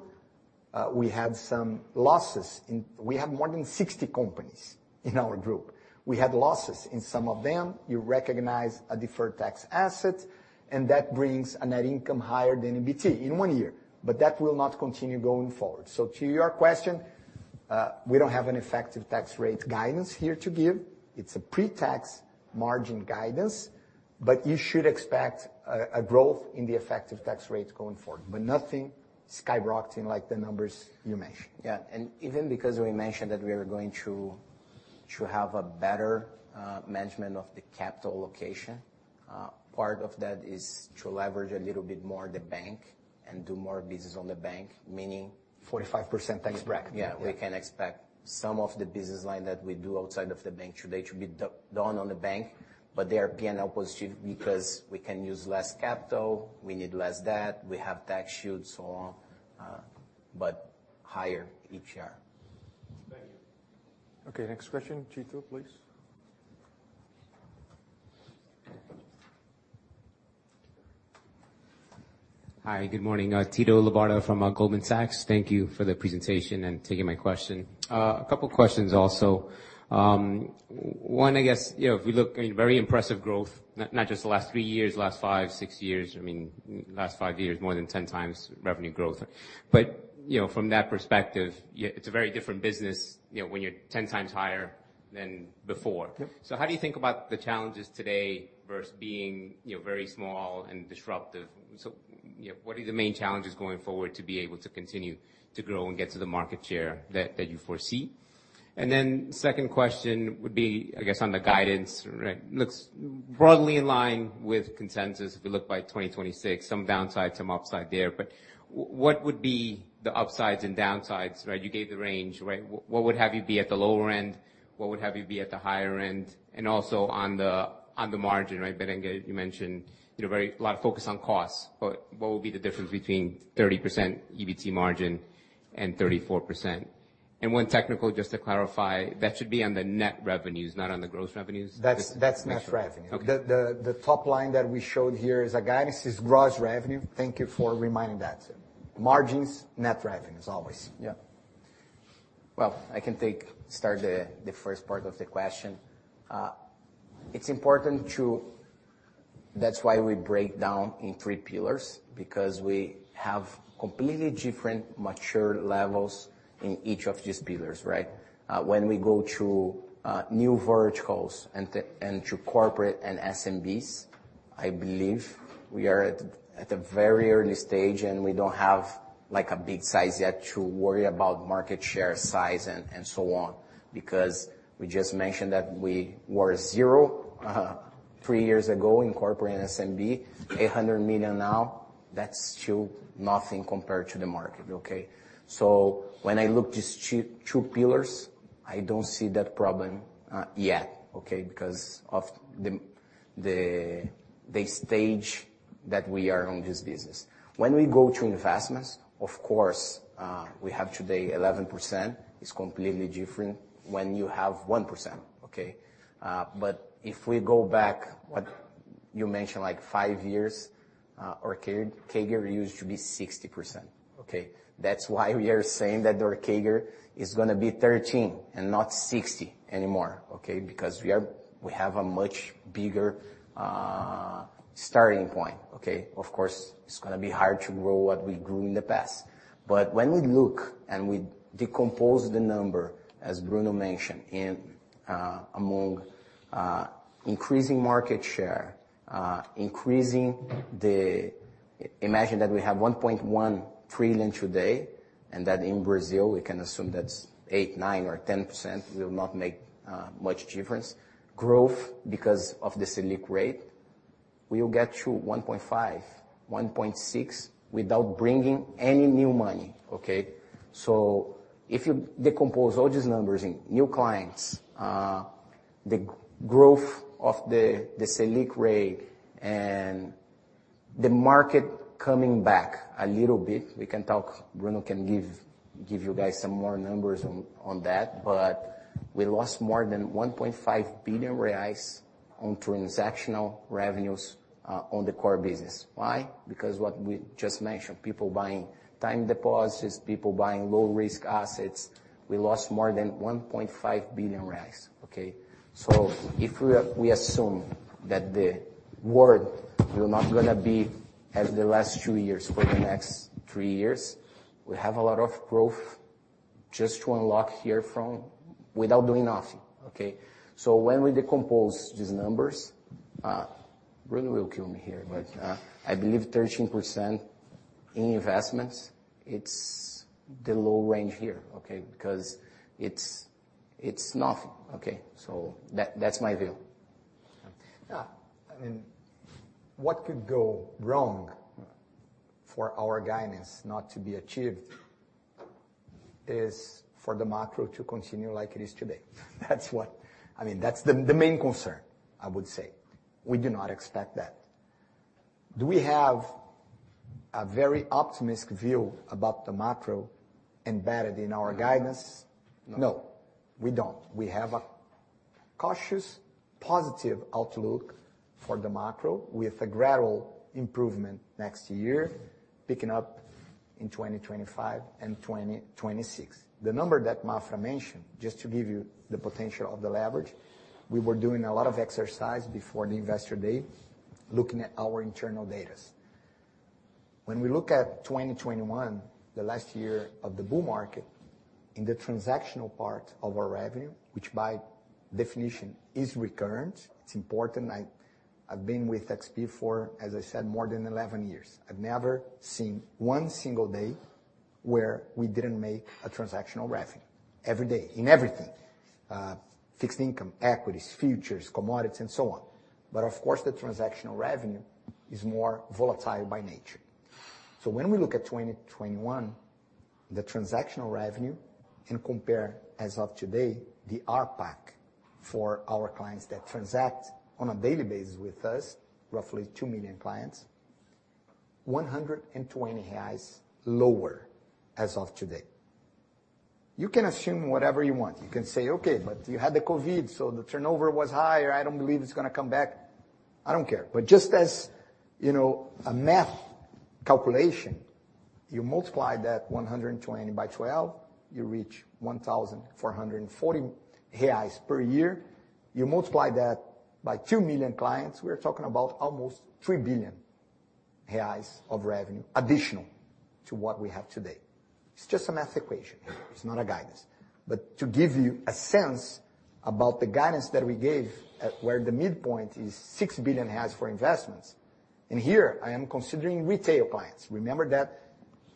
we had some losses in—we have more than 60 companies in our group. We had losses in some of them. You recognize a deferred tax asset, and that brings a net income higher than EBT in one year, but that will not continue going forward. So to your question, we don't have an effective tax rate guidance here to give. It's a pre-tax margin guidance, but you should expect a growth in the effective tax rate going forward, but nothing skyrocketing like the numbers you mentioned. Yeah, and even because we mentioned that we are going to have a better management of the capital allocation, part of that is to leverage a little bit more the bank and do more business on the bank, meaning- 45% tax bracket. Yeah. Yeah. We can expect some of the business line that we do outside of the bank today to be done on the bank, but they are P&L positive. Yeah Because we can use less capital, we need less debt, we have tax shields, so on, but higher ETR. Thank you. Okay, next question, Tito, please. Hi, good morning, Tito Labarta from Goldman Sachs. Thank you for the presentation and taking my question. A couple questions also. One, I guess, you know, if we look, I mean, very impressive growth, not just the last three years, last five, six years, I mean, last five years, more than 10 times revenue growth. But, you know, from that perspective, yeah, it's a very different business, you know, when you're 10 times higher than before. Yep. So how do you think about the challenges today versus being, you know, very small and disruptive? So, you know, what are the main challenges going forward to be able to continue to grow and get to the market share that, that you foresee? And then second question would be, I guess, on the guidance, right? Looks broadly in line with consensus, if we look by 2026, some downside, some upside there. But what would be the upsides and downsides, right? You gave the range, right? What would have you be at the lower end? What would have you be at the higher end? And also on the, on the margin, right, Berenguer, you mentioned, you know, very, a lot of focus on costs, but what would be the difference between 30% EBT margin and 34%? One technical, just to clarify, that should be on the net revenues, not on the gross revenues? That's net revenue. Okay. The top line that we showed here as a guidance is gross revenue. Thank you for reminding that. Margins, net revenue, as always. Yeah. Well, I can take and start the first part of the question. It's important to... That's why we break down in three pillars, because we have completely different mature levels in each of these pillars, right? When we go to new verticals and to and to corporate and SMBs, I believe we are at a very early stage, and we don't have, like, a big size yet to worry about market share, size, and so on. Because we just mentioned that we were zero three years ago in corporate and SMB, 800 million now, that's still nothing compared to the market, okay? So when I look these two, two pillars, I don't see that problem yet, okay? Because of the stage that we are on this business. When we go to investments, of course, we have today 11%. It's completely different when you have 1%, okay? But if we go back, what you mentioned, like five years, our CAGR used to be 60%, okay? That's why we are saying that our CAGR is gonna be 13 and not 60 anymore, okay? Because we are, we have a much bigger, starting point, okay? Of course, it's gonna be hard to grow what we grew in the past. But when we look and we decompose the number, as Bruno mentioned, in, among, increasing market share, increasing the... Imagine that we have 1.1 trillion today, and that in Brazil, we can assume that's eight, nine, or 10%, will not make much difference. Growth, because of the Selic rate, we will get to 1.5, 1.6, without bringing any new money, okay? So if you decompose all these numbers in new clients, the growth of the Selic rate and the market coming back a little bit, we can talk, Bruno can give you guys some more numbers on that, but we lost more than 1.5 billion reais on transactional revenues on the core business. Why? Because what we just mentioned, people buying time deposits, people buying low-risk assets, we lost more than 1.5 billion, okay? So if we assume that the world will not gonna be as the last two years for the next three years, we have a lot of growth just to unlock here from without doing nothing, okay? So when we decompose these numbers, Bruno will kill me here, but, I believe 13% in investments, it's the low range here, okay? Because it's, it's nothing, okay? So that, that's my view. Yeah, I mean, what could go wrong for our guidance not to be achieved is for the macro to continue like it is today. That's what-- I mean, that's the, the main concern, I would say. We do not expect that. Do we have a very optimistic view about the macro embedded in our guidance? No. No, we don't. We have a cautious, positive outlook for the macro, with a gradual improvement next year, picking up in 2025 and 2026. The number that Maffra mentioned, just to give you the potential of the leverage, we were doing a lot of exercise before the investor day, looking at our internal data. When we look at 2021, the last year of the bull market, in the transactional part of our revenue, which by definition is recurrent, it's important. I've been with XP for, as I said, more than 11 years. I've never seen one single day where we didn't make a transactional revenue. Every day, in everything, fixed income, equities, futures, commodities, and so on. But of course, the transactional revenue is more volatile by nature. So when we look at 2021, the transactional revenue, and compare as of today, the ARPAC for our clients that transact on a daily basis with us, roughly 2 million clients, 120 reais lower as of today. You can assume whatever you want. You can say, "Okay, but you had the COVID, so the turnover was higher. I don't believe it's gonna come back." I don't care. But just as, you know, a math calculation, you multiply that 120 by 12, you reach 1,440 reais per year. You multiply that by 2 million clients, we're talking about almost 3 billion reais of revenue, additional to what we have today. It's just a math equation, it's not a guidance. But to give you a sense about the guidance that we gave, at where the midpoint is 6 billion for investments, and here, I am considering retail clients. Remember that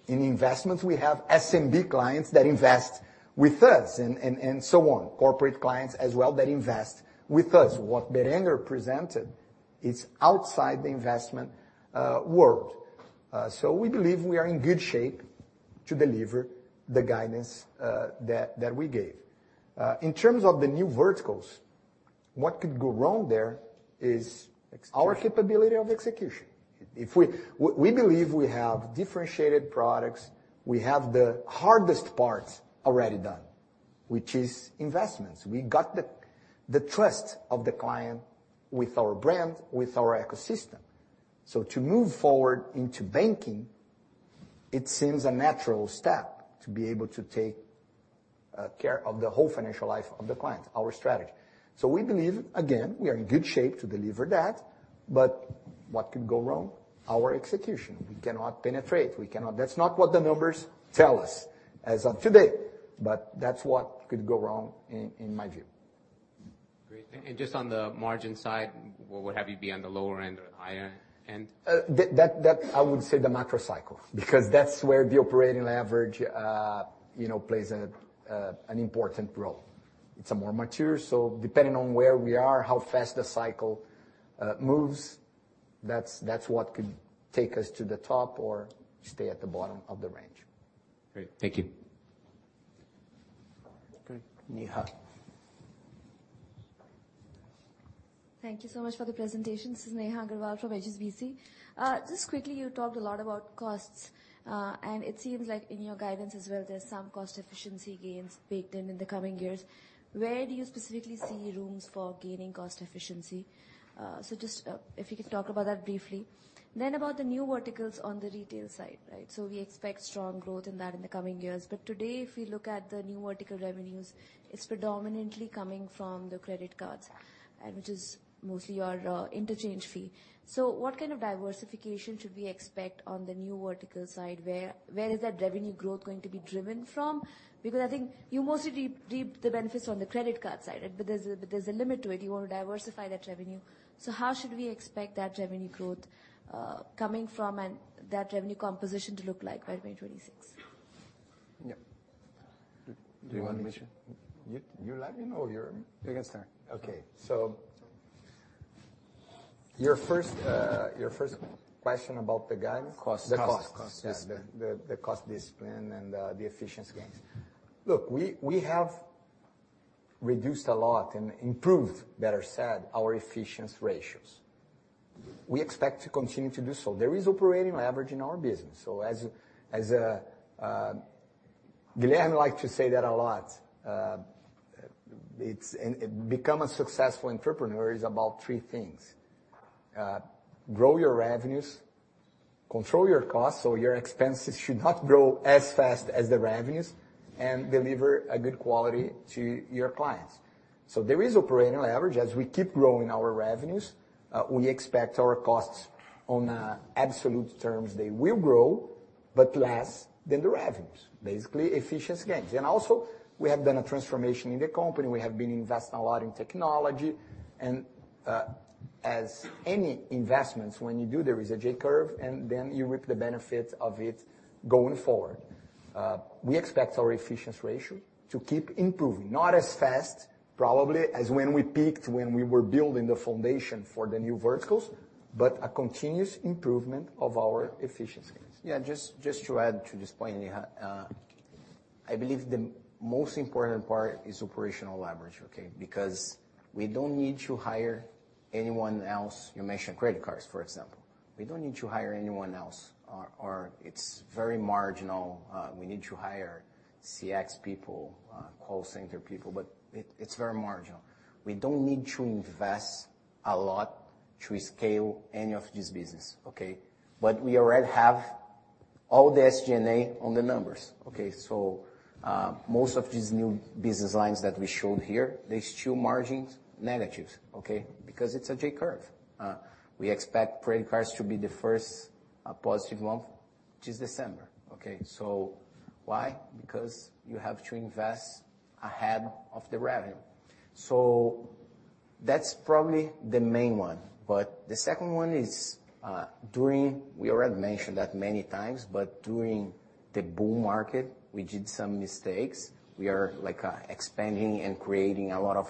in investments, we have SMB clients that invest with us, and so on, corporate clients as well, that invest with us. What Berenguer presented is outside the investment world. So we believe we are in good shape to deliver the guidance that we gave. In terms of the new verticals, what could go wrong there is execution, our capability of execution. If we believe we have differentiated products, we have the hardest part already done, which is investments. We got the trust of the client with our brand, with our ecosystem. So to move forward into banking, it seems a natural step to be able to take care of the whole financial life of the client, our strategy. So we believe, again, we are in good shape to deliver that, but what could go wrong? Our execution. That's not what the numbers tell us as of today, but that's what could go wrong in my view. Great. And just on the margin side, what would have you be on the lower end or higher end? That, I would say the macro cycle, because that's where the operating leverage, you know, plays an important role. It's more mature, so depending on where we are, how fast the cycle moves, that's, that's what could take us to the top or stay at the bottom of the range. Great, thank you. Neha. Thank you so much for the presentation. This is Neha Agarwala from HSBC. Just quickly, you talked a lot about costs, and it seems like in your guidance as well, there's some cost efficiency gains baked in in the coming years. Where do you specifically see rooms for gaining cost efficiency? So just, if you could talk about that briefly. Then about the new verticals on the retail side, right? So we expect strong growth in that in the coming years, but today, if we look at the new vertical revenues, it's predominantly coming from the credit cards, and which is mostly your, interchange fee. So what kind of diversification should we expect on the new vertical side? Where, where is that revenue growth going to be driven from? Because I think you mostly reap, reap the benefits on the credit card side, right? But there's a limit to it. You want to diversify that revenue. So how should we expect that revenue growth, coming from and that revenue composition to look like by 2026? Yeah. Do you want, Maffra? You let me know or you're- You can start. Okay. So your first, your first question about the guidance? Cost. The cost. Cost. Yes, the, the, the cost discipline and, the efficiency gains. Look, we have reduced a lot and improved, better said, our efficiency ratios. We expect to continue to do so. There is operating leverage in our business. So Guilherme like to say that a lot, it's-- And become a successful entrepreneur is about three things: grow your revenues, control your costs, so your expenses should not grow as fast as the revenues, and deliver a good quality to your clients. So there is operating leverage. As we keep growing our revenues, we expect our costs on, absolute terms, they will grow, but less than the revenues, basically efficiency gains. And also, we have done a transformation in the company. We have been investing a lot in technology, and, as any investments, when you do, there is a J-curve, and then you reap the benefits of it going forward. We expect our efficiency ratio to keep improving. Not as fast, probably, as when we peaked, when we were building the foundation for the new verticals... but a continuous improvement of our efficiencies. Yeah, just, just to add to this point, I believe the most important part is operational leverage, okay? Because we don't need to hire anyone else. You mentioned credit cards, for example. We don't need to hire anyone else, or, or it's very marginal, we need to hire CX people, call center people, but it, it's very marginal. We don't need to invest a lot to scale any of this business, okay? But we already have all the SG&A on the numbers, okay? So, most of these new business lines that we showed here, they're still margins negatives, okay? Because it's a J-curve. We expect credit cards to be the first, positive month, which is December, okay? So why? Because you have to invest ahead of the revenue. So that's probably the main one. But the second one is, during—we already mentioned that many times, but during the bull market, we did some mistakes. We are, like, expanding and creating a lot of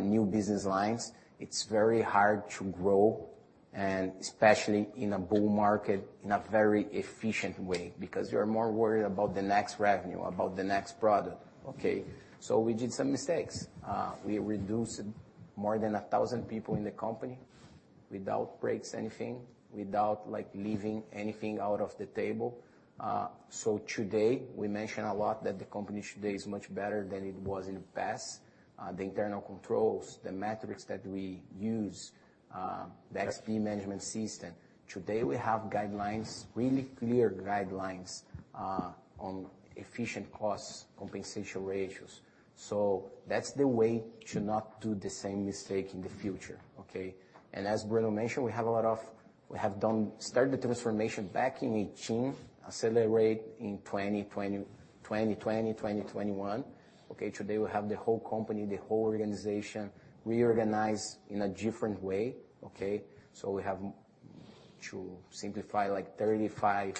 new business lines. It's very hard to grow, and especially in a bull market, in a very efficient way, because you're more worried about the next revenue, about the next product. Okay, so we did some mistakes. We reduced more than 1,000 people in the company without breaking anything, without, like, leaving anything out of the table. So today, we mention a lot that the company today is much better than it was in the past. The internal controls, the metrics that we use, the XP Management System, today, we have guidelines, really clear guidelines, on efficient costs, compensation ratios. So that's the way to not do the same mistake in the future, okay? And as Bruno mentioned, we have started the transformation back in 2018, accelerate in 2020, 2020, 2021. Okay, today, we have the whole company, the whole organization, reorganized in a different way, okay? So we have to simplify, like, 35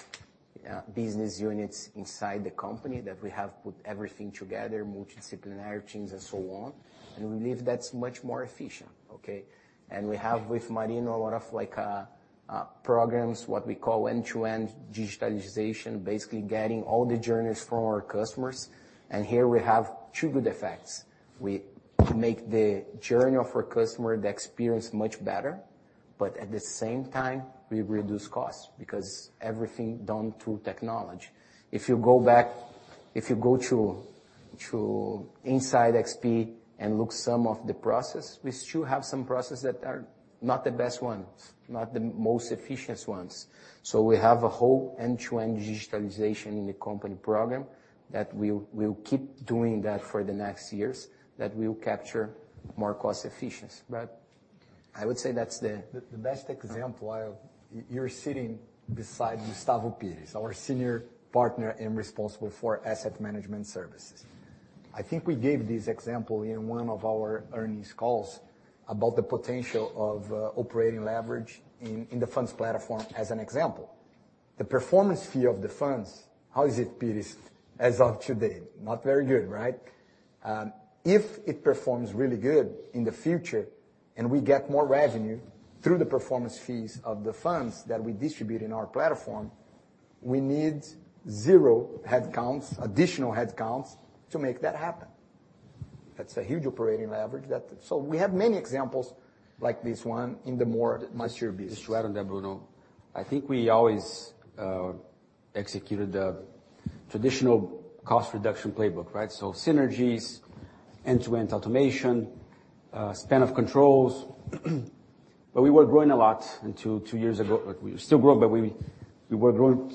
business units inside the company, that we have put everything together, multidisciplinary teams and so on, and we believe that's much more efficient, okay? And we have, with Marino, a lot of, like, programs, what we call end-to-end digitalization, basically getting all the journeys from our customers. And here we have two good effects. We make the journey of our customer, the experience, much better, but at the same time, we reduce costs because everything done through technology. If you go to inside XP and look some of the process, we still have some processes that are not the best ones, not the most efficient ones. So we have a whole end-to-end digitalization in the company program that we'll keep doing that for the next years, that will capture more cost efficiency. But I would say that's the- The best example, I... You're sitting beside Gustavo Pires, our senior partner and responsible for asset management services. I think we gave this example in one of our earnings calls about the potential of operating leverage in the funds platform as an example. The performance fee of the funds, how is it, Pires, as of today? Not very good, right? If it performs really good in the future and we get more revenue through the performance fees of the funds that we distribute in our platform, we need zero headcounts, additional headcounts, to make that happen. That's a huge operating leverage that... So we have many examples like this one in the more mature business. Just to add on that, Bruno, I think we always executed the traditional cost reduction playbook, right? So synergies, end-to-end automation, span of controls. But we were growing a lot until two years ago. We still grow, but we were growing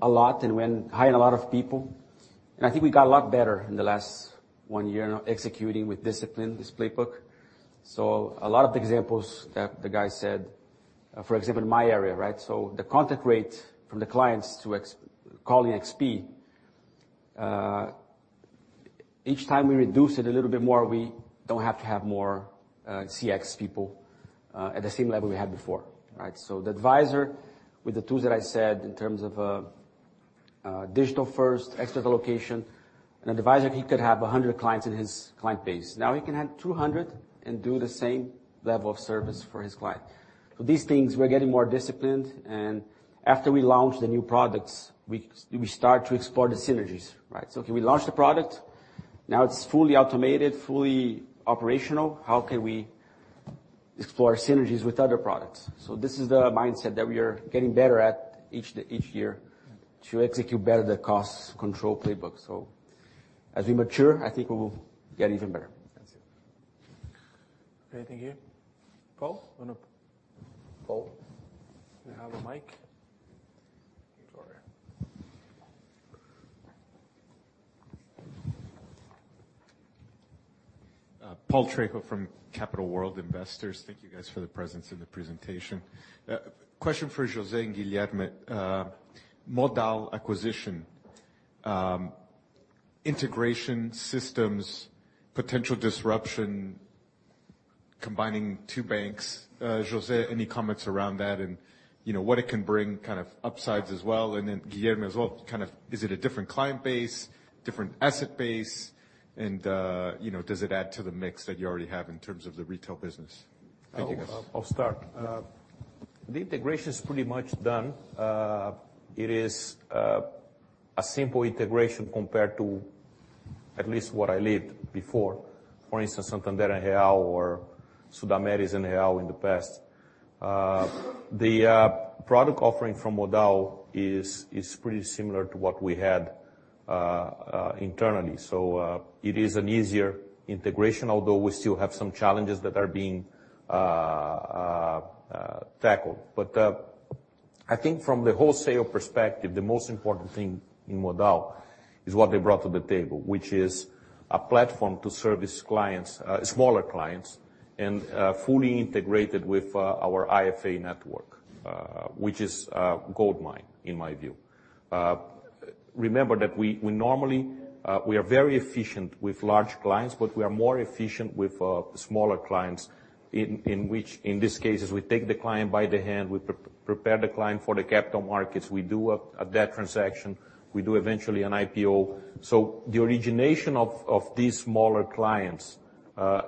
a lot and when hiring a lot of people, and I think we got a lot better in the last one year, executing with discipline, this playbook. So a lot of the examples that the guy said, for example, in my area, right? So the contact rate from the clients calling XP, each time we reduce it a little bit more, we don't have to have more CX people, at the same level we had before, right? So the advisor, with the tools that I said, in terms of Digital First, external location, and the advisor, he could have 100 clients in his client base. Now, he can have 200 and do the same level of service for his client. So these things, we're getting more disciplined, and after we launch the new products, we start to explore the synergies, right? So can we launch the product? Now, it's fully automated, fully operational, how can we explore synergies with other products? So this is the mindset that we are getting better at each year, to execute better the cost control playbook. So as we mature, I think we will get even better. That's it. Anything here? Paul, want to- Paul. You have a mic? It's over here. Paul Trejo from Capital World Investors. Thank you, guys, for the presence and the presentation. Question for José and Guilherme. Modal acquisition, integration systems, potential disruption, combining two banks. José, any comments around that? And, you know, what it can bring kind of upsides as well. And then Guilherme as well, kind of, is it a different client base, different asset base, and, you know, does it add to the mix that you already have in terms of the retail business? Thank you, guys. I'll start. The integration is pretty much done. It is a simple integration compared to at least what I lived before. For instance, Santander and Real or Sudameris and Real in the past. The product offering from Modal is pretty similar to what we had internally. So, it is an easier integration, although we still have some challenges that are being tackled. But, I think from the wholesale perspective, the most important thing in Modal is what they brought to the table, which is a platform to service clients, smaller clients, and fully integrated with our IFA network, which is a goldmine, in my view. Remember that we normally are very efficient with large clients, but we are more efficient with smaller clients, in which in this case is we take the client by the hand, we prepare the client for the capital markets, we do a debt transaction, we do eventually an IPO. So the origination of these smaller clients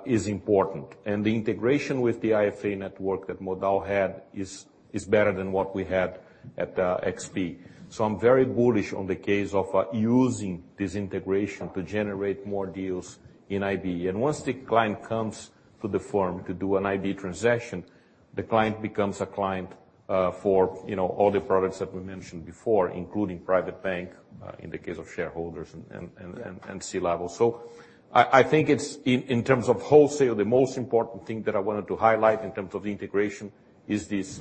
is important, and the integration with the IFA network that Modal had is better than what we had at XP. So I'm very bullish on the case of using this integration to generate more deals in IB. And once the client comes to the firm to do an IB transaction, the client becomes a client for you know all the products that we mentioned before, including private bank in the case of shareholders and, and, and- Yeah. And C-level. So I, I think it's in, in terms of wholesale, the most important thing that I wanted to highlight in terms of the integration is this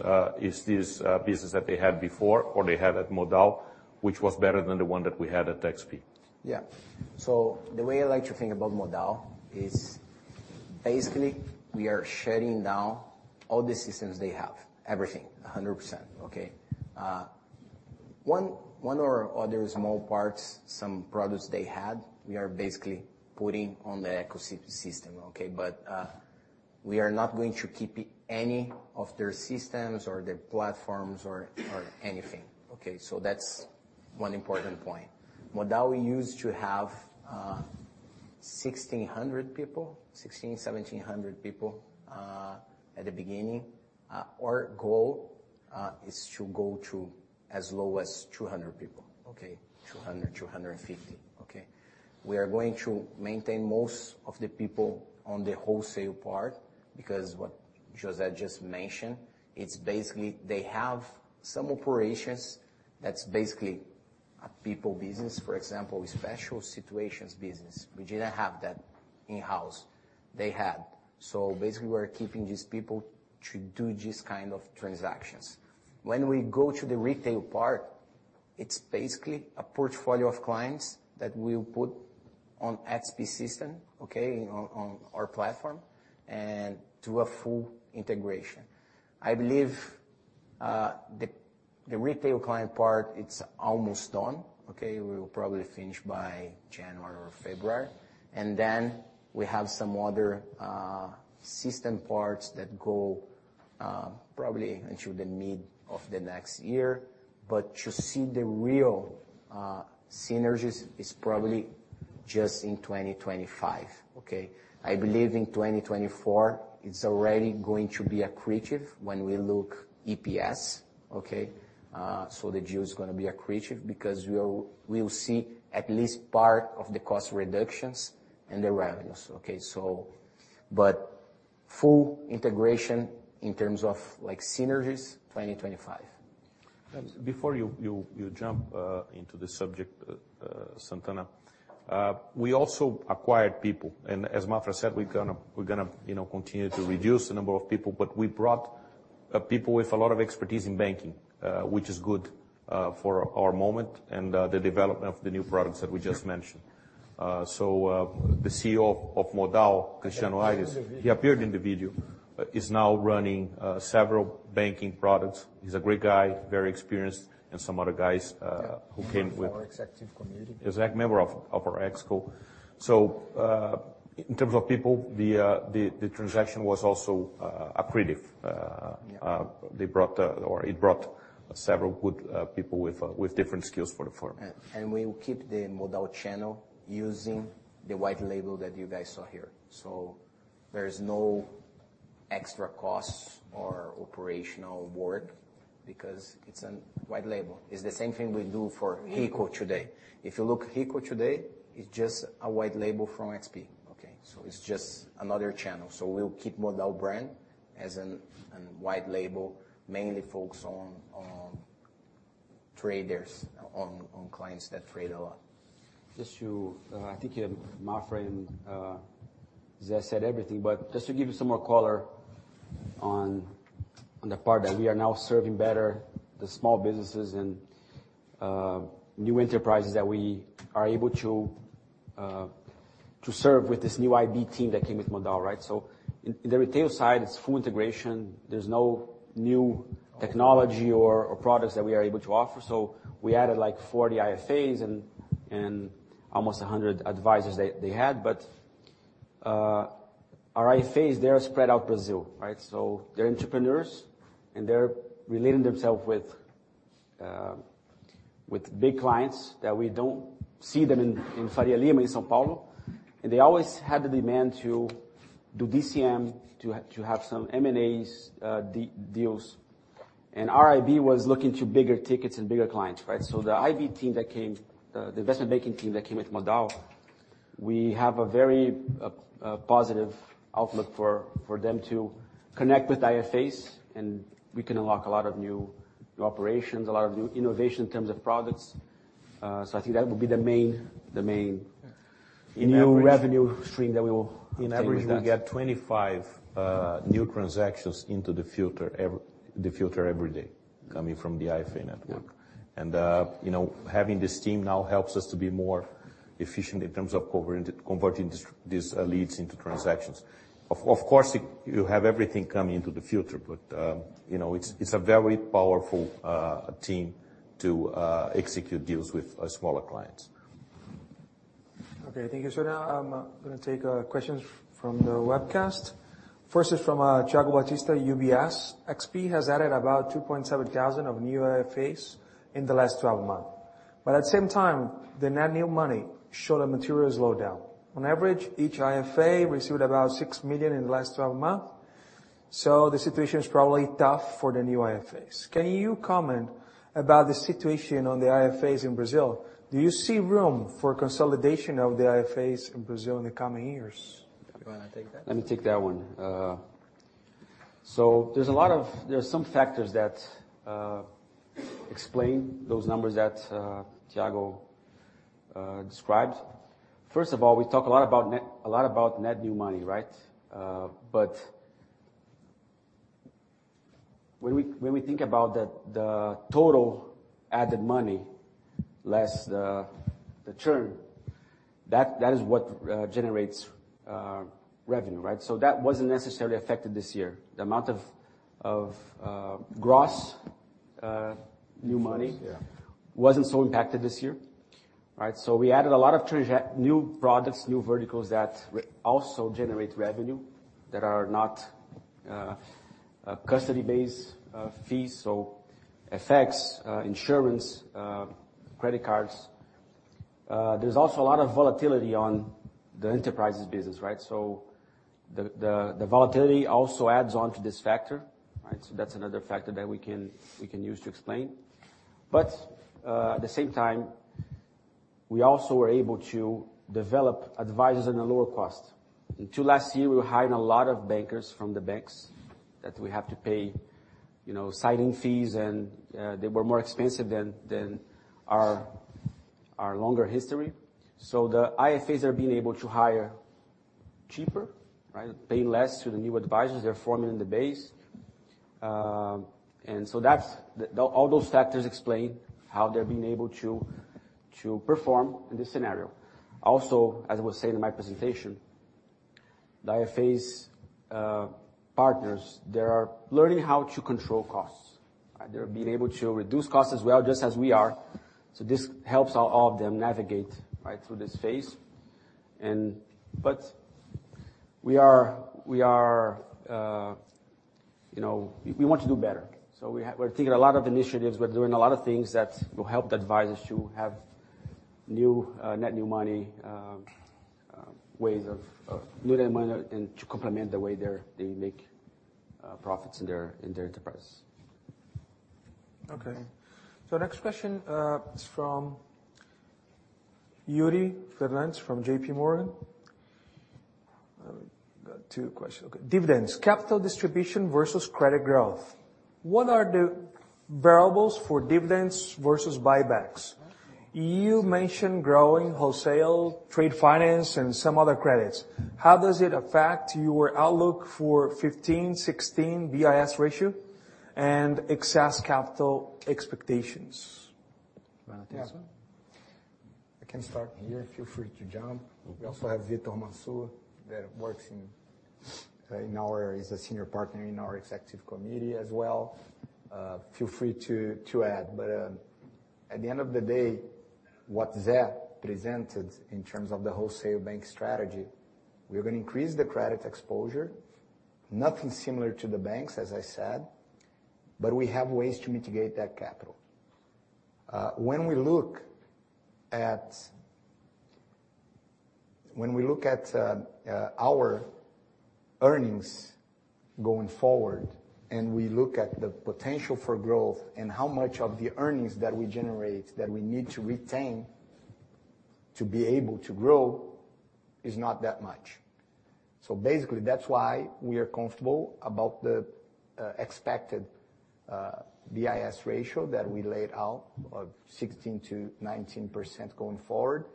business that they had before or they had at Modal, which was better than the one that we had at XP. Yeah. So the way I like to think about Modal is basically, we are shedding now all the systems they have, everything, 100%, okay? One or other small parts, some products they had, we are basically putting on the ecosystem system, okay? But, we are not going to keep any of their systems or their platforms or anything, okay? So that's one important point. Modal used to have 1,600 people, 1,700 people at the beginning. Our goal is to go to as low as 200 people, okay? 200, 250, okay? We are going to maintain most of the people on the wholesale part, because what José just mentioned, it's basically they have some operations that's basically a people business. For example, special situations business. We didn't have that in-house. They had. So basically, we are keeping these people to do this kind of transactions. When we go to the retail part, it's basically a portfolio of clients that we'll put on XP system, okay, on, on our platform and do a full integration. I believe, the, the retail client part, it's almost done, okay? We will probably finish by January or February, and then we have some other, system parts that go, probably into the mid of the next year. But to see the real, synergies is probably just in 2025, okay? I believe in 2024, it's already going to be accretive when we look EPS, okay? So the deal is gonna be accretive because we will, we will see at least part of the cost reductions and the revenues, okay? So, but full integration in terms of like synergies, 2025. Before you jump into the subject, Sant'Anna, we also acquired people, and as Maffra said, we're gonna, you know, continue to reduce the number of people, but we brought people with a lot of expertise in banking, which is good for our moment and the development of the new products that we just mentioned. So, the CEO of Modal, Cristiano Ayres- He appeared in the video. He appeared in the video, is now running several banking products. He's a great guy, very experienced, and some other guys. Yeah. Who came with. Our Executive Committee. Exact. Member of our ExCo. So, in terms of people, the transaction was also accretive. Yeah They brought, or it brought several good people with different skills for the firm. We will keep the Modal channel using the white label that you guys saw here. So there is no extra costs or operational work because it's a white label. It's the same thing we do for Rico today. If you look Rico today, it's just a white label from XP, okay? So it's just another channel. So we'll keep Modal brand as a white label, mainly focused on traders, on clients that trade a lot. Just to, I think Maffra and José said everything, but just to give you some more color on the part that we are now serving better, the small businesses and new enterprises that we are able to serve with this new IB team that came with Modal, right? So in the retail side, it's full integration. There's no new technology or products that we are able to offer. So we added, like, 40 IFAs and almost 100 advisors they had, but our IFAs, they are spread out Brazil, right? So they're entrepreneurs, and they're relating themselves with big clients that we don't see them in Faria Lima, in São Paulo, and they always had the demand to do DCM, to have some M&As, deals. Our IB was looking to bigger tickets and bigger clients, right? So the IB team that came, the investment banking team that came with Modal, we have a very positive outlook for them to connect with IFAs, and we can unlock a lot of new operations, a lot of new innovation in terms of products. So I think that will be the main new revenue stream that we will. On average, we get 25 new transactions into the filter every day, coming from the IFA network. Yeah. You know, having this team now helps us to be more efficient in terms of converting these leads into transactions. Of course, you have everything coming into the filter, but you know, it's a very powerful team to execute deals with smaller clients. Okay, thank you. So now, I'm gonna take questions from the webcast. First is from Thiago Batista, UBS: XP has added about 2,700 new IFAs in the last 12 months, but at the same time, the net new money showed a material slowdown. On average, each IFA received about $6 million in the last 12 months, so the situation is probably tough for the new IFAs. Can you comment about the situation on the IFAs in Brazil? Do you see room for consolidation of the IFAs in Brazil in the coming years? You wanna take that? Let me take that one. So there's a lot of—there are some factors that explain those numbers that Thiago described. First of all, we talk a lot about net new money, right? But when we think about the total added money, less the churn, that is what generates revenue, right? So that wasn't necessarily affected this year. The amount of gross new money wasn't so impacted this year, right? So we added a lot of new products, new verticals, that also generate revenue, that are not custody-based fees, so FX, insurance, credit cards. There's also a lot of volatility on the enterprises business, right? So the volatility also adds on to this factor, right? So that's another factor that we can, we can use to explain. But, at the same time, we also were able to develop advisors at a lower cost. Until last year, we were hiring a lot of bankers from the banks, that we have to pay, you know, signing fees, and, they were more expensive than, than our, our longer history. So the IFAs are being able to hire cheaper, right? Paying less to the new advisors. They're forming the base. And so that's all those factors explain how they're being able to, to perform in this scenario. Also, as I was saying in my presentation, the IFAs, partners, they are learning how to control costs. They're being able to reduce costs as well, just as we are, so this helps all, all of them navigate, right, through this phase. But we are, we are, you know. We want to do better. So we're taking a lot of initiatives, we're doing a lot of things that will help the advisors to have new net new money, ways of new net money and to complement the way they make profits in their enterprise. Okay. So next question is from Yuri Fernandes, from JPMorgan. Got two questions. Okay. Dividends: capital distribution versus credit growth. What are the variables for dividends versus buybacks? Uh- You mentioned growing wholesale, trade finance, and some other credits. How does it affect your outlook for 15, 16 BIS Ratio and excess capital expectations? You wanna take this one? Yeah. I can start here. Feel free to jump. Mm-hmm. We also have Victor Mansur, that works in our area, he's a senior partner in our executive committee as well. Feel free to add. But at the end of the day, what Zé presented in terms of the wholesale bank strategy, we're gonna increase the credit exposure, nothing similar to the banks, as I said, but we have ways to mitigate that capital. When we look at our earnings going forward, and we look at the potential for growth and how much of the earnings that we generate, that we need to retain to be able to grow, is not that much. So basically, that's why we are comfortable about the expected BIS ratio that we laid out, of 16%-19% going forward,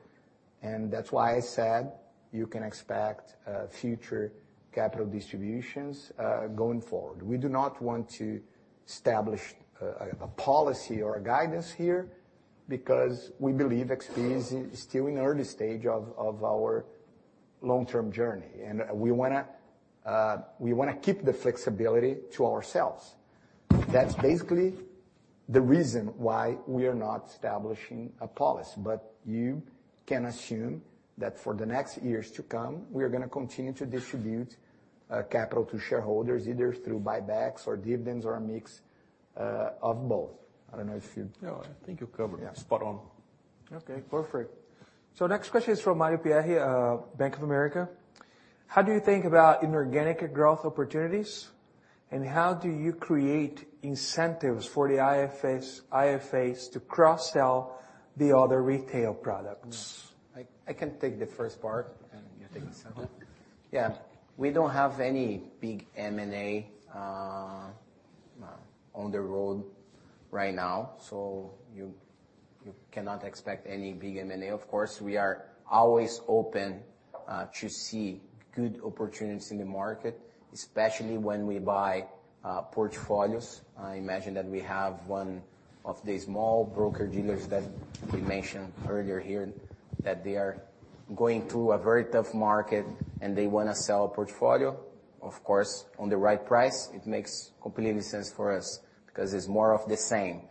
and that's why I said you can expect future capital distributions going forward. We do not want to establish a policy or a guidance here, because we believe XP is still in early stage of our long-term journey, and we wanna keep the flexibility to ourselves. That's basically the reason why we are not establishing a policy. But you- Can assume that for the next years to come, we are gonna continue to distribute, capital to shareholders, either through buybacks or dividends, or a mix, of both. I don't know if you- No, I think you covered it. Yeah. Spot on. Okay, perfect. So next question is from Mario Pierry, Bank of America: "How do you think about inorganic growth opportunities, and how do you create incentives for the IFAs, IFAs to cross-sell the other retail products? Yeah. I can take the first part, and you take the second. Uh- Yeah. We don't have any big M&A on the road right now, so you cannot expect any big M&A. Of course, we are always open to see good opportunities in the market, especially when we buy portfolios. I imagine that we have one of the small broker-dealers that we mentioned earlier here, that they are going through a very tough market, and they wanna sell a portfolio. Of course, on the right price, it makes completely sense for us, 'cause it's more of the same.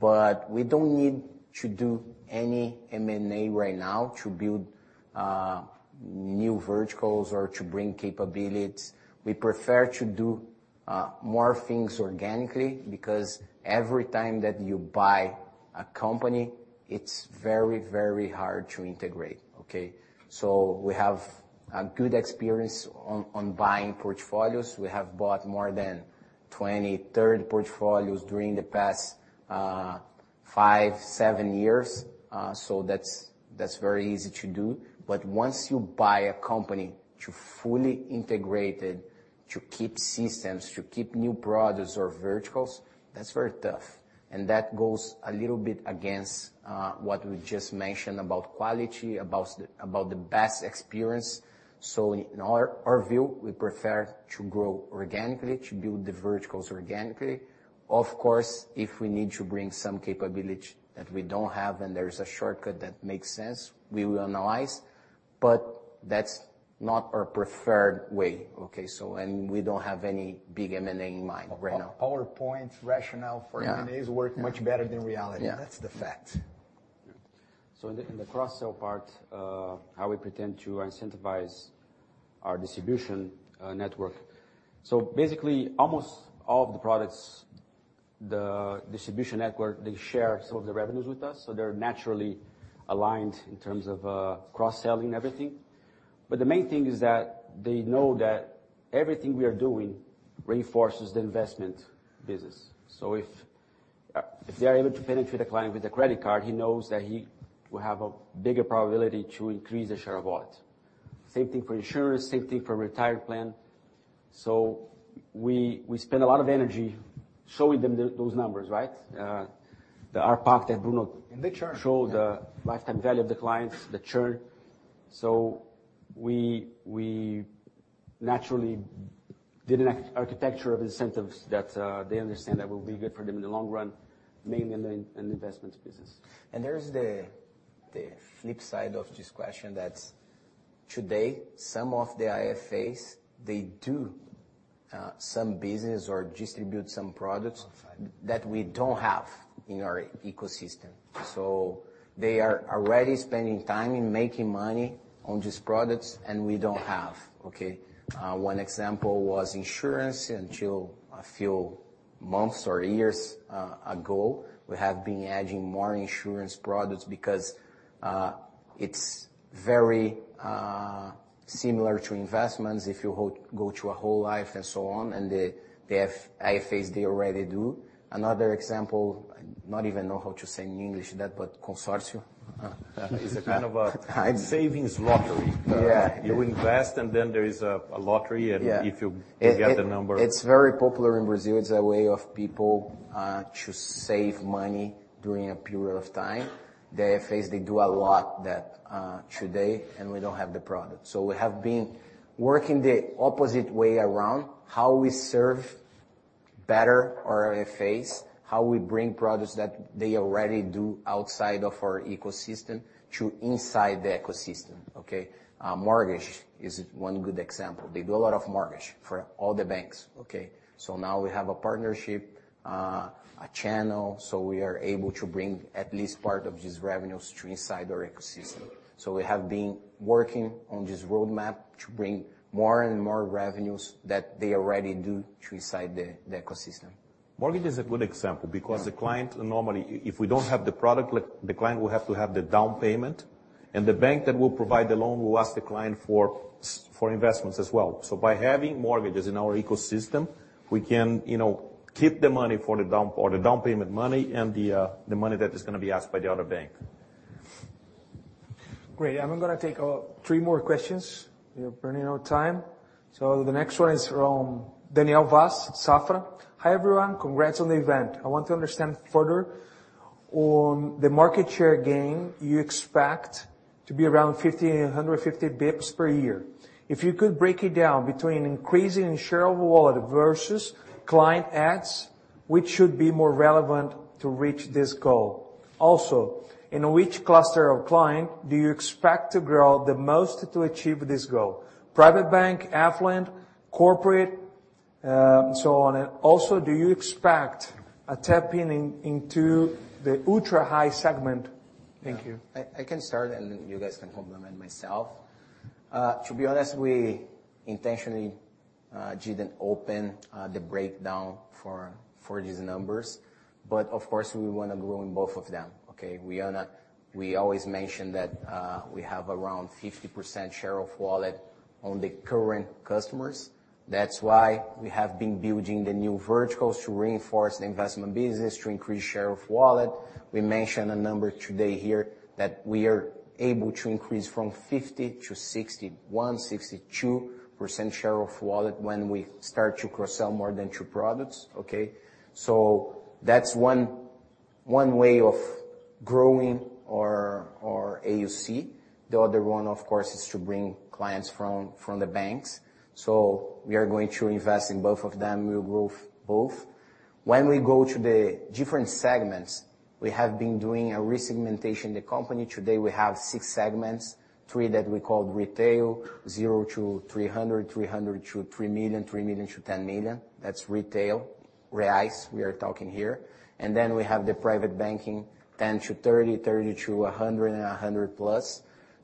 But we don't need to do any M&A right now to build new verticals or to bring capabilities. We prefer to do more things organically, because every time that you buy a company, it's very, very hard to integrate, okay? So we have a good experience on buying portfolios. We have bought more than 20, 30 portfolios during the past 5, 7 years. So that's, that's very easy to do. But once you buy a company, to fully integrate it, to keep systems, to keep new products or verticals, that's very tough, and that goes a little bit against what we just mentioned about quality, about the, about the best experience. So in our, our view, we prefer to grow organically, to build the verticals organically. Of course, if we need to bring some capability that we don't have, and there's a shortcut that makes sense, we will analyze, but that's not our preferred way, okay? So... And we don't have any big M&A in mind right now. PowerPoint rationale for- Yeah M&As work much better than reality. Yeah. That's the fact. So in the, in the cross-sell part, how we intend to incentivize our distribution network. So basically, almost all of the products, the distribution network, they share some of the revenues with us, so they're naturally aligned in terms of cross-selling everything. But the main thing is that they know that everything we are doing reinforces the investment business. So if they are able to penetrate the client with a credit card, he knows that he will have a bigger probability to increase the share of wallet. Same thing for insurance, same thing for retirement plan. So we spend a lot of energy showing them those numbers, right? The ARPAC that Bruno- And the churn. Showed the lifetime value of the clients, the churn. So we naturally build an architecture of incentives that they understand that will be good for them in the long run, mainly in the investments business. There is the flip side of this question that today some of the IFAs they do some business or distribute some products- Of IFA That we don't have in our ecosystem. So they are already spending time in making money on these products, and we don't have, okay? One example was insurance. Until a few months or years ago, we have been adding more insurance products because it's very similar to investments, if you go through a whole life and so on, and the IFAs, they already do. Another example, I not even know how to say in English that, but consórcio. It's a kind of a- I- Savings lottery. Yeah. You invest, and then there is a lottery- Yeah And if you get the number- It's very popular in Brazil. It's a way of people to save money during a period of time. The IFAs, they do a lot that today, and we don't have the product. So we have been working the opposite way around, how we serve better our IFAs, how we bring products that they already do outside of our ecosystem to inside the ecosystem, okay? Mortgage is one good example. They do a lot of mortgage for all the banks, okay? So now we have a partnership, a channel, so we are able to bring at least part of this revenues to inside our ecosystem. So we have been working on this roadmap to bring more and more revenues that they already do to inside the ecosystem. Mortgage is a good example- Yeah Because the client, normally, if we don't have the product, like, the client will have to have the down payment, and the bank that will provide the loan will ask the client for investments as well. So by having mortgages in our ecosystem, we can, you know, keep the money for the down, or the down payment money, and the, the money that is gonna be asked by the other bank. Great. I'm gonna take three more questions. We are running out of time. So the next one is from Daniel Vaz, Safra: "Hi, everyone. Congrats on the event. I want to understand further on the market share gain you expect to be around 50-150 basis points per year. If you could break it down between increasing share of wallet versus client adds, which should be more relevant to reach this goal? Also, in which cluster of client do you expect to grow the most to achieve this goal? Private bank, affluent, corporate?"... so on it, also, do you expect a tapping in into the ultra-high segment? Thank you. I can start, and you guys can compliment myself. To be honest, we intentionally didn't open the breakdown for these numbers, but of course, we wanna grow in both of them, okay? We are not—we always mention that we have around 50% share of wallet on the current customers. That's why we have been building the new verticals to reinforce the investment business, to increase share of wallet. We mentioned a number today here that we are able to increase from 50% to 61%, 62% share of wallet when we start to cross-sell more than two products, okay? So that's one way of growing our AUC. The other one, of course, is to bring clients from the banks. So we are going to invest in both of them. We'll grow both. When we go to the different segments, we have been doing a resegmentation in the company. Today, we have six segments, three that we call retail, 0-300, 300-3 million, 3 million-10 million. That's retail. Reais, we are talking here. And then we have the private banking, 10 million-30 million, 30 million-100 million, and 100 million+.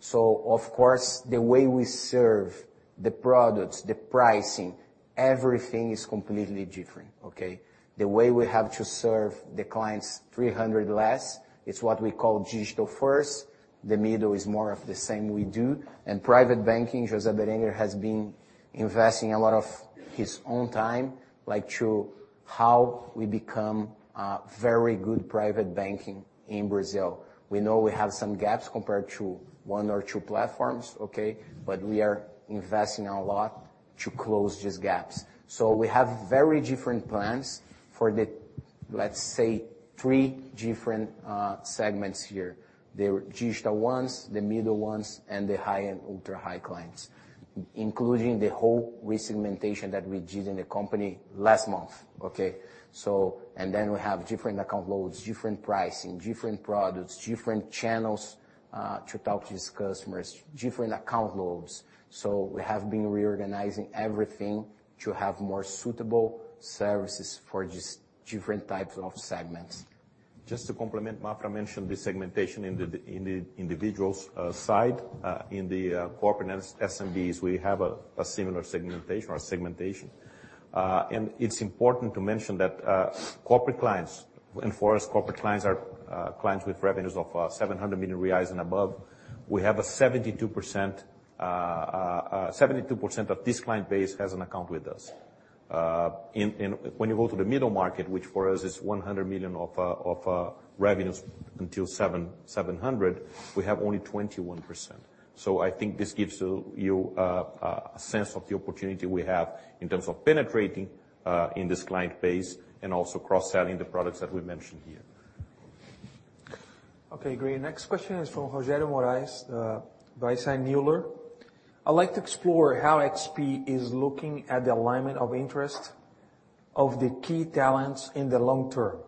So of course, the way we serve the products, the pricing, everything is completely different, okay? The way we have to serve the clients, 300 less, is what we call Digital First. The middle is more of the same we do. And private banking, José Berenguer, has been investing a lot of his own time, like, to how we become a very good private banking in Brazil. We know we have some gaps compared to one or two platforms, okay? But we are investing a lot to close these gaps. So we have very different plans for the, let's say, three different segments here. The digital ones, the middle ones, and the high and ultra-high clients, including the whole resegmentation that we did in the company last month, okay? And then we have different account loads, different pricing, different products, different channels to talk to these customers, different account loads. So we have been reorganizing everything to have more suitable services for these different types of segments. Just to complement, Maffra mentioned the segmentation in the, in the individuals, side. In the, corporate and SMBs, we have a, a similar segmentation or segmentation. And it's important to mention that, corporate clients, and for us, corporate clients are, clients with revenues of 700 million reais and above. We have a 72%, 72% of this client base has an account with us. In, when you go to the middle market, which for us is 100 million of, of, revenues until seven, 700, we have only 21%. So I think this gives you, you, a sense of the opportunity we have in terms of penetrating, in this client base and also cross-selling the products that we mentioned here. Okay, great. Next question is from Rogério Moraes, by Singular. "I'd like to explore how XP is looking at the alignment of interest of the key talents in the long term.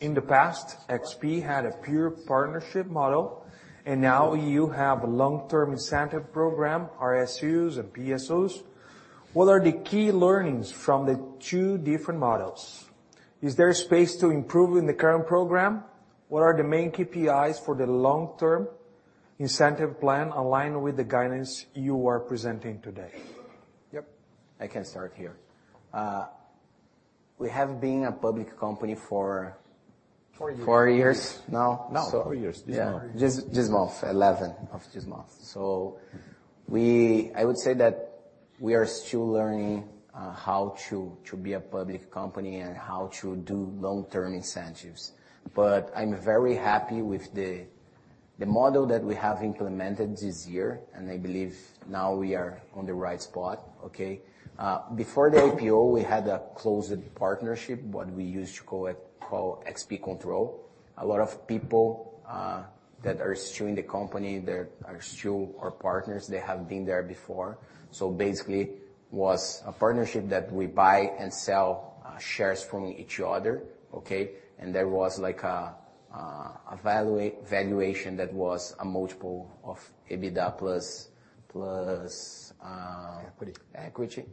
In the past, XP had a pure partnership model, and now you have a long-term incentive program, RSUs and PSUs. What are the key learnings from the two different models? Is there space to improve in the current program? What are the main KPIs for the long-term incentive plan aligned with the guidance you are presenting today? Yep, I can start here. We have been a public company for- Four years Four years now. Now, 4 years. Yeah, this month, 11 of this month. So I would say that we are still learning how to be a public company and how to do long-term incentives. But I'm very happy with the model that we have implemented this year, and I believe now we are on the right spot, okay? Before the IPO, we had a closed partnership, what we used to call XP Control. A lot of people that are still in the company, that are still our partners, they have been there before. So basically, it was a partnership that we buy and sell shares from each other, okay? And there was like a valuation that was a multiple of EBITDA plus, plus. Equity. Equity.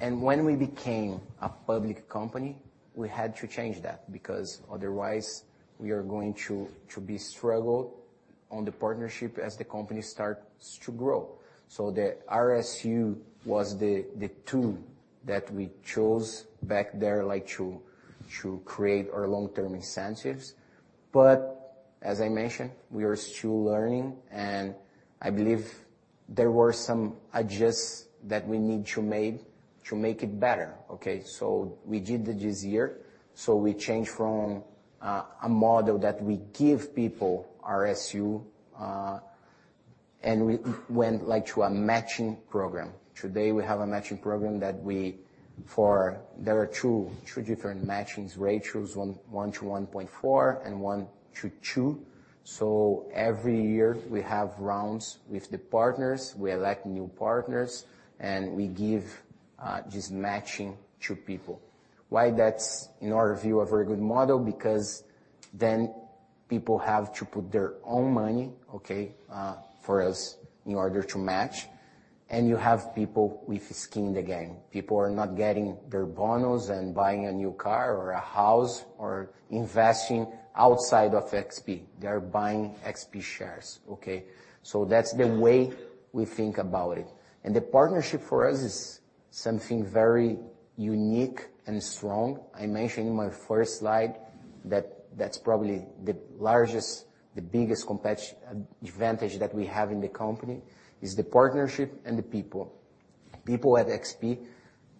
And when we became a public company, we had to change that, because otherwise we are going to be struggled on the partnership as the company starts to grow. So the RSU was the tool that we chose back there, like to create our long-term incentives. But as I mentioned, we are still learning, and I believe there were some adjusts that we need to make to make it better, okay? So we did it this year. So we changed from a model that we give people RSU, and we went, like, to a matching program. Today, we have a matching program that there are two different matchings ratios, 1 to 1.4 and 1 to 2. So every year, we have rounds with the partners, we elect new partners, and we give this matching to people. Why that's, in our view, a very good model? Because then- People have to put their own money, okay, for us in order to match, and you have people with skin in the game. People are not getting their bonus and buying a new car or a house, or investing outside of XP. They are buying XP shares, okay? So that's the way we think about it. And the partnership for us is something very unique and strong. I mentioned in my first slide that that's probably the largest, the biggest competitive advantage that we have in the company, is the partnership and the people. People at XP,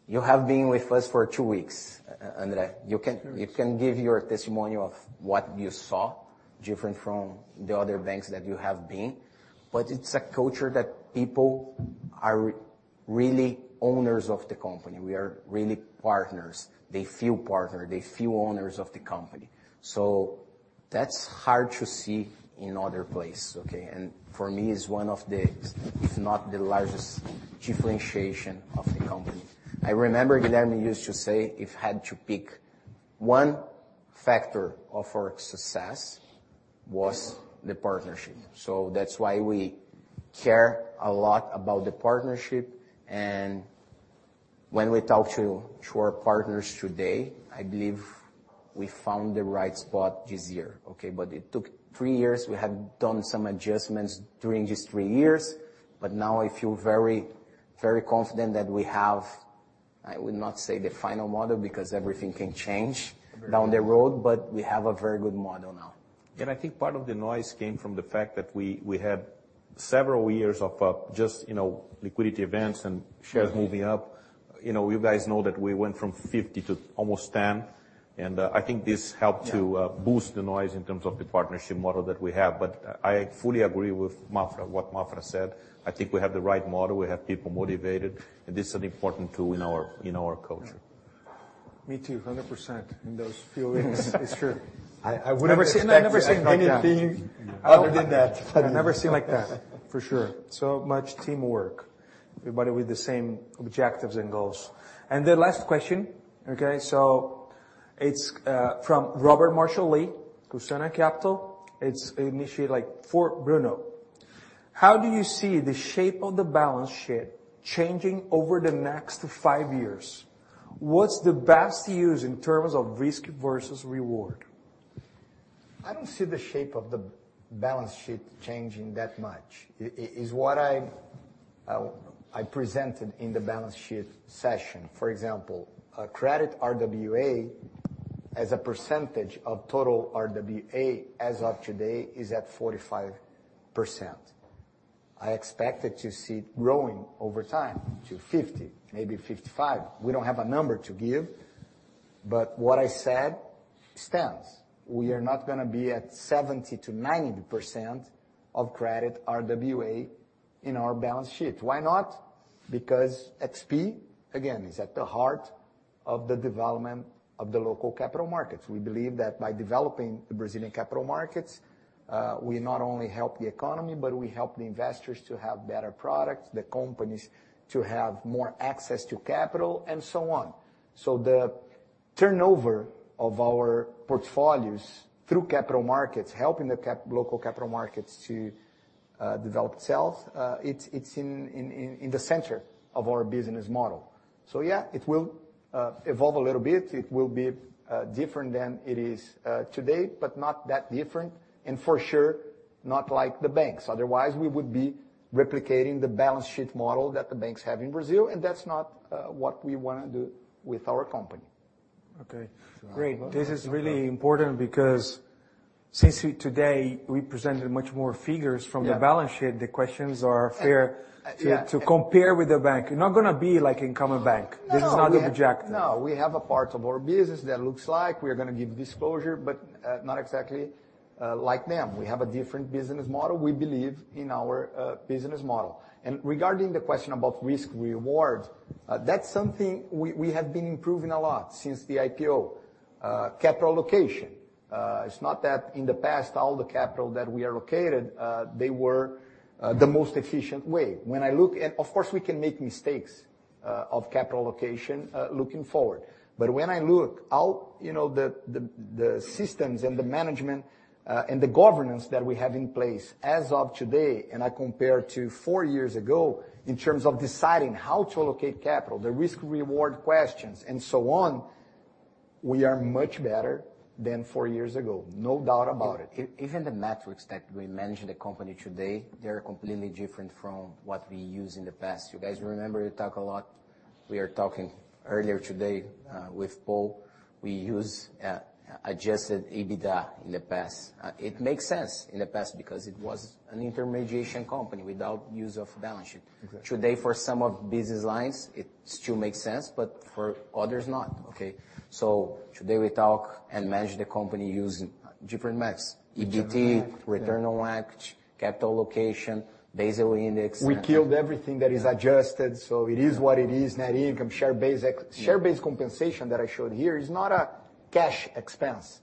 you have been with us for two weeks, André. Two weeks. You can, you can give your testimonial of what you saw, different from the other banks that you have been. But it's a culture that people are really owners of the company. We are really partners. They feel partner, they feel owners of the company, so that's hard to see in other place, okay? And for me, it's one of the, if not the largest, differentiation of the company. I remember Guilherme used to say, "If I had to pick one factor of our success, was the partnership." So that's why we care a lot about the partnership, and when we talk to our partners today, I believe we found the right spot this year, okay? But it took three years. We have done some adjustments during these three years, but now I feel very, very confident that we have... I would not say the final model, because everything can change. Sure. down the road, but we have a very good model now. I think part of the noise came from the fact that we had several years of just, you know, liquidity events and- Sure Shares moving up. You know, you guys know that we went from 50 to almost 10, and, I think this helped to- Yeah. Boost the noise in terms of the partnership model that we have. But I, I fully agree with Maffra, what Maffra said. I think we have the right model, we have people motivated, and this is important, too, in our, in our culture. Me too, 100%. In those few weeks, it's true. I would never expect to see anything other than that. I've never seen like that, for sure. So much teamwork, everybody with the same objectives and goals. And the last question, okay, so it's from Robert Marshall-Lee, Cusana Capital. It's initially like for Bruno: "How do you see the shape of the balance sheet changing over the next five years? What's the best use in terms of risk versus reward? I don't see the shape of the balance sheet changing that much. It is what I presented in the balance sheet session. For example, credit RWA, as a percentage of total RWA, as of today, is at 45%. I expect to see it growing over time to 50, maybe 55. We don't have a number to give, but what I said stands. We are not gonna be at 70%-90% of credit RWA in our balance sheet. Why not? Because XP, again, is at the heart of the development of the local capital markets. We believe that by developing the Brazilian capital markets, we not only help the economy, but we help the investors to have better products, the companies to have more access to capital, and so on. So the turnover of our portfolios through capital markets, helping the local capital markets to develop itself, it's in the center of our business model. So yeah, it will evolve a little bit. It will be different than it is today, but not that different, and for sure, not like the banks. Otherwise, we would be replicating the balance sheet model that the banks have in Brazil, and that's not what we wanna do with our company. Okay. Great. So- This is really important because since today, we presented much more figures from- Yeah The balance sheet, the questions are fair- Yeah To compare with the bank. You're not gonna be like in common bank. No, we have- This is not the objective. No, we have a part of our business that looks like we are gonna give disclosure, but, not exactly, like them. We have a different business model. We believe in our business model. And regarding the question about risk reward, that's something we, we have been improving a lot since the IPO. Capital allocation, it's not that in the past, all the capital that we are allocated, they were, the most efficient way. When I look at... Of course, we can make mistakes, of capital allocation, looking forward. When I look out, you know, the systems and the management, and the governance that we have in place as of today, and I compare to four years ago, in terms of deciding how to allocate capital, the risk-reward questions, and so on, we are much better than four years ago, no doubt about it. Even the metrics that we manage the company today, they're completely different from what we used in the past. You guys remember, we talk a lot. We are talking earlier today, with Paul. We use adjusted EBITDA in the past. It makes sense in the past, because it was an intermediation company without use of balance sheet. Exactly. Today, for some of business lines, it still makes sense, but for others, not, okay? So today, we talk and manage the company using different metrics- Different metrics EBT, return on equity, capital allocation, Basel index, and- We killed everything that is adjusted, so it is what it is. Net income, share-based... Share-based compensation that I showed here is not a cash expense,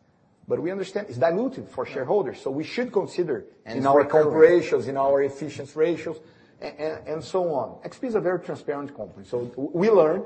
but we understand it's dilutive for shareholders, so we should consider- It's recovered. In our cover ratios, in our efficiency ratios, and so on. XP is a very transparent company, so we learn.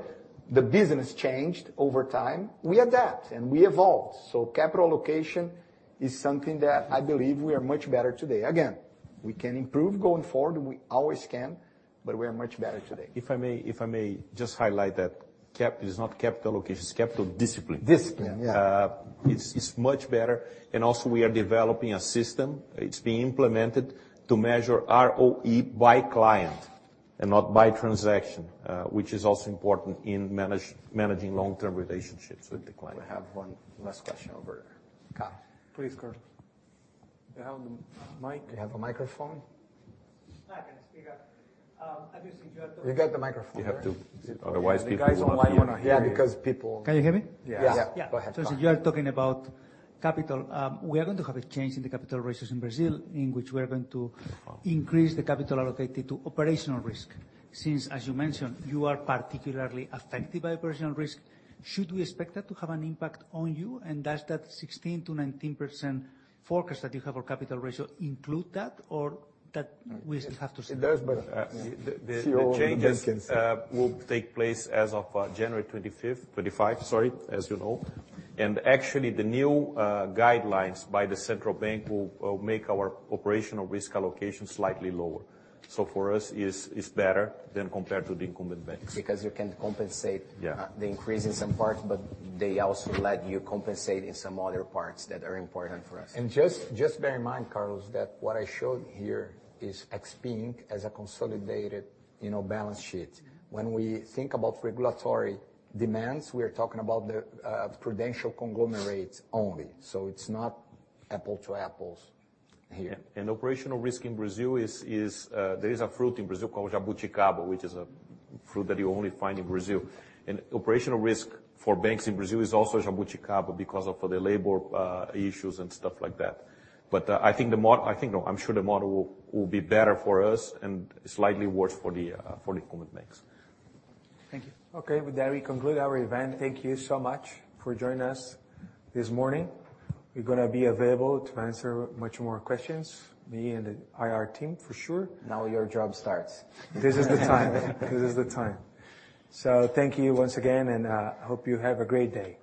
The business changed over time. We adapt, and we evolve, so capital allocation is something that I believe we are much better today. Again, We can improve going forward, we always can, but we are much better today. If I may, if I may just highlight that cap is not capital allocation, it's capital discipline. Discipline, yeah. It's much better, and also we are developing a system, it's being implemented, to measure ROE by client and not by transaction, which is also important in managing long-term relationships with the client. We have one last question over there. Carlos. Please, Carlos. You have the mic? You have a microphone? I can speak up. Obviously, you have to- You got the microphone. You have to, otherwise people will not hear you. The guys on here wanna hear, because people- Can you hear me? Yes. Yeah. Yeah. Go ahead, Carlos. Since you are talking about capital, we are going to have a change in the capital ratios in Brazil, in which we are going to increase the capital allocated to operational risk. Since, as you mentioned, you are particularly affected by operational risk, should we expect that to have an impact on you? And does that 16%-19% forecast that you have for capital ratio include that, or that we still have to see? It does, but, The changes will take place as of January 25, 2025, sorry, as you know. And actually, the new guidelines by the Central Bank will make our operational risk allocation slightly lower. So for us, it's better than compared to the incumbent banks. Because you can compensate- Yeah The increase in some parts, but they also let you compensate in some other parts that are important for us. Just bear in mind, Carlos, that what I showed here is XP Inc. as a consolidated, you know, balance sheet. When we think about regulatory demands, we're talking about the prudential conglomerate only, so it's not apples to apples here. Yeah. And operational risk in Brazil is... There is a fruit in Brazil called jabuticaba, which is a fruit that you only find in Brazil. And operational risk for banks in Brazil is also jabuticaba because of for the labor issues and stuff like that. But I think, no, I'm sure the model will be better for us and slightly worse for the incumbent banks. Thank you. Okay, with that, we conclude our event. Thank you so much for joining us this morning. We're gonna be available to answer much more questions, me and the IR team, for sure. Now your job starts. This is the time. This is the time. So thank you once again, and hope you have a great day.